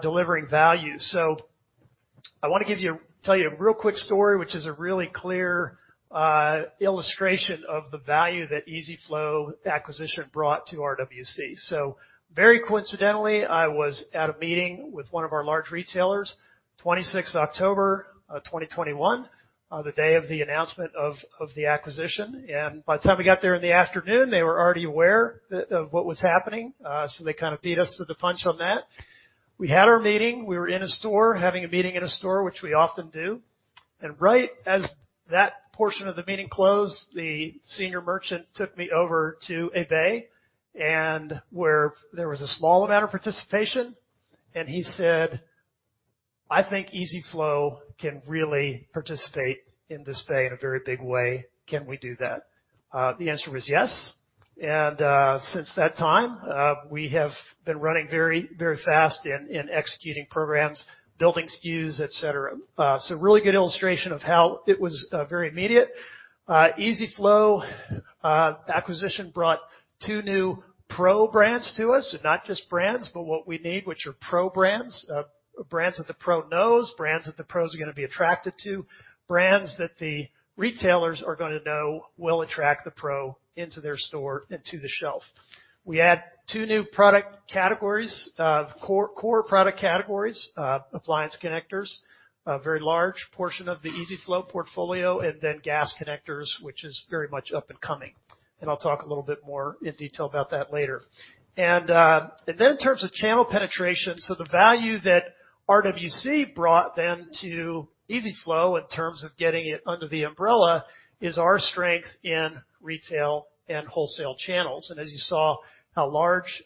delivering value. I wanna tell you a real quick story, which is a really clear illustration of the value that EZ-FLO acquisition brought to RWC. Very coincidentally, I was at a meeting with one of our large retailers, 26th October 2021, the day of the announcement of the acquisition. By the time we got there in the afternoon, they were already aware of what was happening. They kinda beat us to the punch on that. We had our meeting. We were in a store, having a meeting in a store, which we often do. Right as that portion of the meeting closed, the senior merchant took me over to a bay and where there was a small amount of participation, and he said, "I think EZ-FLO can really participate in this bay in a very big way. Can we do that?" The answer was yes. Since that time, we have been running very, very fast in executing programs, building SKUs, et cetera. So really good illustration of how it was very immediate. EZ-FLO acquisition brought two new pro brands to us, and not just brands, but what we need, which are pro brands that the pro knows, brands that the pros are gonna be attracted to, brands that the retailers are gonna know will attract the pro into their store and to the shelf. We add two new product categories, core product categories, appliance connectors, a very large portion of the EZ-FLO portfolio, and then gas connectors, which is very much up and coming. In terms of channel penetration, so the value that RWC brought then to EZ-FLO in terms of getting it under the umbrella is our strength in retail and wholesale channels. As you saw how large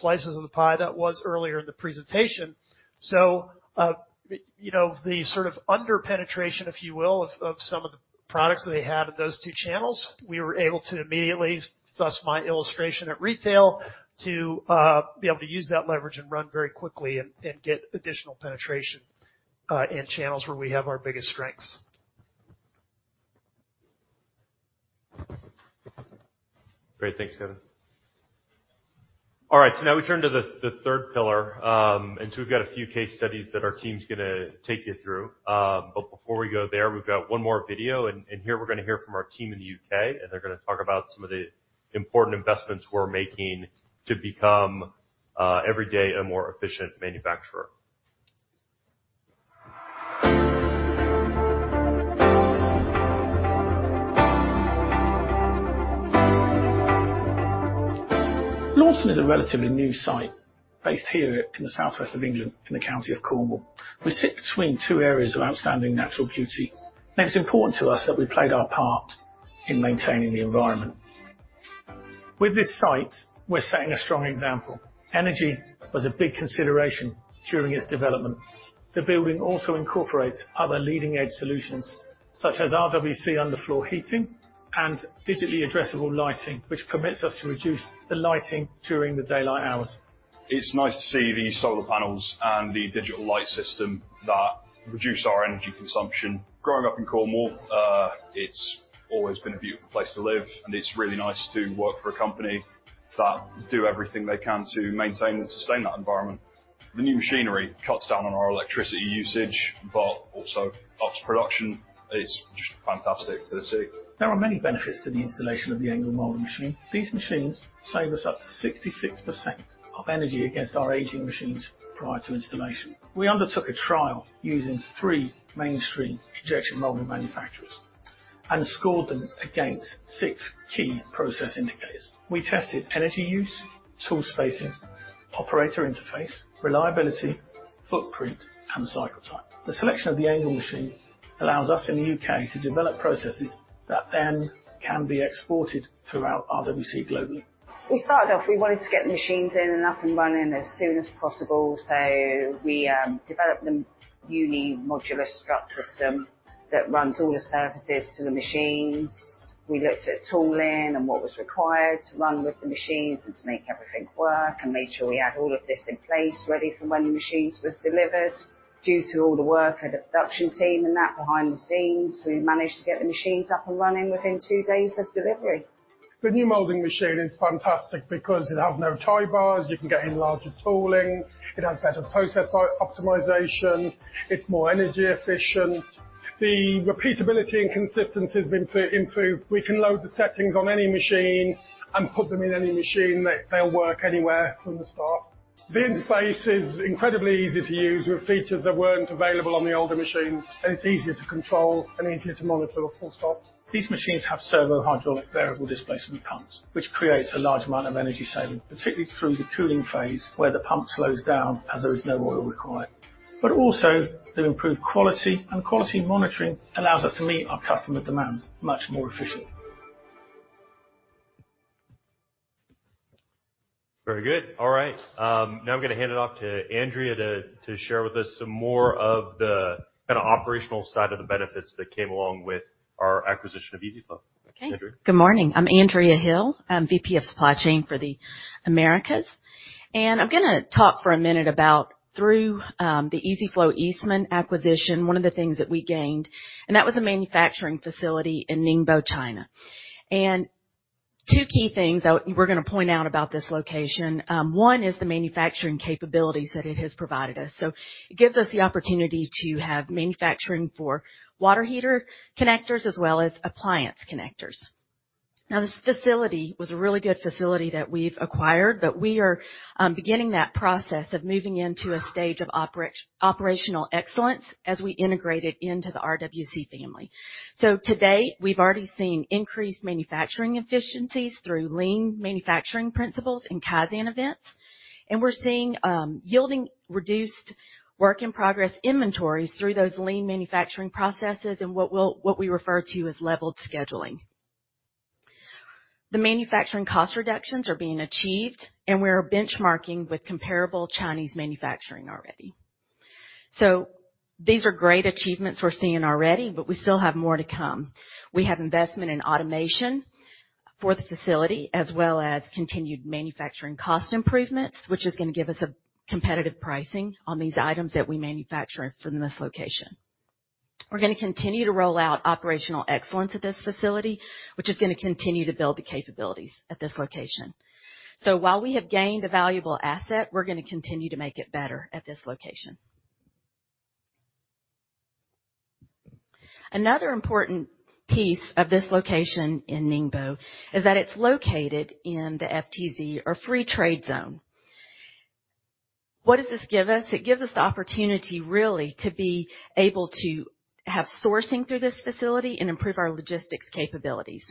slices of the pie that was earlier in the presentation. You know, the sort of under-penetration, if you will, of some of the products that they had in those two channels, we were able to immediately, thus my illustration at retail, to be able to use that leverage and run very quickly and get additional penetration in channels where we have our biggest strengths. Great. Thanks, Kevin. All right, so now we turn to the third pillar. We've got a few case studies that our team's gonna take you through. Before we go there, we've got one more video, and here we're gonna hear from our team in the UK, and they're gonna talk about some of the important investments we're making to become every day a more efficient manufacturer. Launceston is a relatively new site based here in the southwest of England in the county of Cornwall. We sit between two areas of outstanding natural beauty, and it's important to us that we played our part in maintaining the environment. With this site, we're setting a strong example. Energy was a big consideration during its development. The building also incorporates other leading-edge solutions, such as RWC underfloor heating and digitally addressable lighting, which permits us to reduce the lighting during the daylight hours. It's nice to see the solar panels and the digital light system that reduce our energy consumption. Growing up in Cornwall, it's always been a beautiful place to live, and it's really nice to work for a company that do everything they can to maintain and sustain that environment. The new machinery cuts down on our electricity usage, but also ups production. It's just fantastic to see. There are many benefits to the installation of the ENGEL molding machine. These machines save us up to 66% of energy against our aging machines prior to installation. We undertook a trial using three mainstream injection molding manufacturers and scored them against six key process indicators. We tested energy use, tool spacing, operator interface, reliability, footprint, and cycle time. The selection of the ENGEL machine allows us in the UK to develop processes that then can be exported throughout RWC globally. We started off, we wanted to get the machines in and up and running as soon as possible, so we developed the uni-modular strut system that runs all the services to the machines. We looked at tooling and what was required to run with the machines and to make everything work, and made sure we had all of this in place ready for when the machines was delivered. Due to all the work and the production team and that behind the scenes, we managed to get the machines up and running within 2 days of delivery. The new molding machine is fantastic because it has no tie bars, you can get in larger tooling, it has better process optimization, it's more energy efficient. The repeatability and consistency has been improved. We can load the settings on any machine and put them in any machine. They'll work anywhere from the start. The interface is incredibly easy to use with features that weren't available on the older machines. It's easier to control and easier to monitor, full stop. These machines have servo hydraulic variable displacement pumps, which creates a large amount of energy saving, particularly through the cooling phase, where the pump slows down as there is no oil required. Also, the improved quality and quality monitoring allows us to meet our customer demands much more efficiently. Very good. All right. Now I'm gonna hand it off to Andrea to share with us some more of the kinda operational side of the benefits that came along with our acquisition of EZ-FLO. Okay. Andrea. Good morning. I'm Andrea Hill. I'm VP of Supply Chain for the Americas, and I'm gonna talk for a minute about the EZ-FLO Eastman acquisition, one of the things that we gained, and that was a manufacturing facility in Ningbo, China. Two key things that we're gonna point out about this location, one is the manufacturing capabilities that it has provided us. It gives us the opportunity to have manufacturing for water heater connectors as well as appliance connectors. Now, this facility was a really good facility that we've acquired, but we are beginning that process of moving into a stage of operational excellence as we integrate it into the RWC family. To date, we've already seen increased manufacturing efficiencies through lean manufacturing principles and Kaizen events. We're seeing yielding reduced work in progress inventories through those lean manufacturing processes and what we refer to as leveled scheduling. The manufacturing cost reductions are being achieved, and we are benchmarking with comparable Chinese manufacturing already. These are great achievements we're seeing already, but we still have more to come. We have investment in automation for the facility, as well as continued manufacturing cost improvements, which is gonna give us a competitive pricing on these items that we manufacture from this location. We're gonna continue to roll out operational excellence at this facility, which is gonna continue to build the capabilities at this location. While we have gained a valuable asset, we're gonna continue to make it better at this location. Another important piece of this location in Ningbo is that it's located in the FTZ, or Free Trade Zone. What does this give us? It gives us the opportunity really to be able to have sourcing through this facility and improve our logistics capabilities.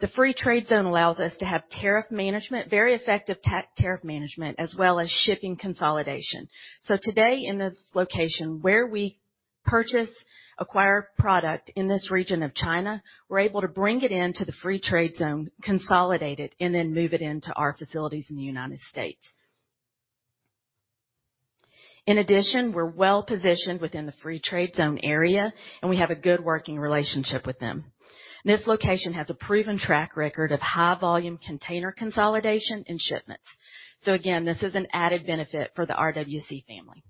The free trade zone allows us to have tariff management, very effective tariff management, as well as shipping consolidation. Today in this location where we purchase, acquire product in this region of China, we're able to bring it into the free trade zone, consolidate it, and then move it into our facilities in the United States. In addition, we're well-positioned within the free trade zone area, and we have a good working relationship with them. This location has a proven track record of high volume container consolidation and shipments. Again, this is an added benefit for the RWC family.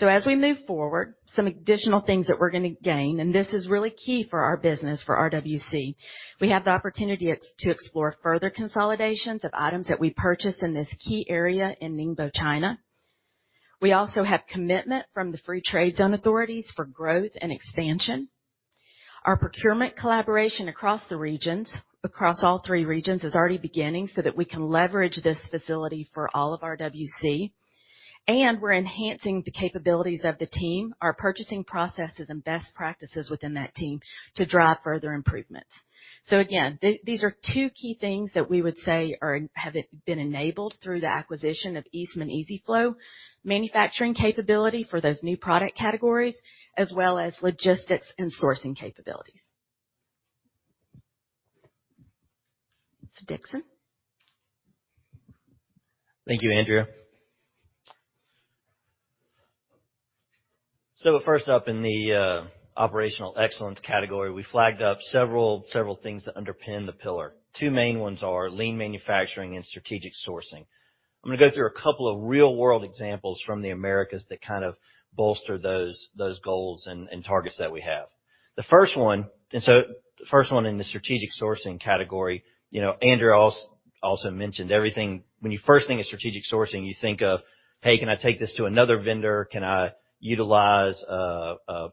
As we move forward, some additional things that we're gonna gain, and this is really key for our business for RWC, we have the opportunity to explore further consolidations of items that we purchase in this key area in Ningbo, China. We also have commitment from the Free Trade Zone authorities for growth and expansion. Our procurement collaboration across the regions, across all three regions, is already beginning so that we can leverage this facility for all of RWC, and we're enhancing the capabilities of the team, our purchasing processes and best practices within that team to drive further improvements. These are two key things that we would say have been enabled through the acquisition of Eastman EZ-FLO manufacturing capability for those new product categories, as well as logistics and sourcing capabilities. Dixon. Thank you, Andrea. First up in the operational excellence category, we flagged up several things that underpin the pillar. Two main ones are lean manufacturing and strategic sourcing. I'm gonna go through a couple of real-world examples from the Americas that kind of bolster those goals and targets that we have. The first one in the strategic sourcing category, you know, Andrea also mentioned everything. When you first think of strategic sourcing, you think of, "Hey, can I take this to another vendor? Can I utilize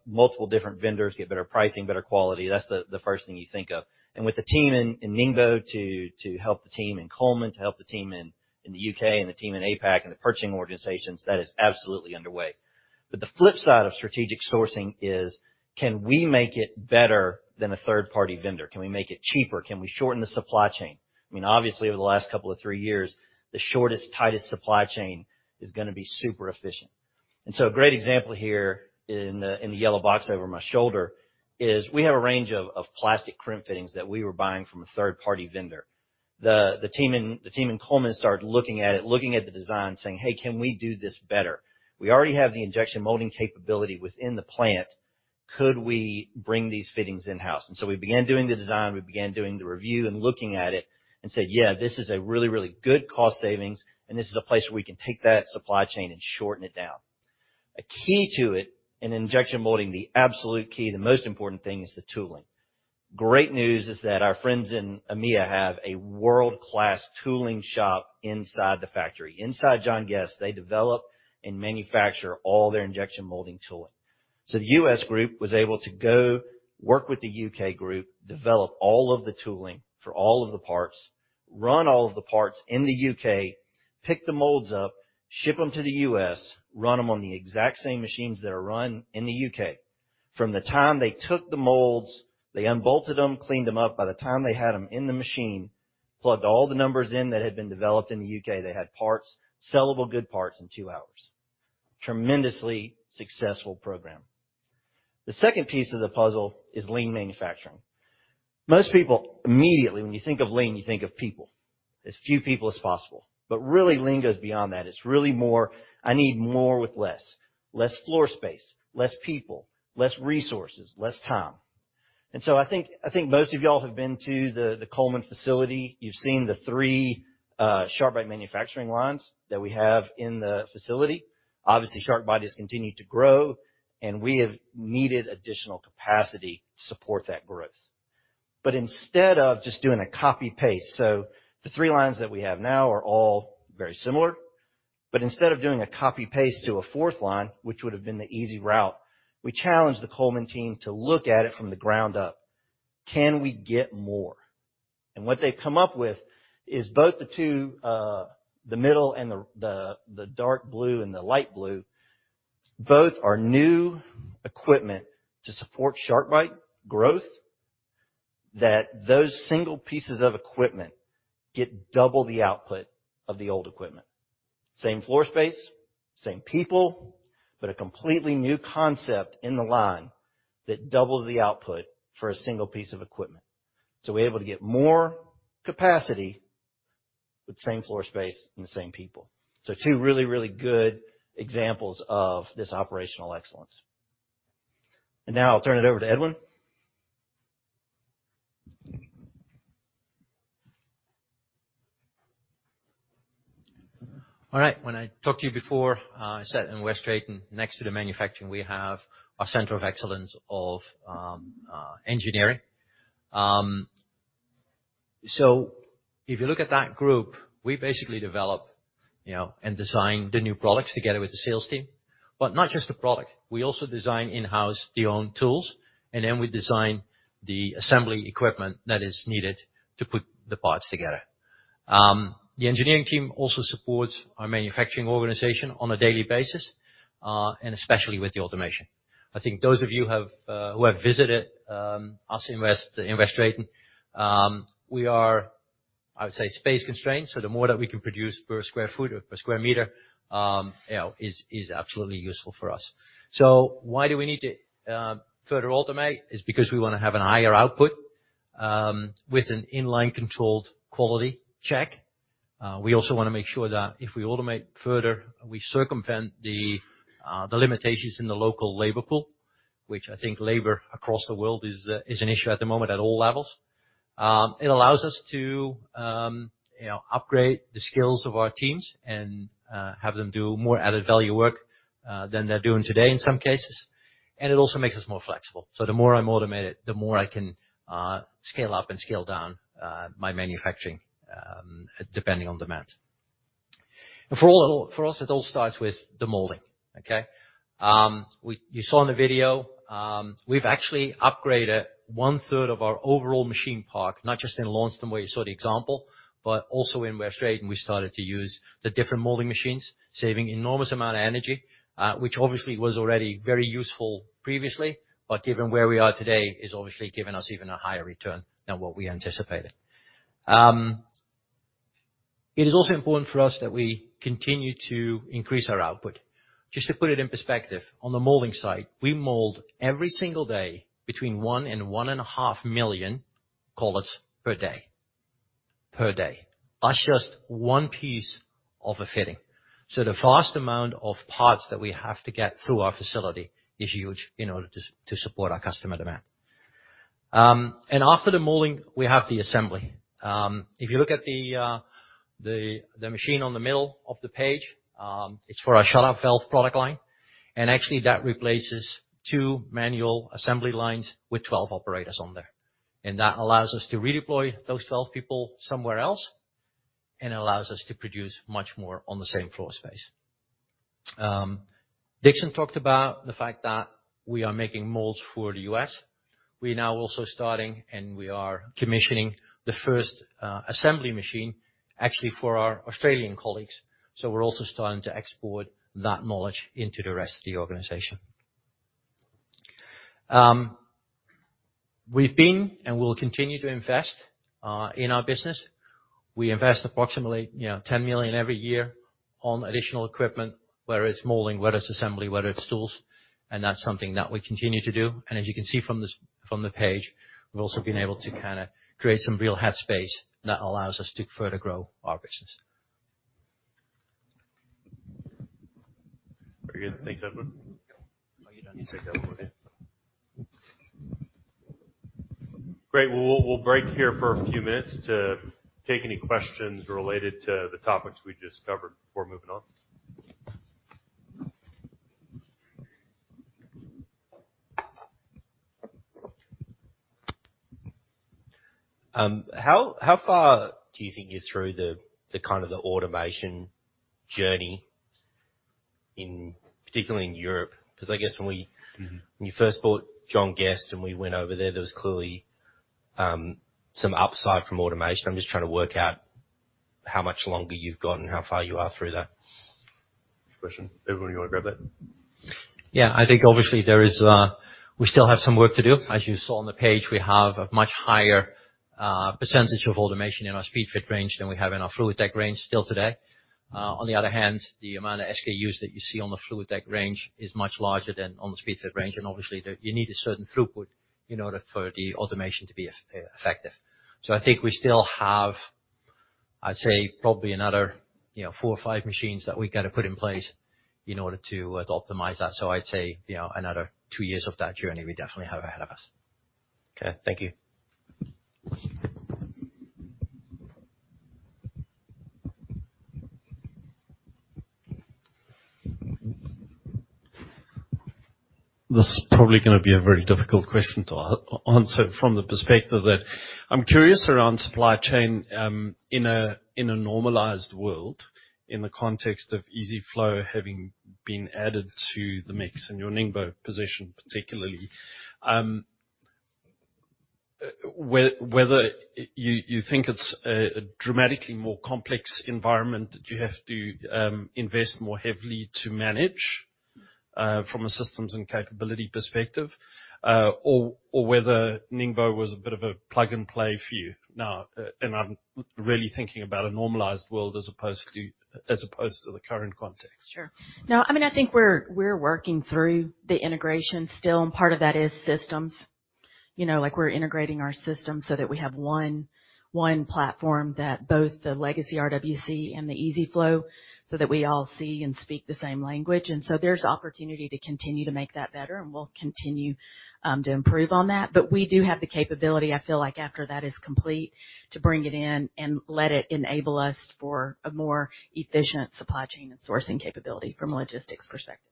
multiple different vendors, get better pricing, better quality?" That's the first thing you think of. With the team in Ningbo to help the team in Cullman, to help the team in the UK and the team in APAC and the purchasing organizations, that is absolutely underway. The flip side of strategic sourcing is, can we make it better than a third-party vendor? Can we make it cheaper? Can we shorten the supply chain? I mean, obviously, over the last couple of three years, the shortest, tightest supply chain is gonna be super efficient. A great example here in the yellow box over my shoulder is we have a range of plastic crimp fittings that we were buying from a third-party vendor. The team in Cullman started looking at it, looking at the design, saying, "Hey, can we do this better? We already have the injection molding capability within the plant. Could we bring these fittings in-house?" We began doing the design, we began doing the review and looking at it and said, "Yeah, this is a really, really good cost savings, and this is a place where we can take that supply chain and shorten it down." A key to it, in injection molding, the absolute key, the most important thing is the tooling. Great news is that our friends in EMEA have a world-class tooling shop inside the factory. Inside John Guest, they develop and manufacture all their injection molding tooling. The U.S. group was able to go work with the U.K. group, develop all of the tooling for all of the parts, run all of the parts in the U.K., pick the molds up, ship them to the U.S., run them on the exact same machines that are run in the U.K. From the time they took the molds, they unbolted them, cleaned them up. By the time they had them in the machine, plugged all the numbers in that had been developed in the UK, they had parts, sellable good parts in two hours. Tremendously successful program. The second piece of the puzzle is lean manufacturing. Most people, immediately, when you think of lean, you think of people, as few people as possible. But really, lean goes beyond that. It's really more, I need more with less. Less floor space, less people, less resources, less time. I think most of y'all have been to the Cullman facility. You've seen the three SharkBite manufacturing lines that we have in the facility. Obviously, SharkBite has continued to grow, and we have needed additional capacity to support that growth. Instead of just doing a copy-paste, so the three lines that we have now are all very similar. Instead of doing a copy-paste to a fourth line, which would've been the easy route, we challenged the Cullman team to look at it from the ground up. Can we get more? What they've come up with is both the two, the middle and the dark blue and the light blue, both are new equipment to support SharkBite growth. That those single pieces of equipment get double the output of the old equipment. Same floor space, same people, but a completely new concept in the line that doubled the output for a single piece of equipment. We're able to get more capacity with the same floor space and the same people. Two really good examples of this operational excellence. Now I'll turn it over to Edwin. All right. When I talked to you before, I said in West Drayton, next to the manufacturing, we have a center of excellence of engineering. So if you look at that group, we basically develop, you know, and design the new products together with the sales team. But not just the product, we also design in-house our own tools, and then we design the assembly equipment that is needed to put the parts together. The engineering team also supports our manufacturing organization on a daily basis, and especially with the automation. I think those of you who have visited us in West Drayton, we are, I would say, space constrained, so the more that we can produce per square foot or per square meter, you know, is absolutely useful for us. Why do we need to further automate? It's because we want to have a higher output with an inline controlled quality check. We also want to make sure that if we automate further, we circumvent the limitations in the local labor pool, which I think labor across the world is an issue at the moment at all levels. It allows us to you know upgrade the skills of our teams and have them do more added value work than they're doing today in some cases. It also makes us more flexible. The more I'm automated, the more I can scale up and scale down my manufacturing depending on demand. For us, it all starts with the molding, okay? You saw in the video, we've actually upgraded one third of our overall machine park, not just in Launceston where you saw the example, but also in West Drayton. We started to use the different molding machines, saving enormous amount of energy, which obviously was already very useful previously. Given where we are today, is obviously given us even a higher return than what we anticipated. It is also important for us that we continue to increase our output. Just to put it in perspective, on the molding side, we mold every single day between 1 and 1.5 million collets per day. That's just one piece of a fitting. The vast amount of parts that we have to get through our facility is huge in order to to support our customer demand. After the molding, we have the assembly. If you look at the machine on the middle of the page, it's for our shut-off valve product line, and actually that replaces 2 manual assembly lines with 12 operators on there. That allows us to redeploy those 12 people somewhere else, and allows us to produce much more on the same floor space. Dixon talked about the fact that we are making molds for the U.S. We're now also starting, and we are commissioning the first assembly machine, actually for our Australian colleagues. We're also starting to export that knowledge into the rest of the organization. We've been and will continue to invest in our business. We invest approximately, you know, $10 million every year on additional equipment, whether it's molding, whether it's assembly, whether it's tools, and that's something that we continue to do. As you can see from this, from the page, we've also been able to kinda create some real head space that allows us to further grow our business. Very good. Thanks, Edwin. Oh, you don't need that one anymore, do you? Great. We'll break here for a few minutes to take any questions related to the topics we just covered before moving on. How far do you think you're through the kind of automation journey, particularly in Europe? 'Cause I guess when we- Mm-hmm. When you first bought John Guest and we went over there was clearly some upside from automation. I'm just trying to work out how much longer you've got and how far you are through that. Good question. Edwin, you wanna grab that? Yeah. I think obviously there is, we still have some work to do. As you saw on the page, we have a much higher, percentage of automation in our Speedfit range than we have in our FluidTech range still today. On the other hand, the amount of SKUs that you see on the FluidTech range is much larger than on the Speedfit range. Obviously, you need a certain throughput in order for the automation to be effective. I think we still have, I'd say, probably another, you know, 4 or 5 machines that we gotta put in place in order to optimize that. I'd say, you know, another 2 years of that journey we definitely have ahead of us. Okay, thank you. This is probably gonna be a very difficult question to answer from the perspective that I'm curious around supply chain, in a normalized world, in the context of EZ-FLO having been added to the mix in your Ningbo position, particularly. Whether you think it's a dramatically more complex environment that you have to invest more heavily to manage, from a systems and capability perspective, or whether Ningbo was a bit of a plug-and-play for you now? I'm really thinking about a normalized world as opposed to the current context. Sure. No, I mean, I think we're working through the integration still, and part of that is systems. You know, like we're integrating our systems so that we have one platform that both the legacy RWC and the EZ-FLO, so that we all see and speak the same language. There's opportunity to continue to make that better, and we'll continue to improve on that. But we do have the capability, I feel like after that is complete, to bring it in and let it enable us for a more efficient supply chain and sourcing capability from a logistics perspective.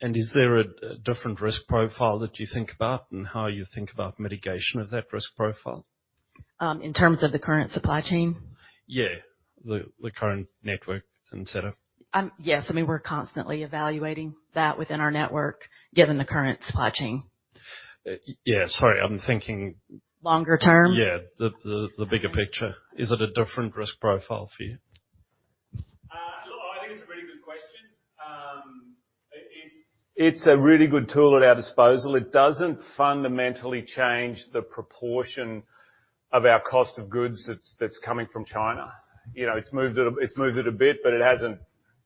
Is there a different risk profile that you think about in how you think about mitigation of that risk profile? In terms of the current supply chain? Yeah. The current network and setup. Yes. I mean, we're constantly evaluating that within our network, given the current supply chain. Yes. Sorry, I'm thinking. Longer term? Yeah. The bigger picture. Is it a different risk profile for you? I think it's a very good question. It's a really good tool at our disposal. It doesn't fundamentally change the proportion of our cost of goods that's coming from China. You know, it's moved it a bit, but it hasn't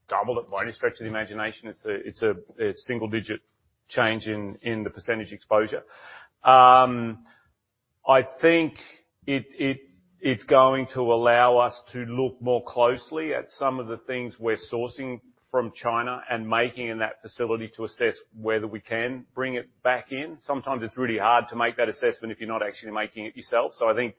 doubled it by any stretch of the imagination. It's a single digit change in the percentage exposure. I think it's going to allow us to look more closely at some of the things we're sourcing from China and making in that facility to assess whether we can bring it back in. Sometimes it's really hard to make that assessment if you're not actually making it yourself. I think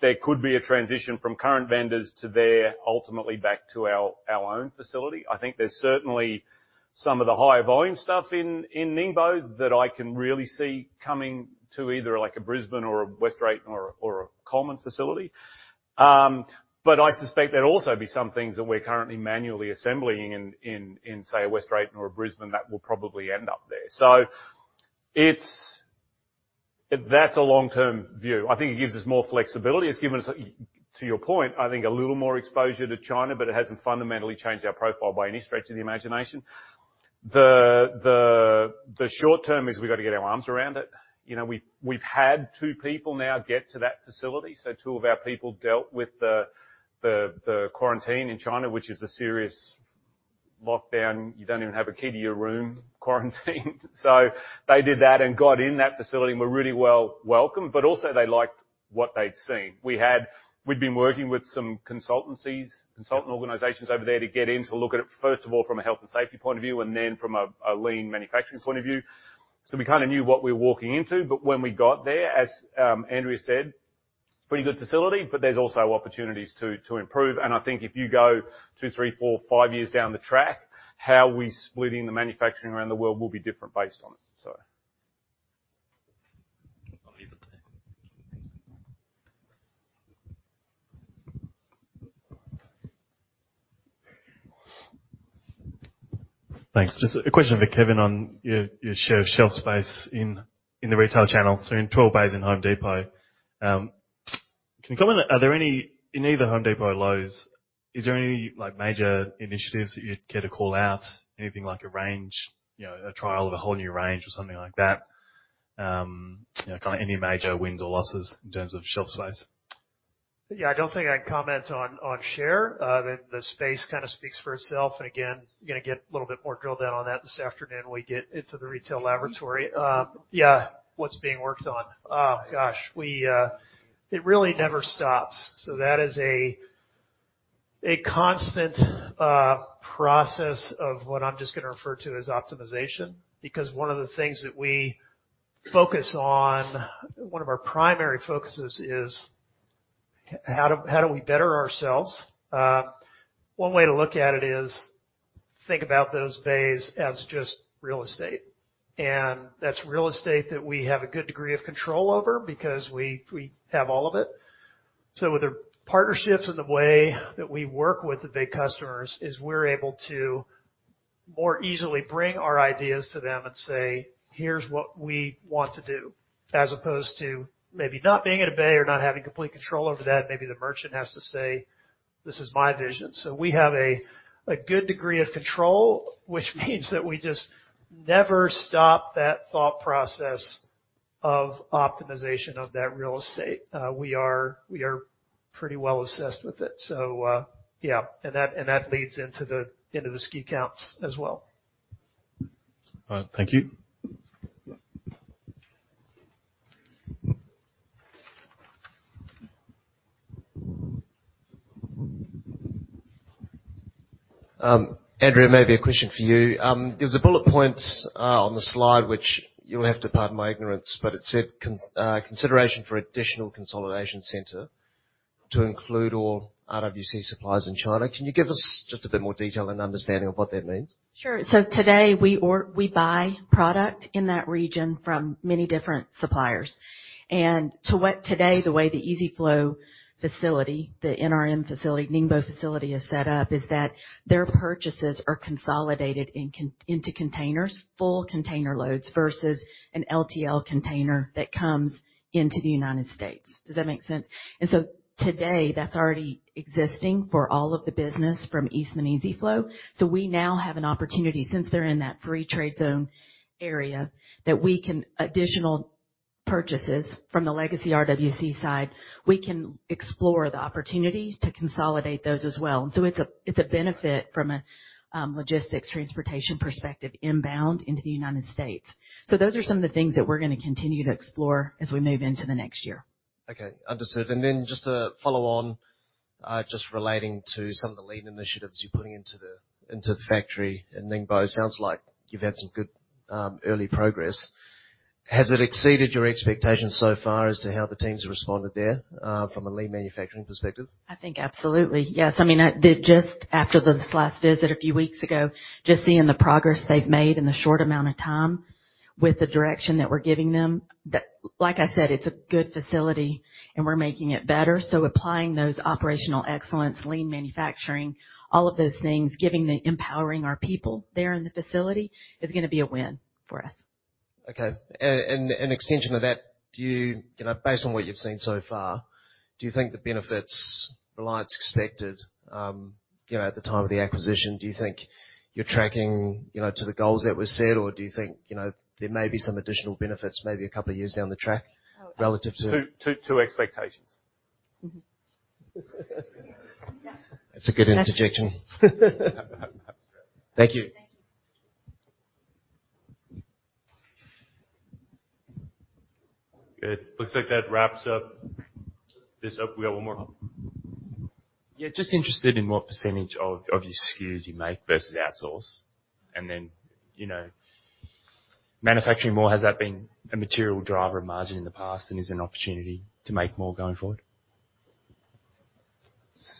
there could be a transition from current vendors to there, ultimately back to our own facility. I think there's certainly some of the higher volume stuff in Ningbo that I can really see coming to either, like, a Brisbane or a West Drayton or a Cullman facility. I suspect there'd also be some things that we're currently manually assembling in, say, a West Drayton or a Brisbane that will probably end up there. It's. That's a long-term view. I think it gives us more flexibility. It's given us, to your point, I think a little more exposure to China, but it hasn't fundamentally changed our profile by any stretch of the imagination. The short term is we've got to get our arms around it. You know, we've had two people now get to that facility, so two of our people dealt with the quarantine in China, which is a serious lockdown. You don't even have a key to your room quarantine. They did that and got in that facility and were really well welcomed, but also they liked what they'd seen. We'd been working with some consultancies, consultant organizations over there to get in to look at it, first of all, from a health and safety point of view, and then from a lean manufacturing point of view. We kinda knew what we were walking into, but when we got there, as Andrea said, it's a pretty good facility, but there's also opportunities to improve. I think if you go 2, 3, 4, 5 years down the track, how we're splitting the manufacturing around the world will be different based on it. I'll leave it there. Thanks. Just a question for Kevin on your share of shelf space in the retail channel, so in tool bays in Home Depot. Can you comment, are there any in either Home Depot or Lowe's, is there any, like, major initiatives that you'd care to call out? Anything like a range, you know, a trial of a whole new range or something like that? You know, kinda any major wins or losses in terms of shelf space? Yeah. I don't think I can comment on share. The space kinda speaks for itself. Again, you're gonna get a little bit more drilled down on that this afternoon when we get into the retail laboratory. What's being worked on? It really never stops. That is a constant process of what I'm just gonna refer to as optimization. Because one of the things that we focus on, one of our primary focuses is how do we better ourselves? One way to look at it is think about those bays as just real estate. That's real estate that we have a good degree of control over because we have all of it. With the partnerships and the way that we work with the big customers is we're able to more easily bring our ideas to them and say, "Here's what we want to do," as opposed to maybe not being in a bay or not having complete control over that. Maybe the merchant has to say, "This is my vision." We have a good degree of control, which means that we just never stop that thought process of optimization of that real estate. We are pretty well obsessed with it. That leads into the SKU counts as well. All right. Thank you. Andrea, maybe a question for you. There's a bullet point on the slide, which you'll have to pardon my ignorance, but it said consideration for additional consolidation center to include all RWC suppliers in China. Can you give us just a bit more detail and understanding of what that means? Sure. Today, we buy product in that region from many different suppliers. Today, the way the EZ-FLO facility, the Ningbo facility is set up is that their purchases are consolidated into containers, full container loads versus an LTL container that comes into the United States. Does that make sense? Today, that's already existing for all of the business from Eastman EZ-FLO. We now have an opportunity, since they're in that Free Trade Zone area, that we can additional purchases from the legacy RWC side, we can explore the opportunity to consolidate those as well. It's a benefit from a logistics transportation perspective inbound into the United States. Those are some of the things that we're gonna continue to explore as we move into the next year. Okay, understood. Just to follow on, just relating to some of the lean initiatives you're putting into the factory in Ningbo. Sounds like you've had some good early progress. Has it exceeded your expectations so far as to how the teams have responded there from a lean manufacturing perspective? I think absolutely. Yes. I mean, just after this last visit a few weeks ago, just seeing the progress they've made in the short amount of time with the direction that we're giving them. Like I said, it's a good facility, and we're making it better. Applying those operational excellence, lean manufacturing, all of those things, empowering our people there in the facility is gonna be a win for us. Okay. An extension of that, do you you know, based on what you've seen so far, do you think the benefits Reliance expected, you know, at the time of the acquisition, do you think you're tracking, you know, to the goals that were set? Or do you think, you know, there may be some additional benefits maybe a couple of years down the track? Oh, ab- Relative to- To expectations. Mm-hmm. That's a good interjection. Thank you. Thank you. It looks like that wraps this up. We got one more. Yeah, just interested in what percentage of your SKUs you make versus outsource? Then, you know, manufacturing more, has that been a material driver of margin in the past, and is there an opportunity to make more going forward?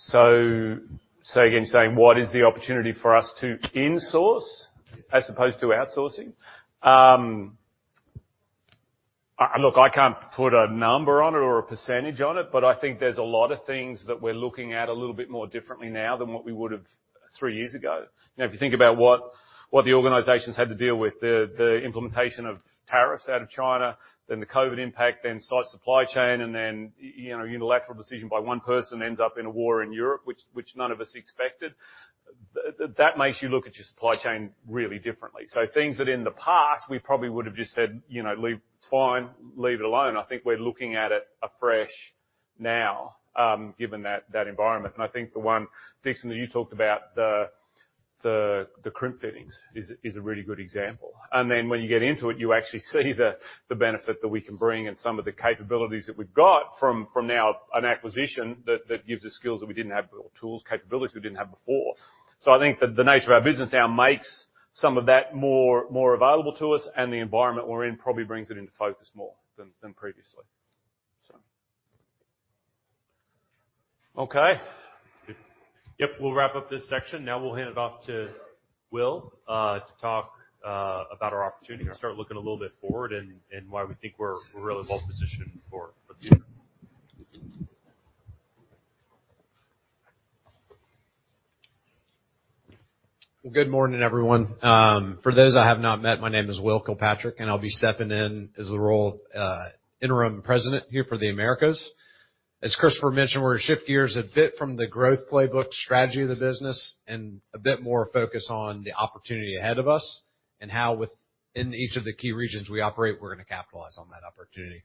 Say again, you're saying what is the opportunity for us to insource? Yeah. As opposed to outsourcing? Look, I can't put a number on it or a percentage on it, but I think there's a lot of things that we're looking at a little bit more differently now than what we would've three years ago. Now, if you think about what the organizations had to deal with, the implementation of tariffs out of China, then the COVID impact, then tight supply chain, and then, you know, unilateral decision by one person ends up in a war in Europe, which none of us expected. That makes you look at your supply chain really differently. Things that in the past, we probably would have just said, you know, "Leave. It's fine. Leave it alone." I think we're looking at it afresh now, given that environment. I think the one, Dixon, that you talked about, the crimp fittings is a really good example. Then when you get into it, you actually see the benefit that we can bring and some of the capabilities that we've got from now an acquisition that gives us skills that we didn't have or tools, capabilities we didn't have before. I think that the nature of our business now makes some of that more available to us, and the environment we're in probably brings it into focus more than previously. Okay. Yep, we'll wrap up this section. Now, we'll hand it off to Will to talk about our opportunity to start looking a little bit forward and why we think we're really well-positioned for the future. Well, good morning, everyone. For those I have not met, my name is Will Kilpatrick, and I'll be stepping in as the role of interim president here for the Americas. As Christopher mentioned, we're gonna shift gears a bit from the growth playbook strategy of the business and a bit more focus on the opportunity ahead of us and how in each of the key regions we operate, we're gonna capitalize on that opportunity.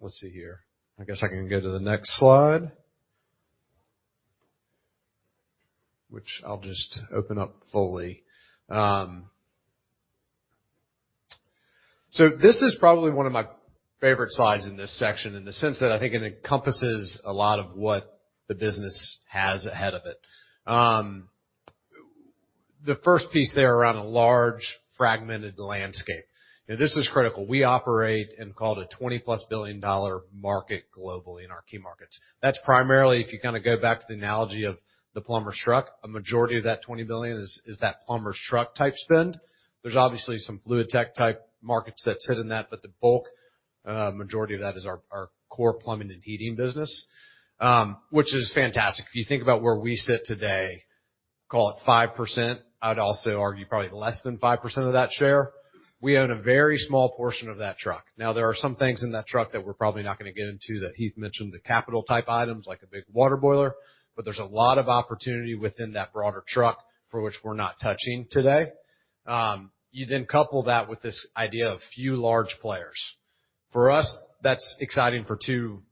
Let's see here. I guess I can go to the next slide. Which I'll just open up fully. So this is probably one of my favorite slides in this section in the sense that I think it encompasses a lot of what the business has ahead of it. The first piece there around a large fragmented landscape. Now this is critical. We operate in a $20+ billion dollar market globally in our key markets. That's primarily, if you kind of go back to the analogy of the plumber's truck, a majority of that $20 billion is that plumber's truck type spend. There's obviously some Fluid Tech type markets that sit in that, but the bulk, majority of that is our core plumbing and heating business, which is fantastic. If you think about where we sit today, call it 5%. I'd also argue probably less than 5% of that share. We own a very small portion of that truck. Now, there are some things in that truck that we're probably not gonna get into, that Heath mentioned, the capital type items, like a big water boiler, but there's a lot of opportunity within that broader truck for which we're not touching today. You then couple that with this idea of a few large players. For us, that's exciting for two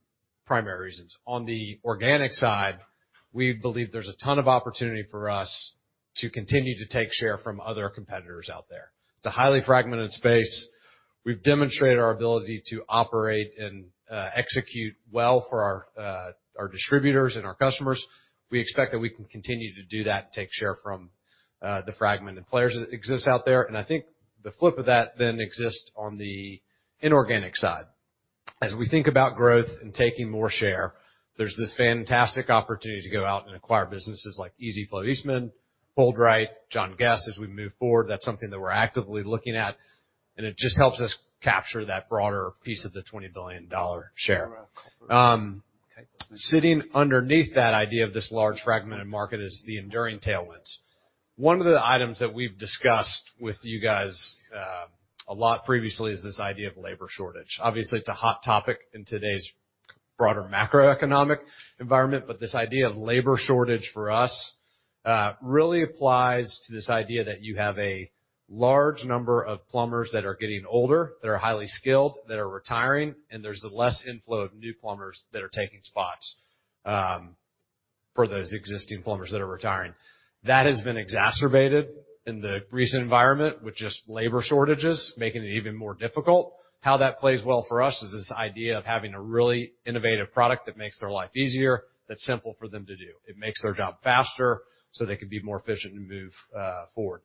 primary reasons. On the organic side, we believe there's a ton of opportunity for us to continue to take share from other competitors out there. It's a highly fragmented space. We've demonstrated our ability to operate and execute well for our distributors and our customers. We expect that we can continue to do that and take share from the fragmented players that exists out there. I think the flip of that then exists on the inorganic side. As we think about growth and taking more share, there's this fantastic opportunity to go out and acquire businesses like EZ-FLO Eastman, HoldRite, John Guest. As we move forward, that's something that we're actively looking at, and it just helps us capture that broader piece of the $20 billion share. Sitting underneath that idea of this large fragmented market is the enduring tailwinds. One of the items that we've discussed with you guys a lot previously is this idea of labor shortage. Obviously, it's a hot topic in today's broader macroeconomic environment, but this idea of labor shortage for us really applies to this idea that you have a large number of plumbers that are getting older, that are highly skilled, that are retiring, and there's a less inflow of new plumbers that are taking spots for those existing plumbers that are retiring. That has been exacerbated in the recent environment with just labor shortages making it even more difficult. How that plays well for us is this idea of having a really innovative product that makes their life easier, that's simple for them to do. It makes their job faster so they can be more efficient and move forward.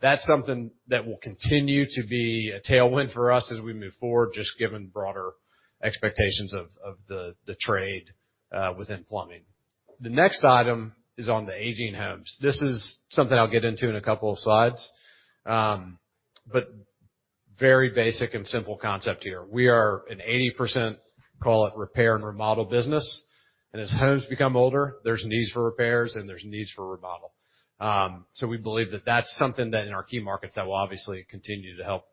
That's something that will continue to be a tailwind for us as we move forward, just given broader expectations of the trade within plumbing. The next item is on the aging homes. This is something I'll get into in a couple of slides. But very basic and simple concept here. We are an 80%, call it repair and remodel business, and as homes become older, there's needs for repairs and there's needs for remodel. We believe that that's something that in our key markets that will obviously continue to help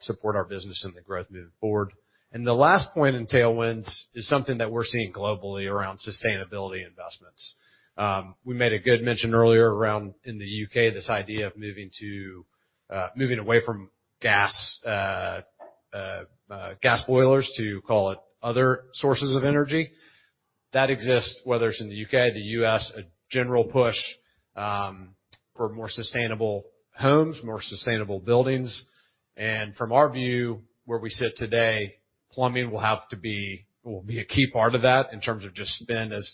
support our business and the growth moving forward. The last point in tailwinds is something that we're seeing globally around sustainability investments. We made a good mention earlier around in the UK, this idea of moving away from gas boilers to call it other sources of energy. That exists, whether it's in the UK, the US, a general push, for more sustainable homes, more sustainable buildings. From our view, where we sit today, plumbing will be a key part of that in terms of just spend as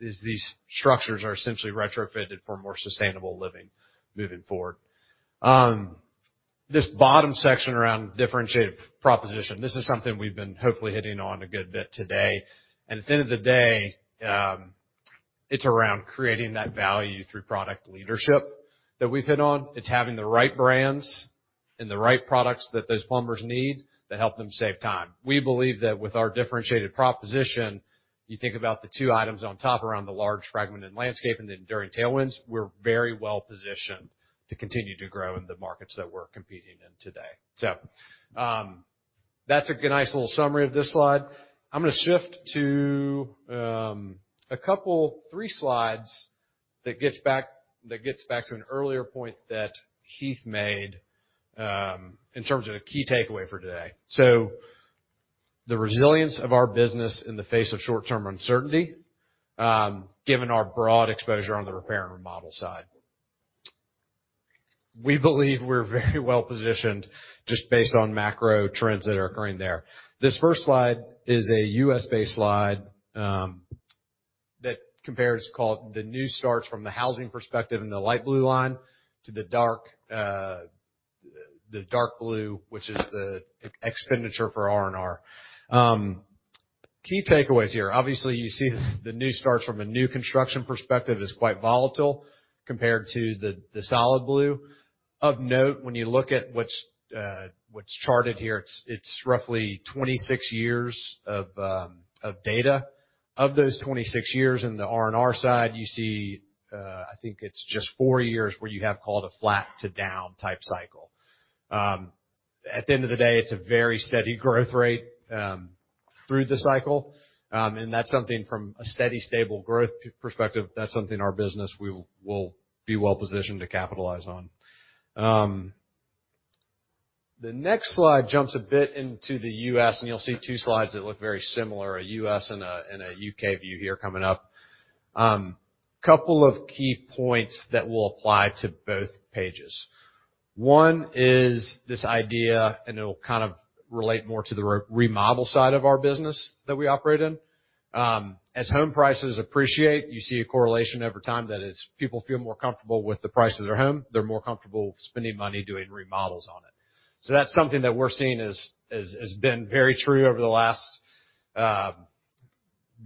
these structures are essentially retrofitted for more sustainable living moving forward. This bottom section around differentiated proposition, this is something we've been hopefully hitting on a good bit today. At the end of the day, it's around creating that value through product leadership that we've hit on. It's having the right brands and the right products that those plumbers need that help them save time. We believe that with our differentiated proposition, you think about the two items on top around the large fragmented landscape and the enduring tailwinds, we're very well positioned to continue to grow in the markets that we're competing in today. That's a nice little summary of this slide. I'm gonna shift to a couple, three slides that gets back to an earlier point that Heath made, in terms of a key takeaway for today. The resilience of our business in the face of short-term uncertainty, given our broad exposure on the repair and remodel side. We believe we're very well positioned just based on macro trends that are occurring there. This first slide is a U.S.-based slide that compares what is called the new starts from the housing perspective in the light blue line to the dark blue, which is the expenditure for R&R. Key takeaways here. Obviously, you see the new starts from a new construction perspective is quite volatile compared to the solid blue. Of note, when you look at what's charted here, it's roughly 26 years of data. Of those 26 years in the R&R side, you see, I think it's just four years where you have what's called a flat to down type cycle. At the end of the day, it's a very steady growth rate through the cycle. That's something from a steady stable growth perspective, that's something our business will be well positioned to capitalize on. The next slide jumps a bit into the US, and you'll see two slides that look very similar, a US and a UK view here coming up. Couple of key points that will apply to both pages. One is this idea, and it'll kind of relate more to the remodel side of our business that we operate in. As home prices appreciate, you see a correlation over time that as people feel more comfortable with the price of their home, they're more comfortable spending money doing remodels on it. That's something that we're seeing as has been very true over the last,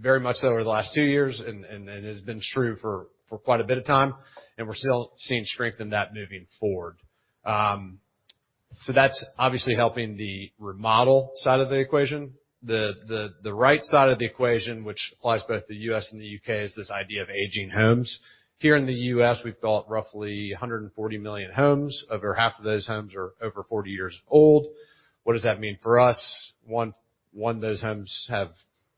very much so over the last two years and has been true for quite a bit of time, and we're still seeing strength in that moving forward. So that's obviously helping the remodel side of the equation. The right side of the equation, which applies both to the U.S. and the U.K., is this idea of aging homes. Here in the U.S., we've built roughly 140 million homes. Over half of those homes are over 40 years old. What does that mean for us? One, those homes have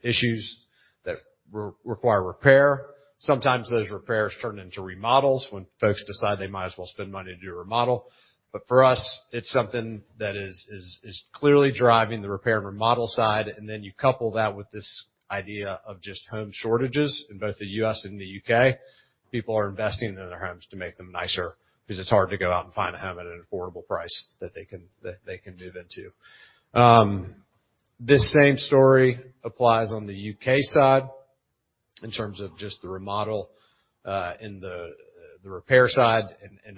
issues that require repair. Sometimes those repairs turn into remodels when folks decide they might as well spend money to do a remodel. But for us, it's something that is clearly driving the repair and remodel side. Then you couple that with this idea of just home shortages in both the U.S. and the U.K. People are investing in their homes to make them nicer because it's hard to go out and find a home at an affordable price that they can move into. This same story applies on the U.K. side in terms of just the remodel in the repair side.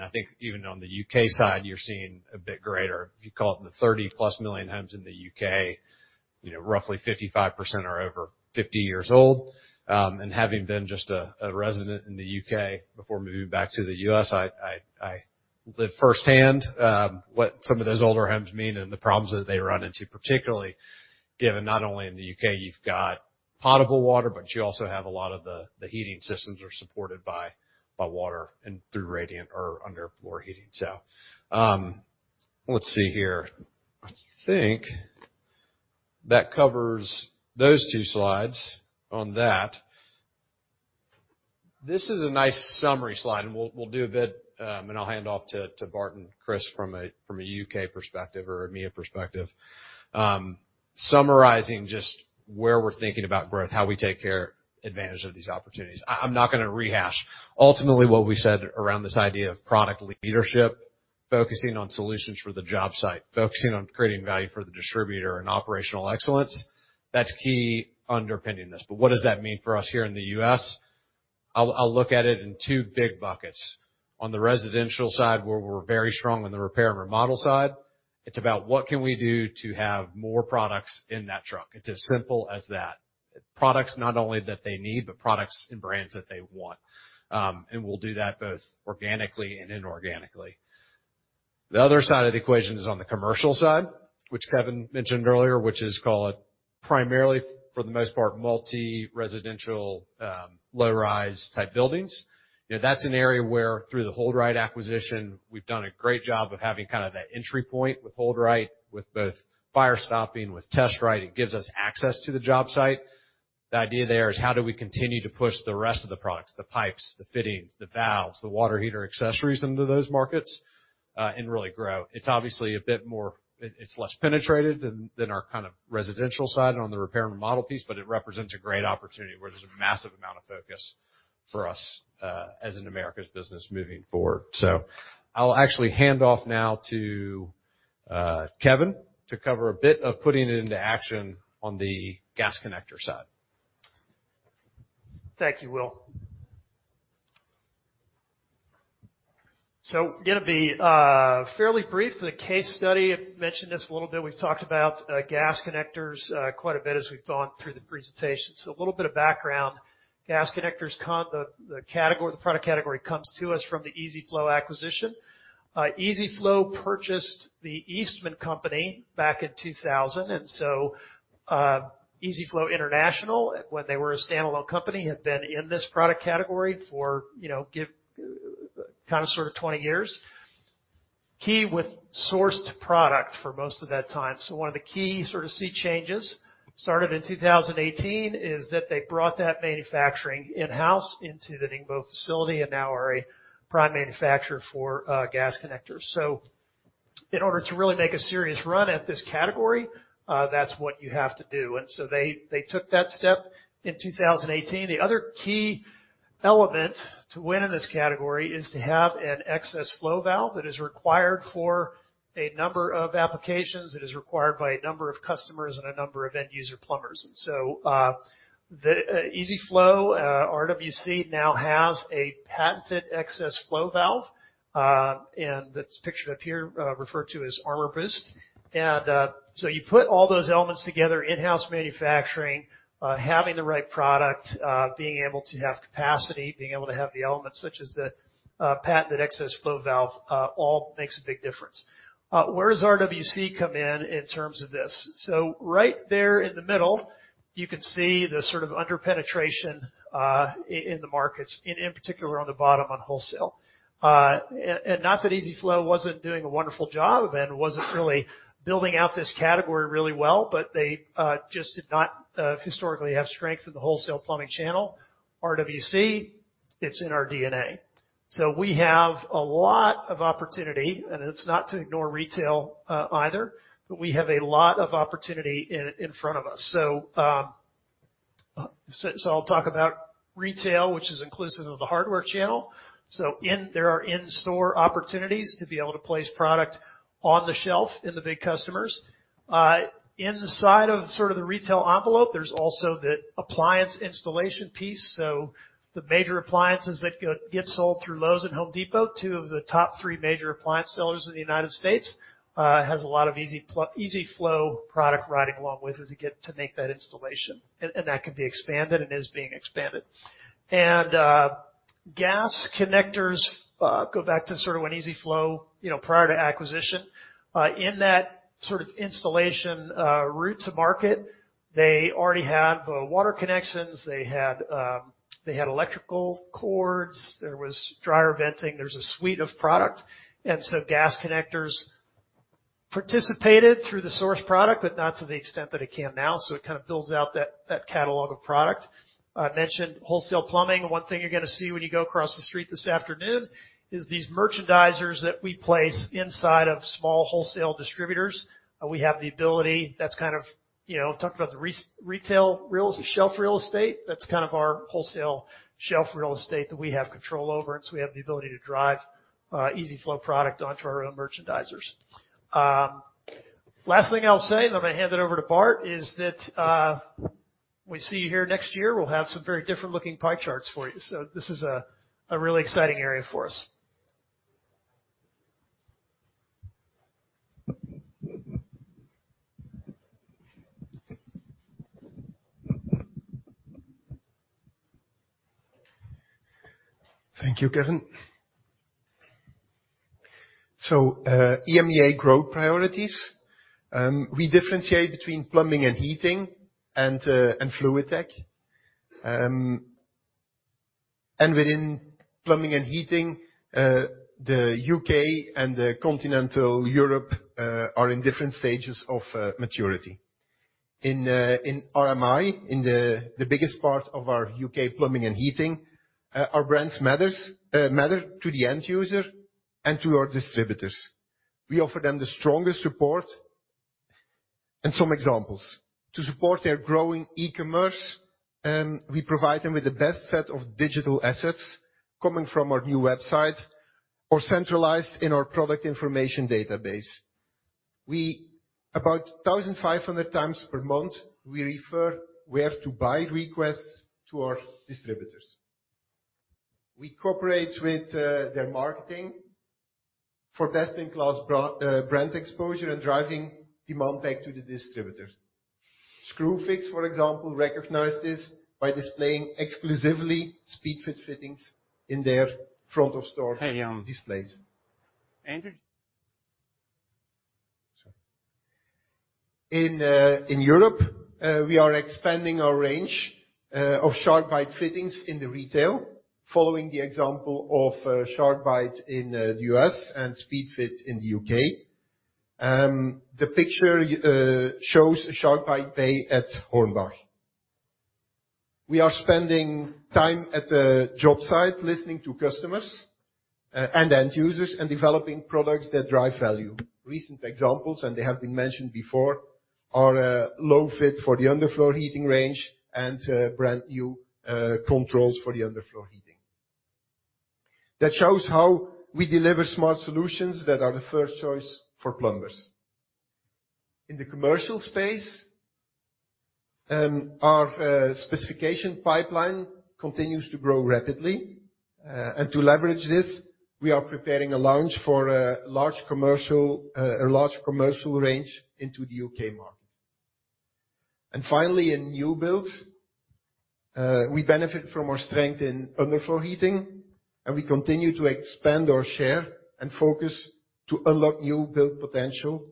I think even on the U.K. side, you're seeing a bit greater. If you call it the 30-plus million homes in the U.K., you know, roughly 55% are over 50 years old. Having been just a resident in the U.K. before moving back to the U.S., I lived firsthand what some of those older homes mean and the problems that they run into, particularly given not only in the U.K. you've got potable water, but you also have a lot of the heating systems are supported by water and through radiant or underfloor heating. Let's see here. I think that covers those two slides on that. This is a nice summary slide, and we'll do a bit, and I'll hand off to Bart and Chris from a U.K. perspective or EMEA perspective, summarizing just where we're thinking about growth, how we take advantage of these opportunities. I'm not gonna rehash ultimately what we said around this idea of product leadership, focusing on solutions for the job site, focusing on creating value for the distributor and operational excellence. That's key underpinning this. What does that mean for us here in the U.S.? I'll look at it in two big buckets. On the residential side, where we're very strong in the repair and remodel side, it's about what can we do to have more products in that truck? It's as simple as that. Products not only that they need, but products and brands that they want. We'll do that both organically and inorganically. The other side of the equation is on the commercial side, which Kevin mentioned earlier, which is called primarily for the most part, multi-residential, low-rise type buildings. You know, that's an area where through the HoldRite acquisition, we've done a great job of having kinda that entry point with HoldRite, with both fire stopping, with TestRite. It gives us access to the job site. The idea there is how do we continue to push the rest of the products, the pipes, the fittings, the valves, the water heater accessories into those markets, and really grow. It's obviously a bit more, it's less penetrated than our kind of residential side on the repair and remodel piece, but it represents a great opportunity where there's a massive amount of focus for us, as an Americas business moving forward. I'll actually hand off now to Kevin to cover a bit of putting it into action on the gas connector side. Thank you, Will. Gonna be fairly brief. The case study, I've mentioned this a little bit. We've talked about gas connectors quite a bit as we've gone through the presentation. A little bit of background. The category, the product category comes to us from the EZ-FLO acquisition. EZ-FLO purchased the Eastman Company back in 2000. EZ-FLO International, when they were a standalone company, had been in this product category for, you know, give, kind of, sort of 20 years. They sourced product for most of that time. One of the key sort of sea changes, started in 2018, is that they brought that manufacturing in-house into the Ningbo facility and now are a prime manufacturer for gas connectors. In order to really make a serious run at this category, that's what you have to do. They took that step in 2018. The other key element to win in this category is to have an excess flow valve that is required for a number of applications. It is required by a number of customers and a number of end user plumbers. EZ-FLO, RWC now has a patented excess flow valve, and that's pictured up here, referred to as ArmorBoost. You put all those elements together, in-house manufacturing, having the right product, being able to have capacity, being able to have the elements such as the patented excess flow valve, all makes a big difference. Where does RWC come in terms of this? Right there in the middle, you can see the sort of under-penetration in the markets, in particular on the bottom on wholesale. Not that EZ-FLO wasn't doing a wonderful job and wasn't really building out this category really well, but they just did not historically have strength in the wholesale plumbing channel. RWC, it's in our DNA. We have a lot of opportunity, and it's not to ignore retail either, but we have a lot of opportunity in front of us. I'll talk about retail, which is inclusive of the hardware channel. There are in-store opportunities to be able to place product on the shelf in the big customers. Inside of sort of the retail envelope, there's also the appliance installation piece. The major appliances that get sold through Lowe's and Home Depot, two of the top three major appliance sellers in the United States, has a lot of EZ-FLO product riding along with it to get to make that installation. That can be expanded and is being expanded. Gas connectors go back to sort of when EZ-FLO, you know, prior to acquisition. In that sort of installation route to market, they already had the water connections. They had electrical cords. There was dryer venting. There's a suite of product. Gas connectors participated through the source product, but not to the extent that it can now. It kind of builds out that catalog of product. I mentioned wholesale plumbing. One thing you're gonna see when you go across the street this afternoon is these merchandisers that we place inside of small wholesale distributors. We have the ability, that's kind of talk about the shelf real estate. That's kind of our wholesale shelf real estate that we have control over, and so we have the ability to drive EZ-FLO product onto our own merchandisers. Last thing I'll say, then I hand it over to Bart, is that when we see you here next year, we'll have some very different looking pie charts for you. This is a really exciting area for us. Thank you, Kevin. EMEA growth priorities. We differentiate between plumbing and heating and fluid tech. Within plumbing and heating, the UK and continental Europe are in different stages of maturity. In RMI, the biggest part of our UK plumbing and heating, our brands matter to the end user and to our distributors. We offer them the strongest support. Some examples, to support their growing e-commerce, we provide them with the best set of digital assets coming from our new website or centralized in our product information database. About 1,500 times per month, we refer where to buy requests to our distributors. We cooperate with their marketing for brand exposure and driving demand back to the distributors. Screwfix, for example, recognizes this by displaying exclusively Speedfit fittings in their front-of-store displays. Hey, Andrew? Sorry. In Europe, we are expanding our range of SharkBite fittings in the retail, following the example of SharkBite in the US and Speedfit in the UK. The picture shows SharkBite bay at Hornbach. We are spending time at the job site listening to customers and end users, and developing products that drive value. Recent examples, and they have been mentioned before, are JG LowFit for the underfloor heating range and brand new controls for the underfloor heating. That shows how we deliver smart solutions that are the first choice for plumbers. In the commercial space, our specification pipeline continues to grow rapidly. To leverage this, we are preparing a launch for a large commercial range into the UK market. Finally, in new builds, we benefit from our strength in underfloor heating, and we continue to expand our share and focus to unlock new build potential,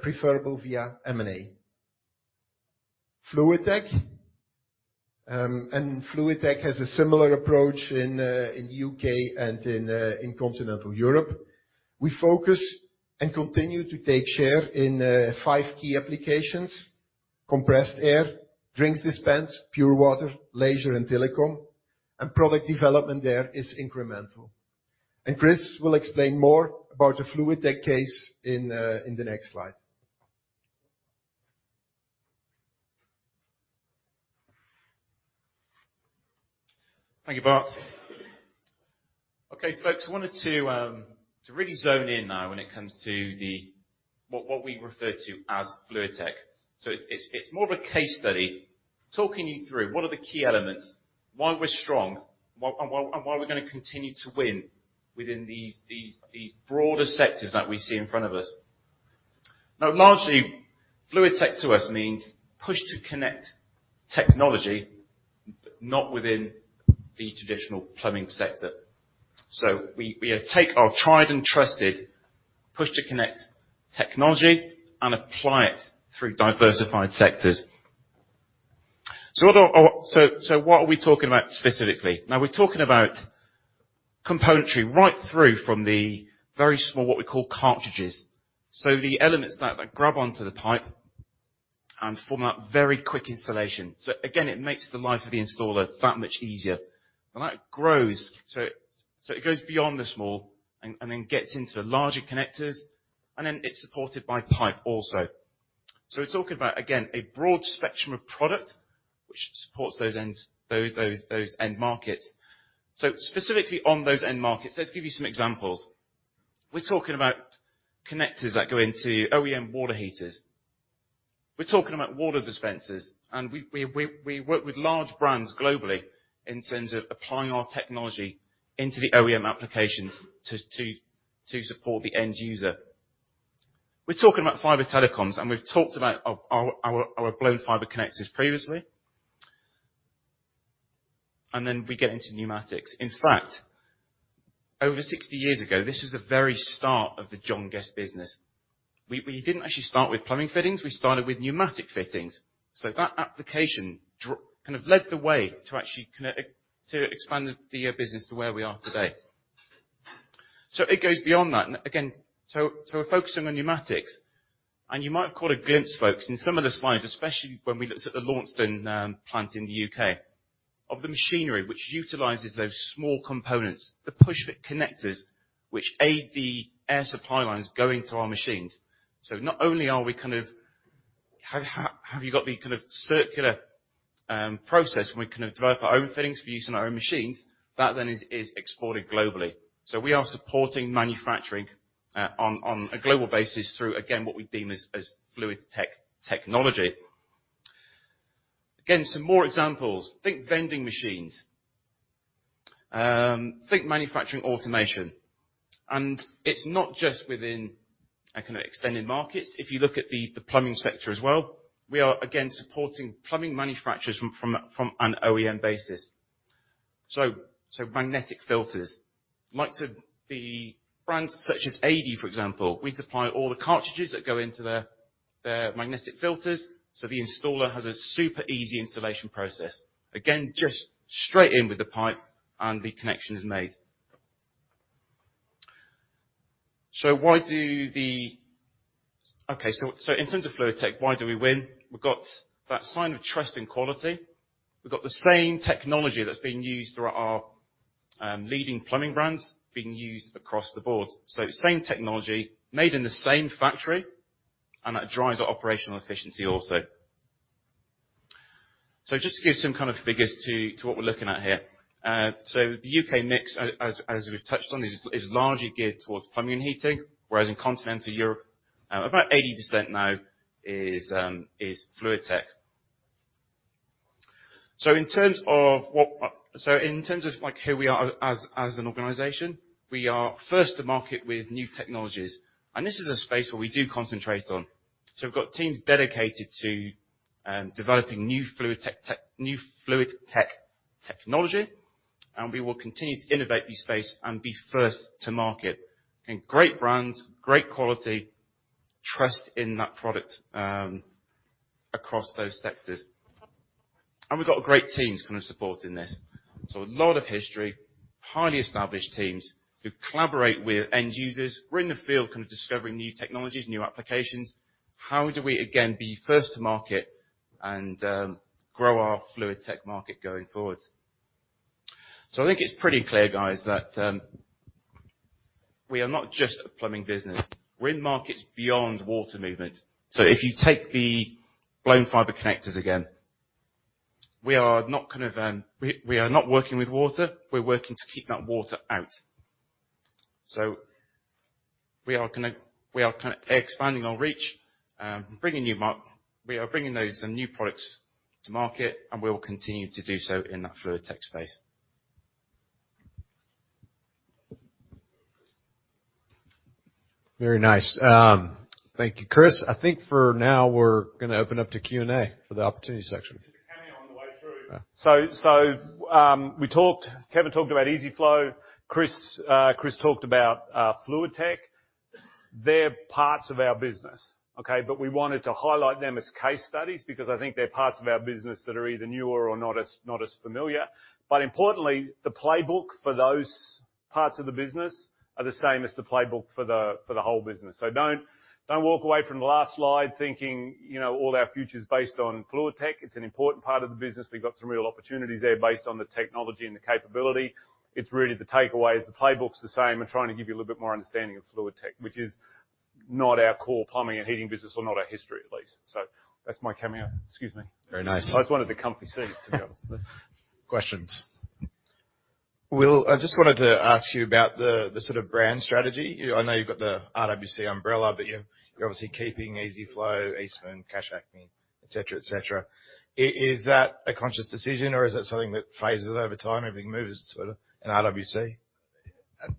preferable via M&A. Fluid Tech. Fluid Tech has a similar approach in UK and in continental Europe. We focus and continue to take share in five key applications, compressed air, drinks dispense, pure water, leisure and telecom. Product development there is incremental. Chris will explain more about the Fluid Tech case in the next slide. Thank you, Bart. Okay. Folks, I wanted to really zone in now when it comes to what we refer to as Fluid Tech. It's more of a case study, talking you through what are the key elements, why we're strong, and why we're gonna continue to win within these broader sectors that we see in front of us. Now, largely, Fluid Tech to us means push to connect technology, not within the traditional plumbing sector. We take our tried and trusted push to connect technology and apply it through diversified sectors. What are we talking about specifically? Now, we're talking about componentry right through from the very small, what we call cartridges. The elements that grab onto the pipe and form that very quick installation. Again, it makes the life of the installer that much easier. That grows, so it goes beyond the small and then gets into larger connectors, and then it's supported by pipe also. We're talking about, again, a broad spectrum of product which supports those end markets. Specifically on those end markets, let's give you some examples. We're talking about connectors that go into OEM water heaters. We're talking about water dispensers, and we work with large brands globally in terms of applying our technology into the OEM applications to support the end user. We're talking about fiber telecoms, and we've talked about our blown fiber connectors previously. We get into pneumatics. In fact, over 60 years ago, this was the very start of the John Guest business. We didn't actually start with plumbing fittings, we started with pneumatic fittings. That application kind of led the way to actually expand the business to where we are today. It goes beyond that. We're focusing on pneumatics, and you might have caught a glimpse, folks, in some of the slides, especially when we looked at the Launceston plant in the UK, of the machinery which utilizes those small components, the push-fit connectors, which aid the air supply lines going to our machines. Not only do we have the kind of circular process and we develop our own fittings for use in our own machines, that then is exported globally. We are supporting manufacturing on a global basis through, again, what we deem as FluidTech technology. Again, some more examples. Think vending machines. Think manufacturing automation. It's not just within a kind of extended markets. If you look at the plumbing sector as well, we are again supporting plumbing manufacturers from an OEM basis. Magnetic filters. Like the brands such as Adey, for example, we supply all the cartridges that go into their. They're magnetic filters, so the installer has a super easy installation process. Again, just straight in with the pipe and the connection is made. In terms of FluidTech, why do we win? We've got that sign of trust and quality. We've got the same technology that's been used throughout our leading plumbing brands being used across the board. Same technology, made in the same factory, and that drives our operational efficiency also. Just to give some kind of figures to what we're looking at here. The UK mix, as we've touched on, is largely geared towards plumbing and heating, whereas in Continental Europe, about 80% now is FluidTech. In terms of, like, who we are as an organization, we are first to market with new technologies. This is a space where we do concentrate on. We've got teams dedicated to developing new FluidTech technology, and we will continue to innovate this space and be first to market in great brands, great quality, trust in that product, across those sectors. We've got great teams kind of supporting this. A lot of history, highly established teams who collaborate with end users. We're in the field kind of discovering new technologies, new applications. How do we, again, be first to market and grow our FluidTech market going forward? I think it's pretty clear, guys, that we are not just a plumbing business. We're in markets beyond water movement. If you take the blown fiber connectors again, we are not working with water, we're working to keep that water out. We are gonna... We are kinda expanding our reach, bringing those new products to market, and we will continue to do so in that FluidTech space. Very nice. Thank you, Chris. I think for now we're gonna open up to Q&A for the opportunity section. There's a Cash Acme on the way through. Yeah. We talked. Kevin talked about EZ-FLO. Chris talked about FluidTech. They're parts of our business, okay? We wanted to highlight them as case studies because I think they're parts of our business that are either newer or not as familiar. Importantly, the playbook for those parts of the business are the same as the playbook for the whole business. Don't walk away from the last slide thinking, you know, all our future is based on FluidTech. It's an important part of the business. We've got some real opportunities there based on the technology and the capability. It's really the takeaway is the playbook's the same. We're trying to give you a little bit more understanding of FluidTech, which is not our core plumbing and heating business or not our history, at least. That's my cameo. Excuse me. Very nice. I always wanted the comfy seat, to be honest. Questions. Will, I just wanted to ask you about the sort of brand strategy. I know you've got the RWC umbrella, but you're obviously keeping EZ-FLO, Eastman, Cash Acme, et cetera, et cetera. Is that a conscious decision or is that something that phases over time, everything moves sort of in RWC?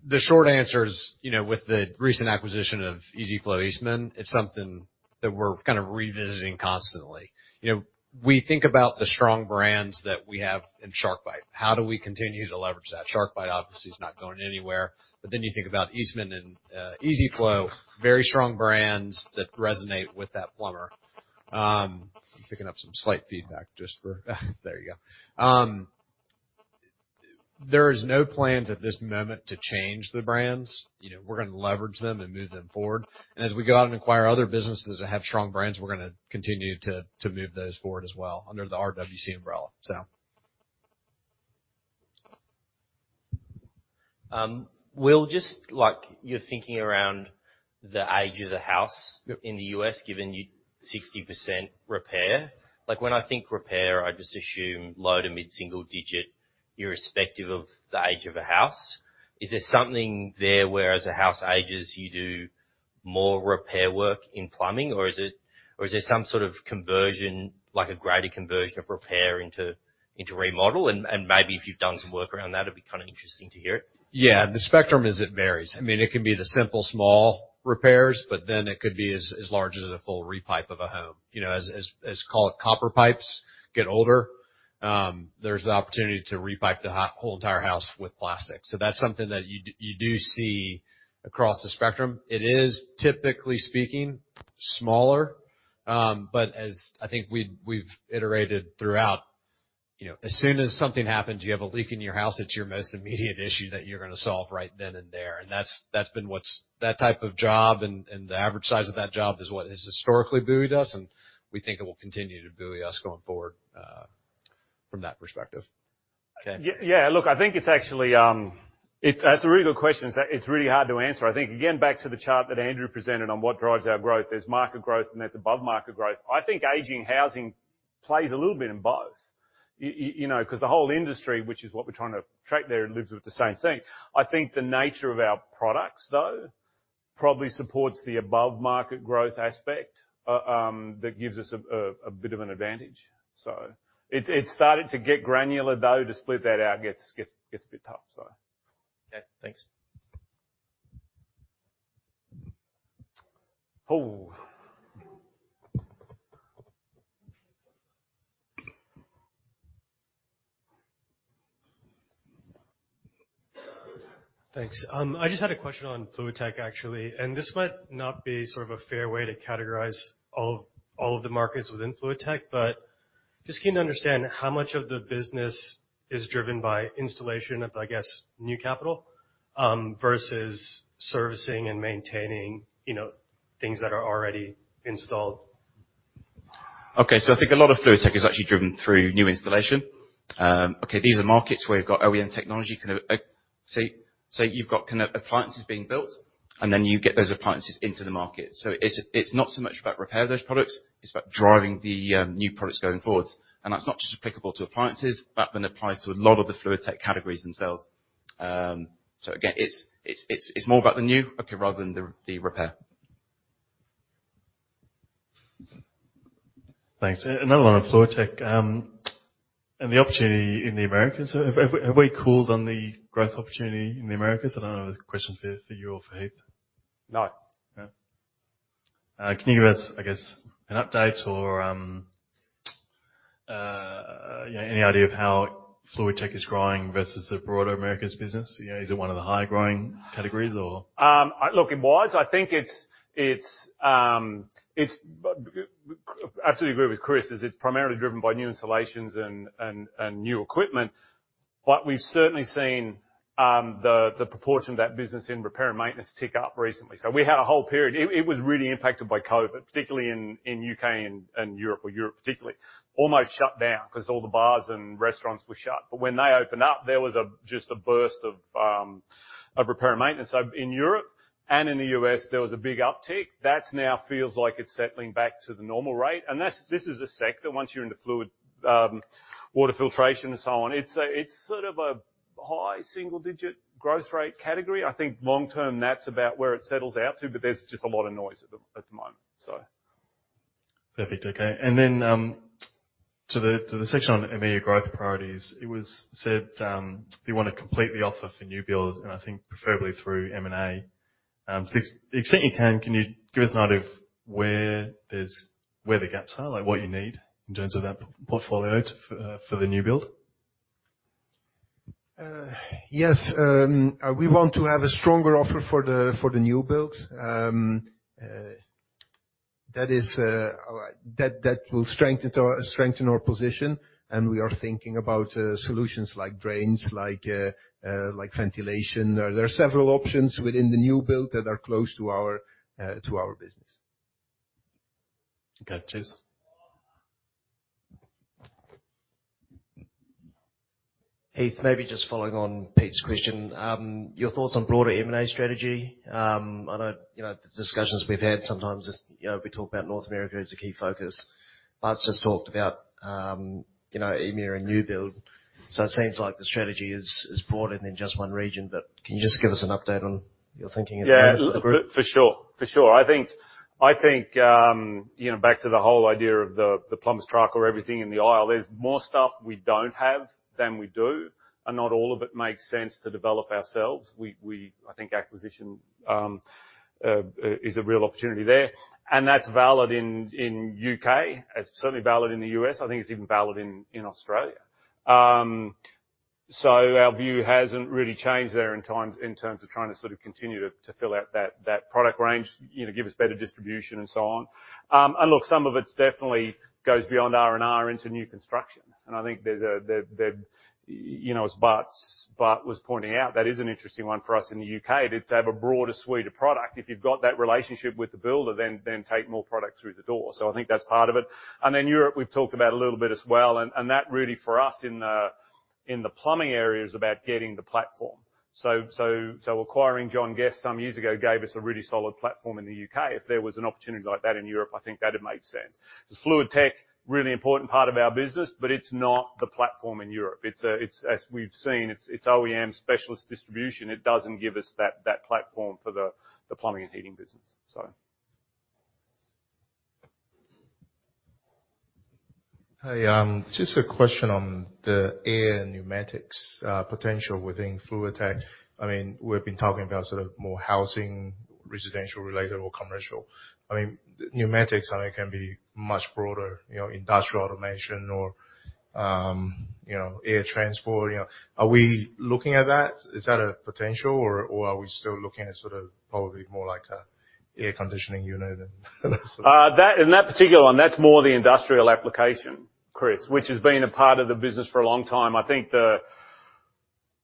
The short answer is, you know, with the recent acquisition of EZ-FLO Eastman, it's something that we're kind of revisiting constantly. You know, we think about the strong brands that we have in SharkBite. How do we continue to leverage that? SharkBite obviously is not going anywhere. Then you think about Eastman and EZ-FLO, very strong brands that resonate with that plumber. There is no plans at this moment to change the brands. You know, we're gonna leverage them and move them forward. As we go out and acquire other businesses that have strong brands, we're gonna continue to move those forward as well under the RWC umbrella. Will, just like you're thinking around the age of the house. Yep. In the US, given you sixty percent repair. Like, when I think repair, I just assume low to mid-single digit, irrespective of the age of a house. Is there something there where as the house ages, you do more repair work in plumbing, or is it or is there some sort of conversion, like a greater conversion of repair into remodel? And maybe if you've done some work around that, it'll be kinda interesting to hear it. Yeah. The spectrum is, it varies. I mean, it can be the simple small repairs, but then it could be as large as a full re-pipe of a home. You know, as copper pipes get older, there's the opportunity to re-pipe the whole entire house with plastic. So that's something that you do see across the spectrum. It is typically speaking smaller, but as I think we've iterated throughout, you know, as soon as something happens, you have a leak in your house, it's your most immediate issue that you're gonna solve right then and there. That's been what's that type of job and the average size of that job is what has historically buoyed us, and we think it will continue to buoy us going forward, from that perspective. Ken. Yeah. Look, I think it's actually. That's a really good question. It's really hard to answer. I think, again, back to the chart that Andrew presented on what drives our growth, there's market growth and there's above-market growth. I think aging housing plays a little bit in both. You know, 'cause the whole industry, which is what we're trying to track there, lives with the same thing. I think the nature of our products, though, probably supports the above-market growth aspect, that gives us a bit of an advantage. It's starting to get granular, though, to split that out gets a bit tough. Okay, thanks. Oh. Thanks. I just had a question on Fluid Tech, actually. This might not be sort of a fair way to categorize all of the markets within Fluid Tech, but just keen to understand how much of the business is driven by installation of, I guess, new capital, versus servicing and maintaining, you know, things that are already installed? I think a lot of Fluid Tech is actually driven through new installation. These are markets where you've got OEM, so you've got kinda appliances being built, and then you get those appliances into the market. It's not so much about repair of those products, it's about driving the new products going forwards. That's not just applicable to appliances, that then applies to a lot of the Fluid Tech categories themselves. It's more about the new rather than the repair. Thanks. Another one on Fluid Tech. The opportunity in the Americas. Have we called on the growth opportunity in the Americas? I don't know if it's a question for you or for Heath. No. No? Can you give us, I guess, an update or, you know, any idea of how Fluid Tech is growing versus the broader Americas business? You know, is it one of the higher growing categories or? I absolutely agree with Chris. It's primarily driven by new installations and new equipment. We've certainly seen the proportion of that business in repair and maintenance tick up recently. We had a whole period. It was really impacted by COVID, particularly in UK and Europe, almost shut down 'cause all the bars and restaurants were shut. When they opened up, there was just a burst of repair and maintenance. In Europe and in the US, there was a big uptick. That now feels like it's settling back to the normal rate. This is a sector, once you're into fluid water filtration and so on. It's sort of a high single-digit growth rate category. I think long term, that's about where it settles out to, but there's just a lot of noise at the moment. So. Perfect. Okay. To the section on EMEA growth priorities, it was said, you wanna complete the offer for new builds, and I think preferably through M&A. To the extent you can you give us an idea of where the gaps are? Like, what you need in terms of that portfolio for the new build? Yes. We want to have a stronger offer for the new builds. That will strengthen our position, and we are thinking about solutions like drains, like ventilation. There are several options within the new build that are close to our business. Okay. Cheers. Heath, maybe just following on Pete's question. Your thoughts on broader M&A strategy. I know, you know, the discussions we've had sometimes is, you know, we talk about North America as a key focus. Bart's just talked about, you know, EMEA and new build. It seems like the strategy is broader than just one region. Can you just give us an update on your thinking at the moment for the group? Yeah. For sure. I think, you know, back to the whole idea of the plumber's truck or everything in the aisle, there's more stuff we don't have than we do, and not all of it makes sense to develop ourselves. I think acquisition is a real opportunity there, and that's valid in U.K. It's certainly valid in the U.S. I think it's even valid in Australia. Our view hasn't really changed there over time, in terms of trying to sort of continue to fill out that product range, you know, give us better distribution and so on. Look, some of it's definitely goes beyond R&R into new construction. I think there's a there the. You know, as Bart was pointing out, that is an interesting one for us in the UK, to have a broader suite of product. If you've got that relationship with the builder, then take more product through the door. I think that's part of it. Europe, we've talked about a little bit as well, that really for us in the plumbing area is about getting the platform. Acquiring John Guest some years ago gave us a really solid platform in the UK. If there was an opportunity like that in Europe, I think that'd make sense. Fluid Tech, really important part of our business, but it's not the platform in Europe. It's OEM specialist distribution. It doesn't give us that platform for the plumbing and heating business. So. Thanks. Hey, just a question on the air pneumatics potential within Fluid Tech. I mean, we've been talking about sort of more housing, residential related or commercial. I mean, pneumatics, I think, can be much broader, you know, industrial automation or, you know, air transport, you know. Are we looking at that? Is that a potential, or are we still looking at sort of probably more like a air conditioning unit than sort of. That, in that particular one, that's more the industrial application, Chris, which has been a part of the business for a long time. I think the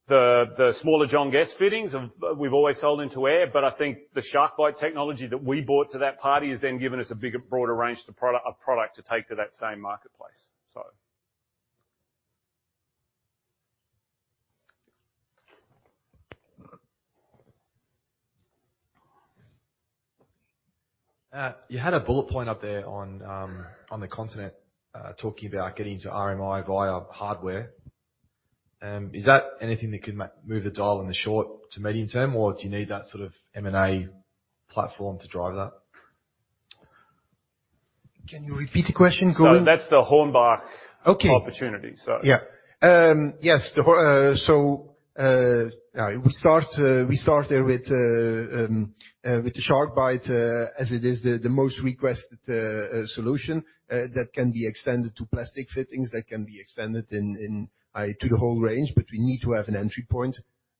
smaller John Guest fittings—we've always sold into air, but I think the SharkBite technology that we brought to that party has then given us a bigger, broader range to a product to take to that same marketplace. You had a bullet point up there on the continent, talking about getting into RMI via hardware. Is that anything that could move the dial in the short to medium term, or do you need that sort of M&A platform to drive that? Can you repeat the question, Gordon? That's the Hornbach. Okay. Opportunity. Yeah. Yes. Yeah, we start there with the SharkBite as it is the most requested solution that can be extended to plastic fittings that can be extended to the whole range, but we need to have an entry point.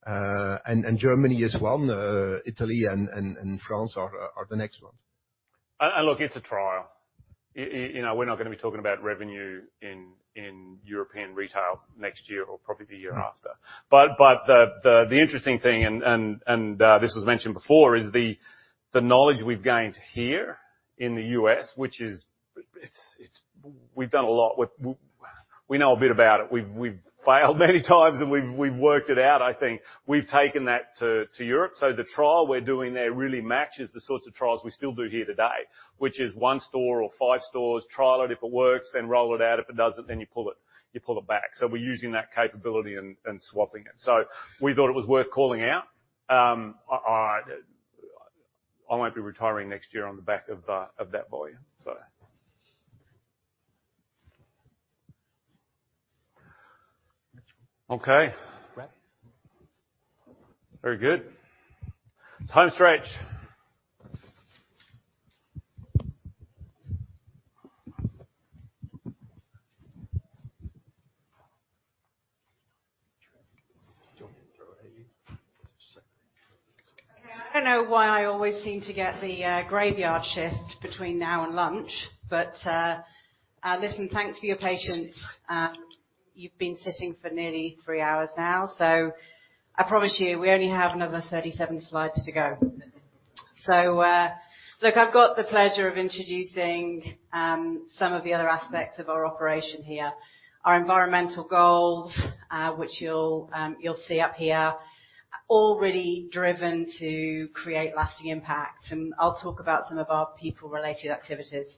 Germany is one. Italy and France are the next ones. Look, it's a trial. You know, we're not gonna be talking about revenue in European retail next year or probably the year after. The interesting thing, this was mentioned before, is the knowledge we've gained here in the US, which is. We know a bit about it. We've failed many times and we've worked it out, I think. We've taken that to Europe. The trial we're doing there really matches the sorts of trials we still do here today, which is one store or five stores, trial it, if it works, then roll it out. If it doesn't, you pull it back. We're using that capability and swapping it. We thought it was worth calling out. I won't be retiring next year on the back of that volume. Okay. Right. Very good. Home stretch. Do you want me to throw it at you? Okay. I don't know why I always seem to get the graveyard shift between now and lunch, but listen, thanks for your patience. You've been sitting for nearly three hours now, so I promise you, we only have another 37 slides to go. Look, I've got the pleasure of introducing some of the other aspects of our operation here. Our environmental goals, which you'll see up here, all really driven to create lasting impact. I'll talk about some of our people-related activities.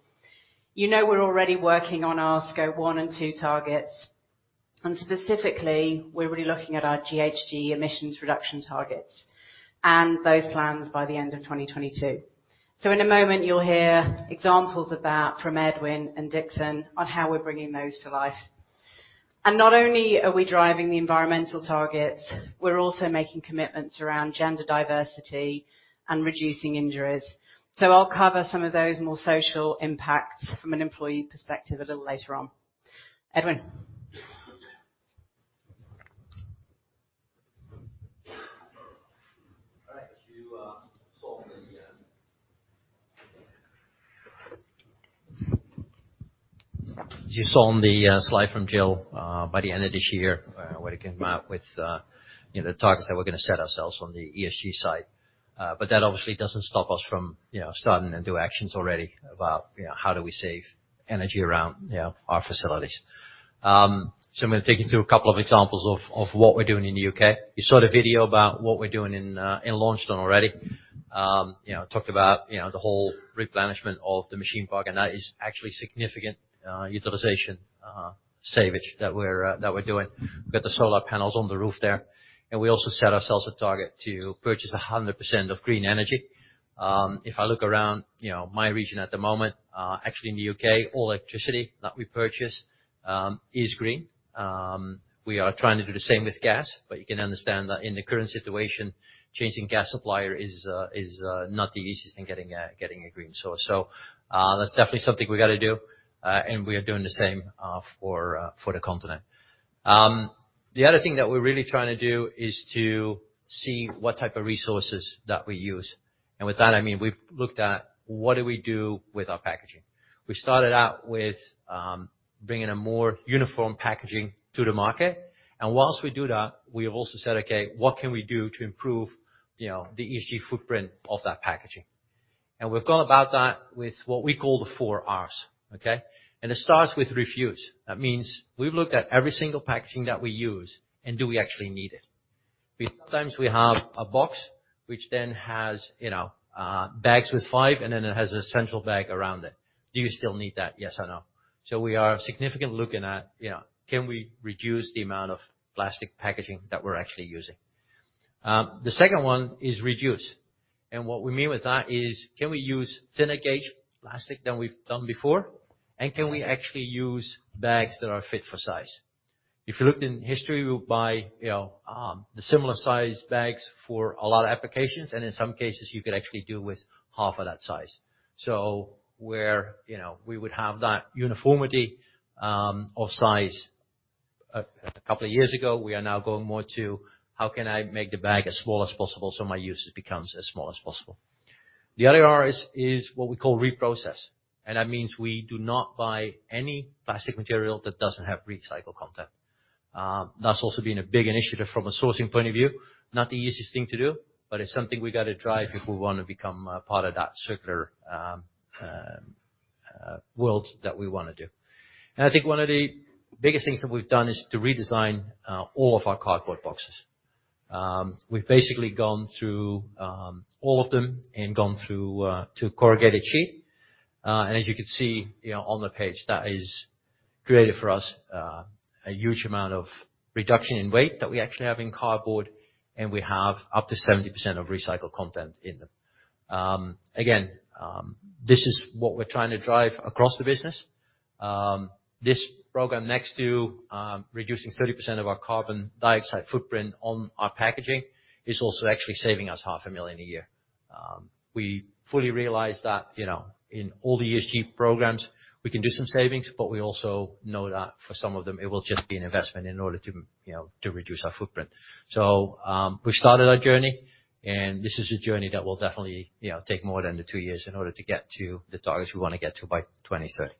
You know we're already working on our Scope 1 and 2 targets, and specifically, we're really looking at our GHG emissions reduction targets and those plans by the end of 2022. In a moment, you'll hear examples of that from Edwin and Dixon on how we're bringing those to life. Not only are we driving the environmental targets, we're also making commitments around gender diversity and reducing injuries. I'll cover some of those more social impacts from an employee perspective a little later on. Edwin. All right. You saw on the slide from Jill by the end of this year we're gonna come out with you know the targets that we're gonna set ourselves on the ESG side. That obviously doesn't stop us from you know starting to do actions already about you know how do we save energy around you know our facilities. I'm gonna take you through a couple of examples of what we're doing in the UK. You saw the video about what we're doing in Launceston already. You know talked about you know the whole replenishment of the machine park and that is actually significant utilization savings that we're doing. We've got the solar panels on the roof there, and we also set ourselves a target to purchase 100% of green energy. If I look around, you know, my region at the moment, actually in the UK, all electricity that we purchase is green. We are trying to do the same with gas, but you can understand that in the current situation, changing gas supplier is not the easiest in getting a green source. That's definitely something we gotta do, and we are doing the same for the continent. The other thing that we're really trying to do is to see what type of resources that we use. With that, I mean, we've looked at what do we do with our packaging. We started out with bringing a more uniform packaging to the market. While we do that, we have also said, "Okay, what can we do to improve the ESG footprint of that packaging?" We've gone about that with what we call the four Rs, okay? It starts with refuse. That means we've looked at every single packaging that we use, and do we actually need it? Sometimes we have a box which then has bags with five, and then it has a central bag around it. Do you still need that? Yes or no? We are significantly looking at, can we reduce the amount of plastic packaging that we're actually using? The second one is reduce. What we mean with that is, can we use thinner gauge plastic than we've done before? Can we actually use bags that are fit for size? If you looked in history, we would buy, you know, the similar size bags for a lot of applications, and in some cases, you could actually do with half of that size. Where, you know, we would have that uniformity of size a couple of years ago, we are now going more to, how can I make the bag as small as possible so my usage becomes as small as possible? The other R is what we call reprocess, and that means we do not buy any plastic material that doesn't have recycled content. That's also been a big initiative from a sourcing point of view. Not the easiest thing to do, but it's something we gotta drive if we wanna become part of that circular world that we wanna do. I think one of the biggest things that we've done is to redesign all of our cardboard boxes. We've basically gone through all of them and gone through to corrugated sheet. As you can see, you know, on the page, that has created for us a huge amount of reduction in weight that we actually have in cardboard, and we have up to 70% of recycled content in them. Again, this is what we're trying to drive across the business. This program, next to reducing 30% of our carbon dioxide footprint on our packaging, is also actually saving us $ half a million a year. We fully realize that, you know, in all the ESG programs, we can do some savings, but we also know that for some of them, it will just be an investment in order to, you know, to reduce our footprint. We started our journey, and this is a journey that will definitely, you know, take more than the two years in order to get to the targets we wanna get to by 2030.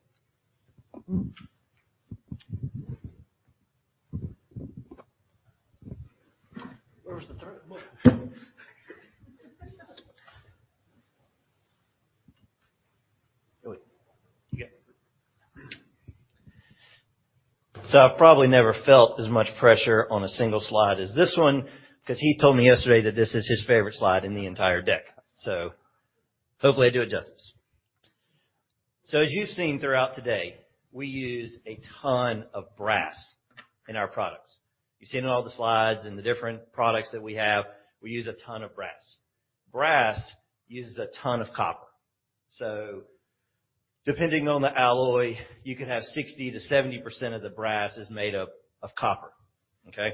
Where's the third button? Oh, wait. You got it. I've probably never felt as much pressure on a single slide as this one, 'cause he told me yesterday that this is his favorite slide in the entire deck. Hopefully I do it justice. As you've seen throughout today, we use a ton of brass in our products. You've seen it in all the slides, in the different products that we have, we use a ton of brass. Brass uses a ton of copper. Depending on the alloy, you can have 60%-70% of the brass is made up of copper. Okay?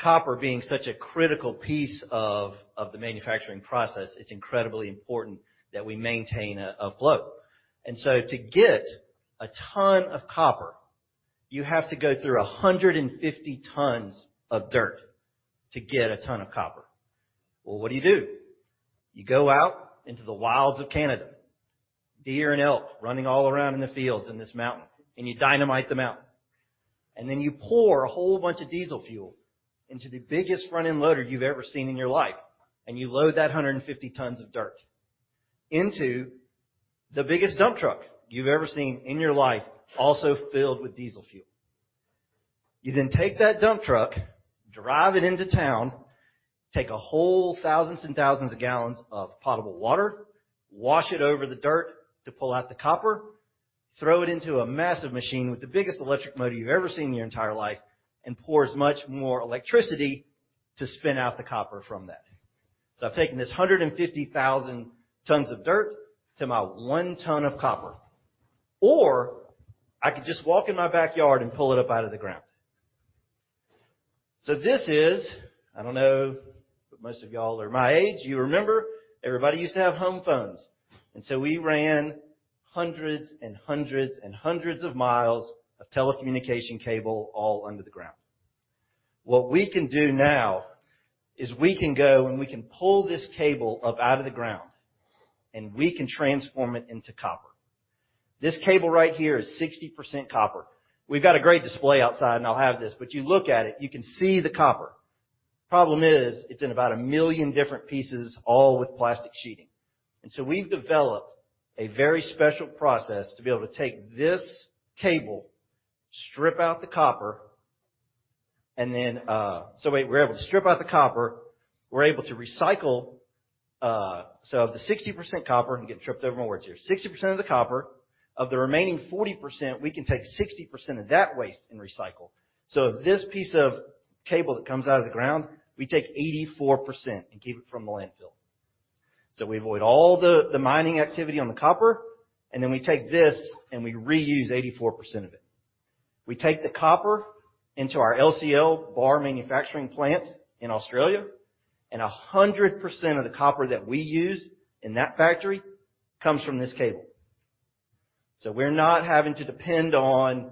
Copper being such a critical piece of the manufacturing process, it's incredibly important that we maintain a flow. To get a ton of copper, you have to go through 150 tons of dirt to get a ton of copper. Well, what do you do? You go out into the wilds of Canada, deer and elk running all around in the fields in this mountain, and you dynamite the mountain. Then you pour a whole bunch of diesel fuel into the biggest front-end loader you've ever seen in your life, and you load that 150 tons of dirt into the biggest dump truck you've ever seen in your life, also filled with diesel fuel. You take that dump truck, drive it into town, take a whole thousands and thousands of gallons of potable water, wash it over the dirt to pull out the copper, throw it into a massive machine with the biggest electric motor you've ever seen in your entire life, and pour as much more electricity to spin out the copper from that. I've taken this 150,000 tons of dirt to my 1 ton of copper. I could just walk in my backyard and pull it up out of the ground. This is. I don't know if most of y'all are my age, you remember everybody used to have home phones, and so we ran hundreds and hundreds and hundreds of miles of telecommunication cable all under the ground. What we can do now is we can go, and we can pull this cable up out of the ground, and we can transform it into copper. This cable right here is 60% copper. We've got a great display outside, and I'll have this, but you look at it, you can see the copper. Problem is, it's in about a million different pieces, all with plastic sheeting. We've developed a very special process to be able to take this cable, strip out the copper, and then we're able to strip out the copper. We're able to recycle, so of the 60% copper, of the remaining 40%, we can take 60% of that waste and recycle. This piece of cable that comes out of the ground, we take 84% and keep it from the landfill. We avoid all the mining activity on the copper, and then we take this, and we reuse 84% of it. We take the copper into our LCL bar manufacturing plant in Australia, and 100% of the copper that we use in that factory comes from this cable. We're not having to depend on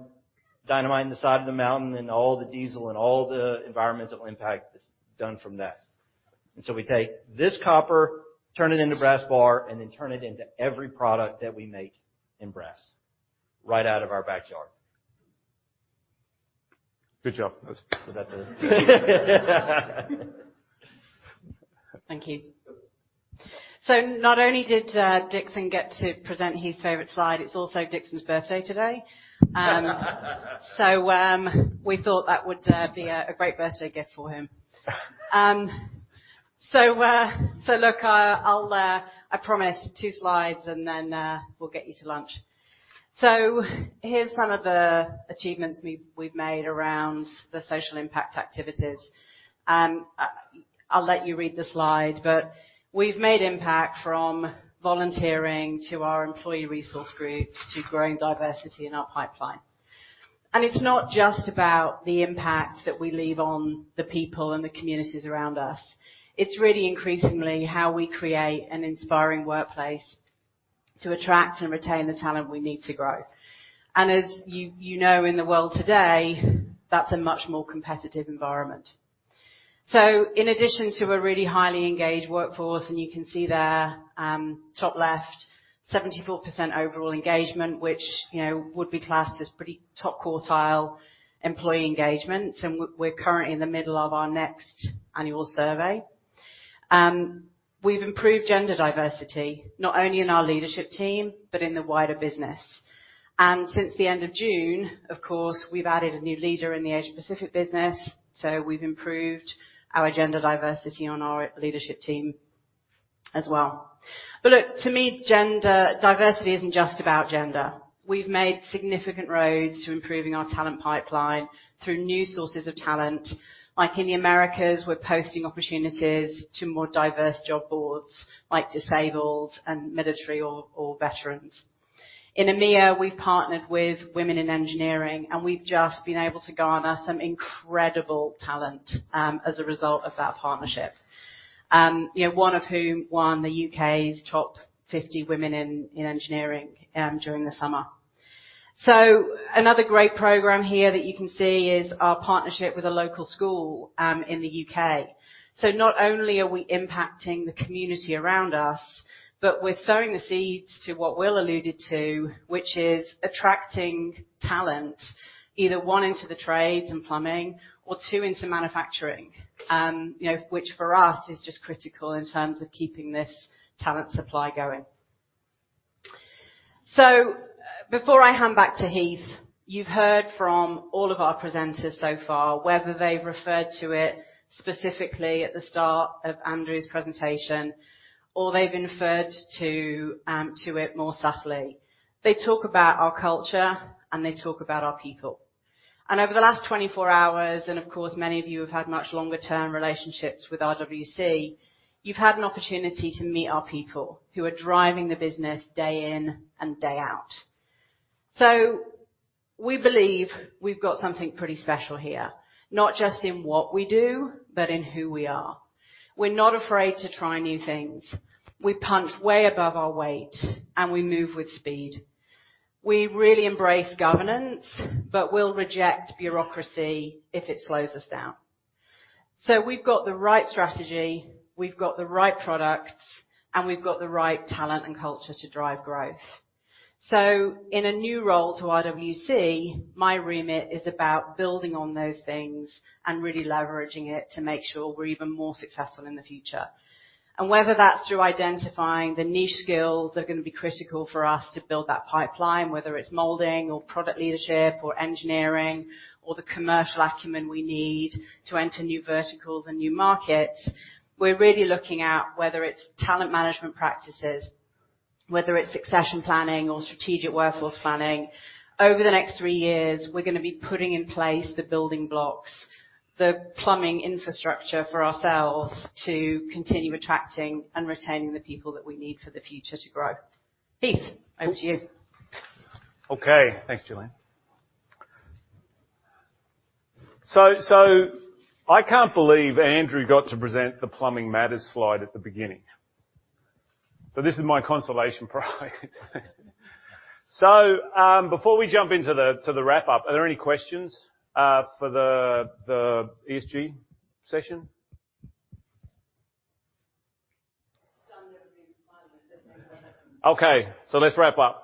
dynamite in the side of the mountain and all the diesel and all the environmental impact that's done from that. We take this copper, turn it into brass bar, and then turn it into every product that we make in brass right out of our backyard. Good job. Was that good? Thank you. Not only did Dixon get to present his favorite slide, it's also Dixon's birthday today. We thought that would be a great birthday gift for him. Look, I'll I promise two slides, and then we'll get you to lunch. Here's some of the achievements we've made around the social impact activities. I'll let you read the slide, but we've made impact from volunteering to our employee resource groups to growing diversity in our pipeline. It's not just about the impact that we leave on the people and the communities around us. It's really increasingly how we create an inspiring workplace to attract and retain the talent we need to grow. As you know, in the world today, that's a much more competitive environment. In addition to a really highly engaged workforce, and you can see there, top left, 74% overall engagement, which, you know, would be classed as pretty top quartile employee engagement, and we're currently in the middle of our next annual survey. We've improved gender diversity, not only in our leadership team, but in the wider business. Since the end of June, of course, we've added a new leader in the Asia-Pacific business, so we've improved our gender diversity on our leadership team as well. Look, to me, gender diversity isn't just about gender. We've made significant roads to improving our talent pipeline through new sources of talent. Like in the Americas, we're posting opportunities to more diverse job boards like disabled and military or veterans. In EMEA, we've partnered with Women in Engineering, and we've just been able to garner some incredible talent as a result of that partnership. You know, one of whom won the UK's top fifty women in engineering during the summer. Another great program here that you can see is our partnership with a local school in the UK. We're impacting the community around us. We're sowing the seeds to what Will alluded to, which is attracting talent, either one into the trades and plumbing, or two into manufacturing. You know, which for us is just critical in terms of keeping this talent supply going. Before I hand back to Heath, you've heard from all of our presenters so far, whether they've referred to it specifically at the start of Andrew's presentation, or they've referred to to it more subtly. They talk about our culture, and they talk about our people. Over the last 24 hours, and of course, many of you have had much longer-term relationships with RWC, you've had an opportunity to meet our people who are driving the business day in and day out. We believe we've got something pretty special here, not just in what we do, but in who we are. We're not afraid to try new things. We punch way above our weight, and we move with speed. We really embrace governance, but we'll reject bureaucracy if it slows us down. We've got the right strategy, we've got the right products, and we've got the right talent and culture to drive growth. In a new role to RWC, my remit is about building on those things and really leveraging it to make sure we're even more successful in the future. Whether that's through identifying the niche skills that are gonna be critical for us to build that pipeline, whether it's molding or product leadership or engineering or the commercial acumen we need to enter new verticals and new markets, we're really looking at whether it's talent management practices, whether it's succession planning or strategic workforce planning. Over the next three years, we're gonna be putting in place the building blocks, the plumbing infrastructure for ourselves to continue attracting and retaining the people that we need for the future to grow. Heath, over to you. Okay. Thanks, Gillian. I can't believe Andrew got to present the Plumbing Matters slide at the beginning. This is my consolation prize. Before we jump into the wrap-up, are there any questions for the ESG session? Stunned over these slides. Okay, let's wrap up.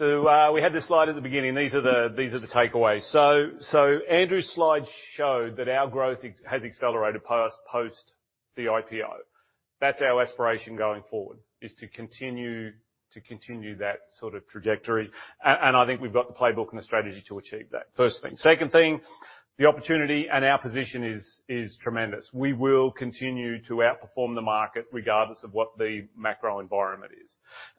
We had this slide at the beginning. These are the takeaways. Andrew's slide showed that our growth has accelerated post the IPO. That's our aspiration going forward, is to continue that sort of trajectory. I think we've got the playbook and the strategy to achieve that. First thing. Second thing, the opportunity and our position is tremendous. We will continue to outperform the market regardless of what the macro environment is.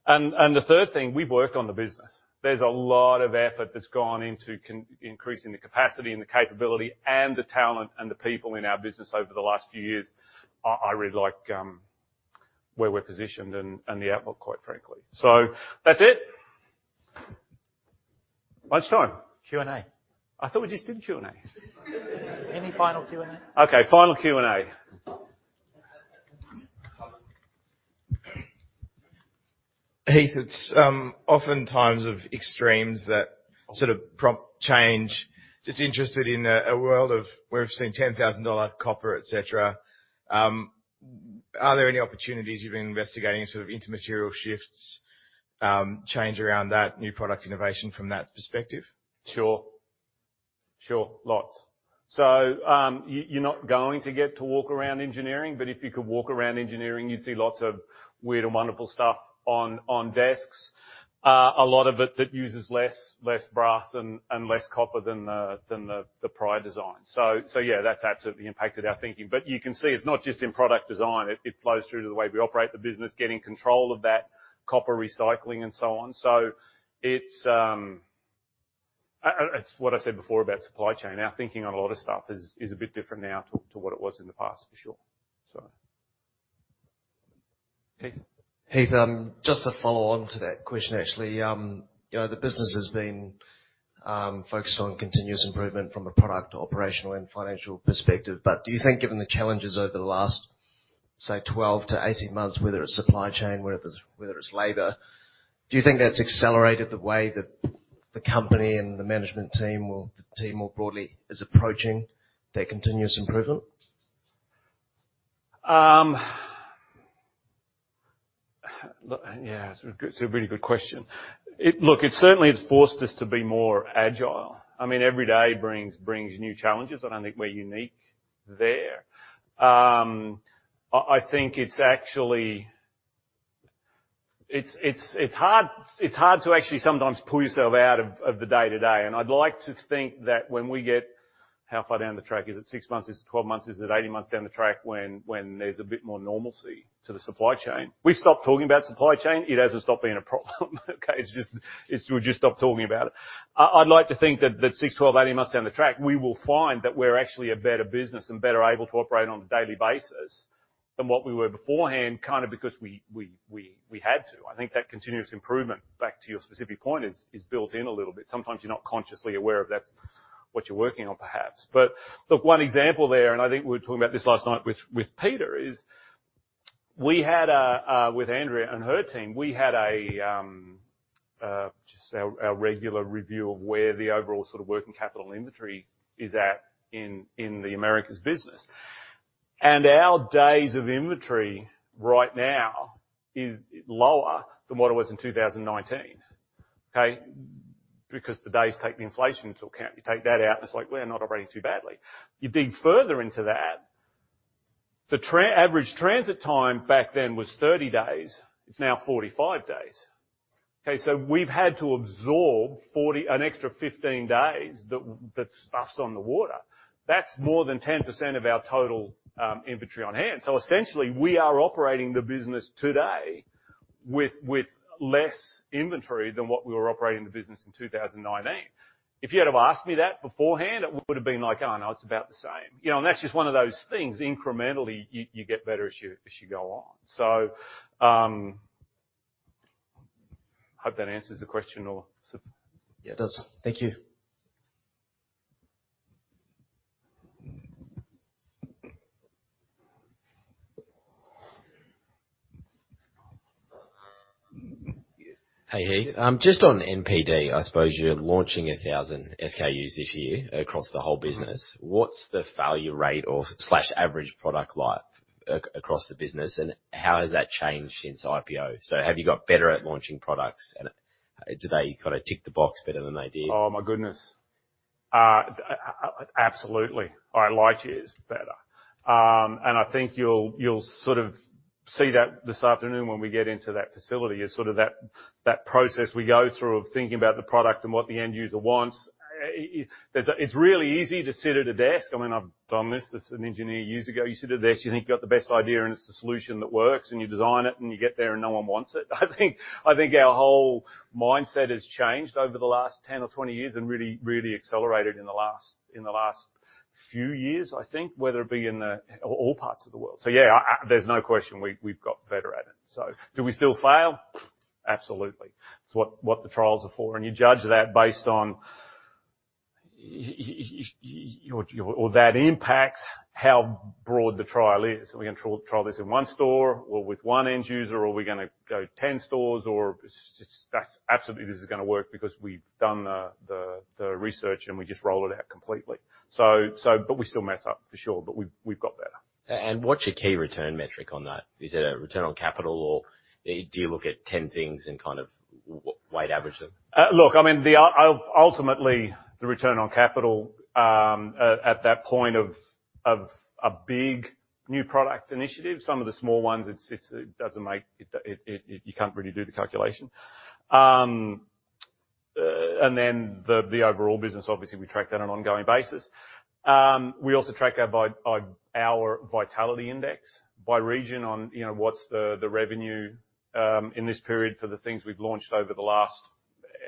The third thing, we've worked on the business. There's a lot of effort that's gone into increasing the capacity and the capability and the talent and the people in our business over the last few years. I really like where we're positioned and the outlook, quite frankly. That's it. Lunchtime. Q&A. I thought we just did Q&A. Any final Q&A? Okay, final Q&A. Heath, it's often times of extremes that sort of prompt change. Just interested in a world of where we've seen $10,000 copper, et cetera, are there any opportunities you've been investigating in sort of intermaterial shifts, change around that, new product innovation from that perspective? Sure. Lots. You're not going to get to walk around engineering, but if you could walk around engineering, you'd see lots of weird and wonderful stuff on desks. A lot of it that uses less brass and less copper than the prior design. Yeah, that's absolutely impacted our thinking. You can see it's not just in product design. It flows through to the way we operate the business, getting control of that copper recycling and so on. It's what I said before about supply chain. Our thinking on a lot of stuff is a bit different now to what it was in the past, for sure. Heath? Heath, just to follow on to that question, actually. You know, the business has been focused on continuous improvement from a product, operational, and financial perspective. Do you think given the challenges over the last, say, 12-18 months, whether it's supply chain, whether it's labor, do you think that's accelerated the way that the company and the management team or the team more broadly is approaching that continuous improvement? Look, yeah, it's a really good question. Look, it certainly has forced us to be more agile. I mean, every day brings new challenges. I don't think we're unique there. I think it's actually hard to sometimes pull yourself out of the day-to-day. I'd like to think that when we get down the track. How far down the track? Is it 6 months? Is it 12 months? Is it 18 months down the track when there's a bit more normalcy to the supply chain? We've stopped talking about supply chain. It hasn't stopped being a problem. Okay. It's just, we've just stopped talking about it. I'd like to think that 6, 12, 18 months down the track, we will find that we're actually a better business and better able to operate on a daily basis than what we were beforehand, kind of because we had to. I think that continuous improvement, back to your specific point, is built in a little bit. Sometimes you're not consciously aware of that's what you're working on, perhaps. Look, one example there, and I think we were talking about this last night with Peter, is with Andrea and her team, we had just our regular review of where the overall sort of working capital inventory is at in the Americas business. Our days of inventory right now is lower than what it was in 2019, okay? Because the days take the inflation into account. You take that out, and it's like, we're not operating too badly. You dig further into that. The average transit time back then was 30 days, it's now 45 days. Okay. We've had to absorb an extra 15 days that's stuck on the water. That's more than 10% of our total inventory on hand. Essentially, we are operating the business today with less inventory than what we were operating the business in 2019. If you'd have asked me that beforehand, it would've been like, "Oh, no, it's about the same." You know, and that's just one of those things, incrementally, you get better as you go on. Hope that answers the question or Yeah, it does. Thank you. Hey, Heath. Just on NPD, I suppose you're launching 1,000 SKUs this year across the whole business. Mm-hmm. What's the failure rate or slash average product life across the business, and how has that changed since IPO? Have you got better at launching products, and do they kinda tick the box better than they did? Oh my goodness. Absolutely. I like to use better. I think you'll sort of see that this afternoon when we get into that facility, that process we go through of thinking about the product and what the end user wants. It's really easy to sit at a desk. I mean, I've done this as an engineer years ago. You sit at a desk, you think you've got the best idea, and it's the solution that works, and you design it, and you get there, and no one wants it. I think our whole mindset has changed over the last 10 or 20 years and really accelerated in the last few years, I think, whether it be in all parts of the world. Yeah, there's no question we've got better at it. Do we still fail? Absolutely. It's what the trials are for. You judge that based on you or that impacts how broad the trial is. Are we gonna trial this in 1 store or with 1 end user, or are we gonna go 10 stores? It's just, that's absolutely this is gonna work because we've done the research, and we just roll it out completely. We still mess up for sure, but we've got better. What's your key return metric on that? Is it a return on capital, or do you look at 10 things and kind of weight average them? Look, I mean, ultimately, the return on capital at that point of a big new product initiative. Some of the small ones, you can't really do the calculation. The overall business, obviously, we track that on an ongoing basis. We also track our Vitality Index by region on, you know, what's the revenue in this period for the things we've launched over the last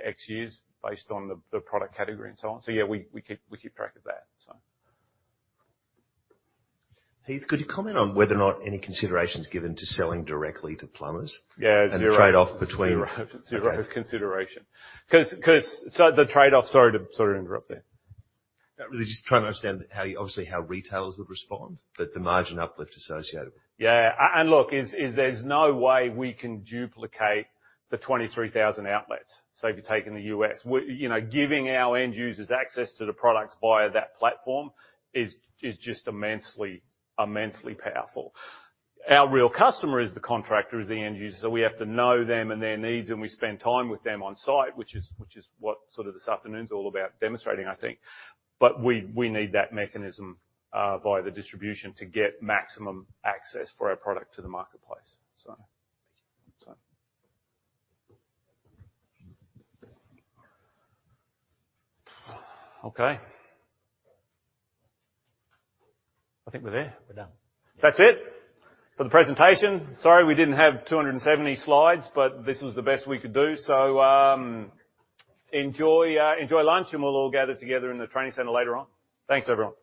X years based on the product category and so on. So yeah, we keep track of that. Heath, could you comment on whether or not any consideration is given to selling directly to plumbers? Yeah, 0. The trade-off between 0 consideration. 'Cause the trade-off. Sorry to sort of interrupt there. Really just trying to understand how, obviously, how retailers would respond, but the margin uplift associated with it. Yeah. Look, there's no way we can duplicate the 23,000 outlets. If you're taking the US, we're giving our end users access to the products via that platform is just immensely powerful. Our real customer is the contractor, the end user, so we have to know them and their needs, and we spend time with them on-site, which is what sort of this afternoon's all about demonstrating, I think. We need that mechanism via the distribution to get maximum access for our product to the marketplace. Thank you. Okay. I think we're there. We're done. That's it for the presentation. Sorry, we didn't have 270 slides, but this was the best we could do. Enjoy lunch, and we'll all gather together in the training center later on. Thanks, everyone.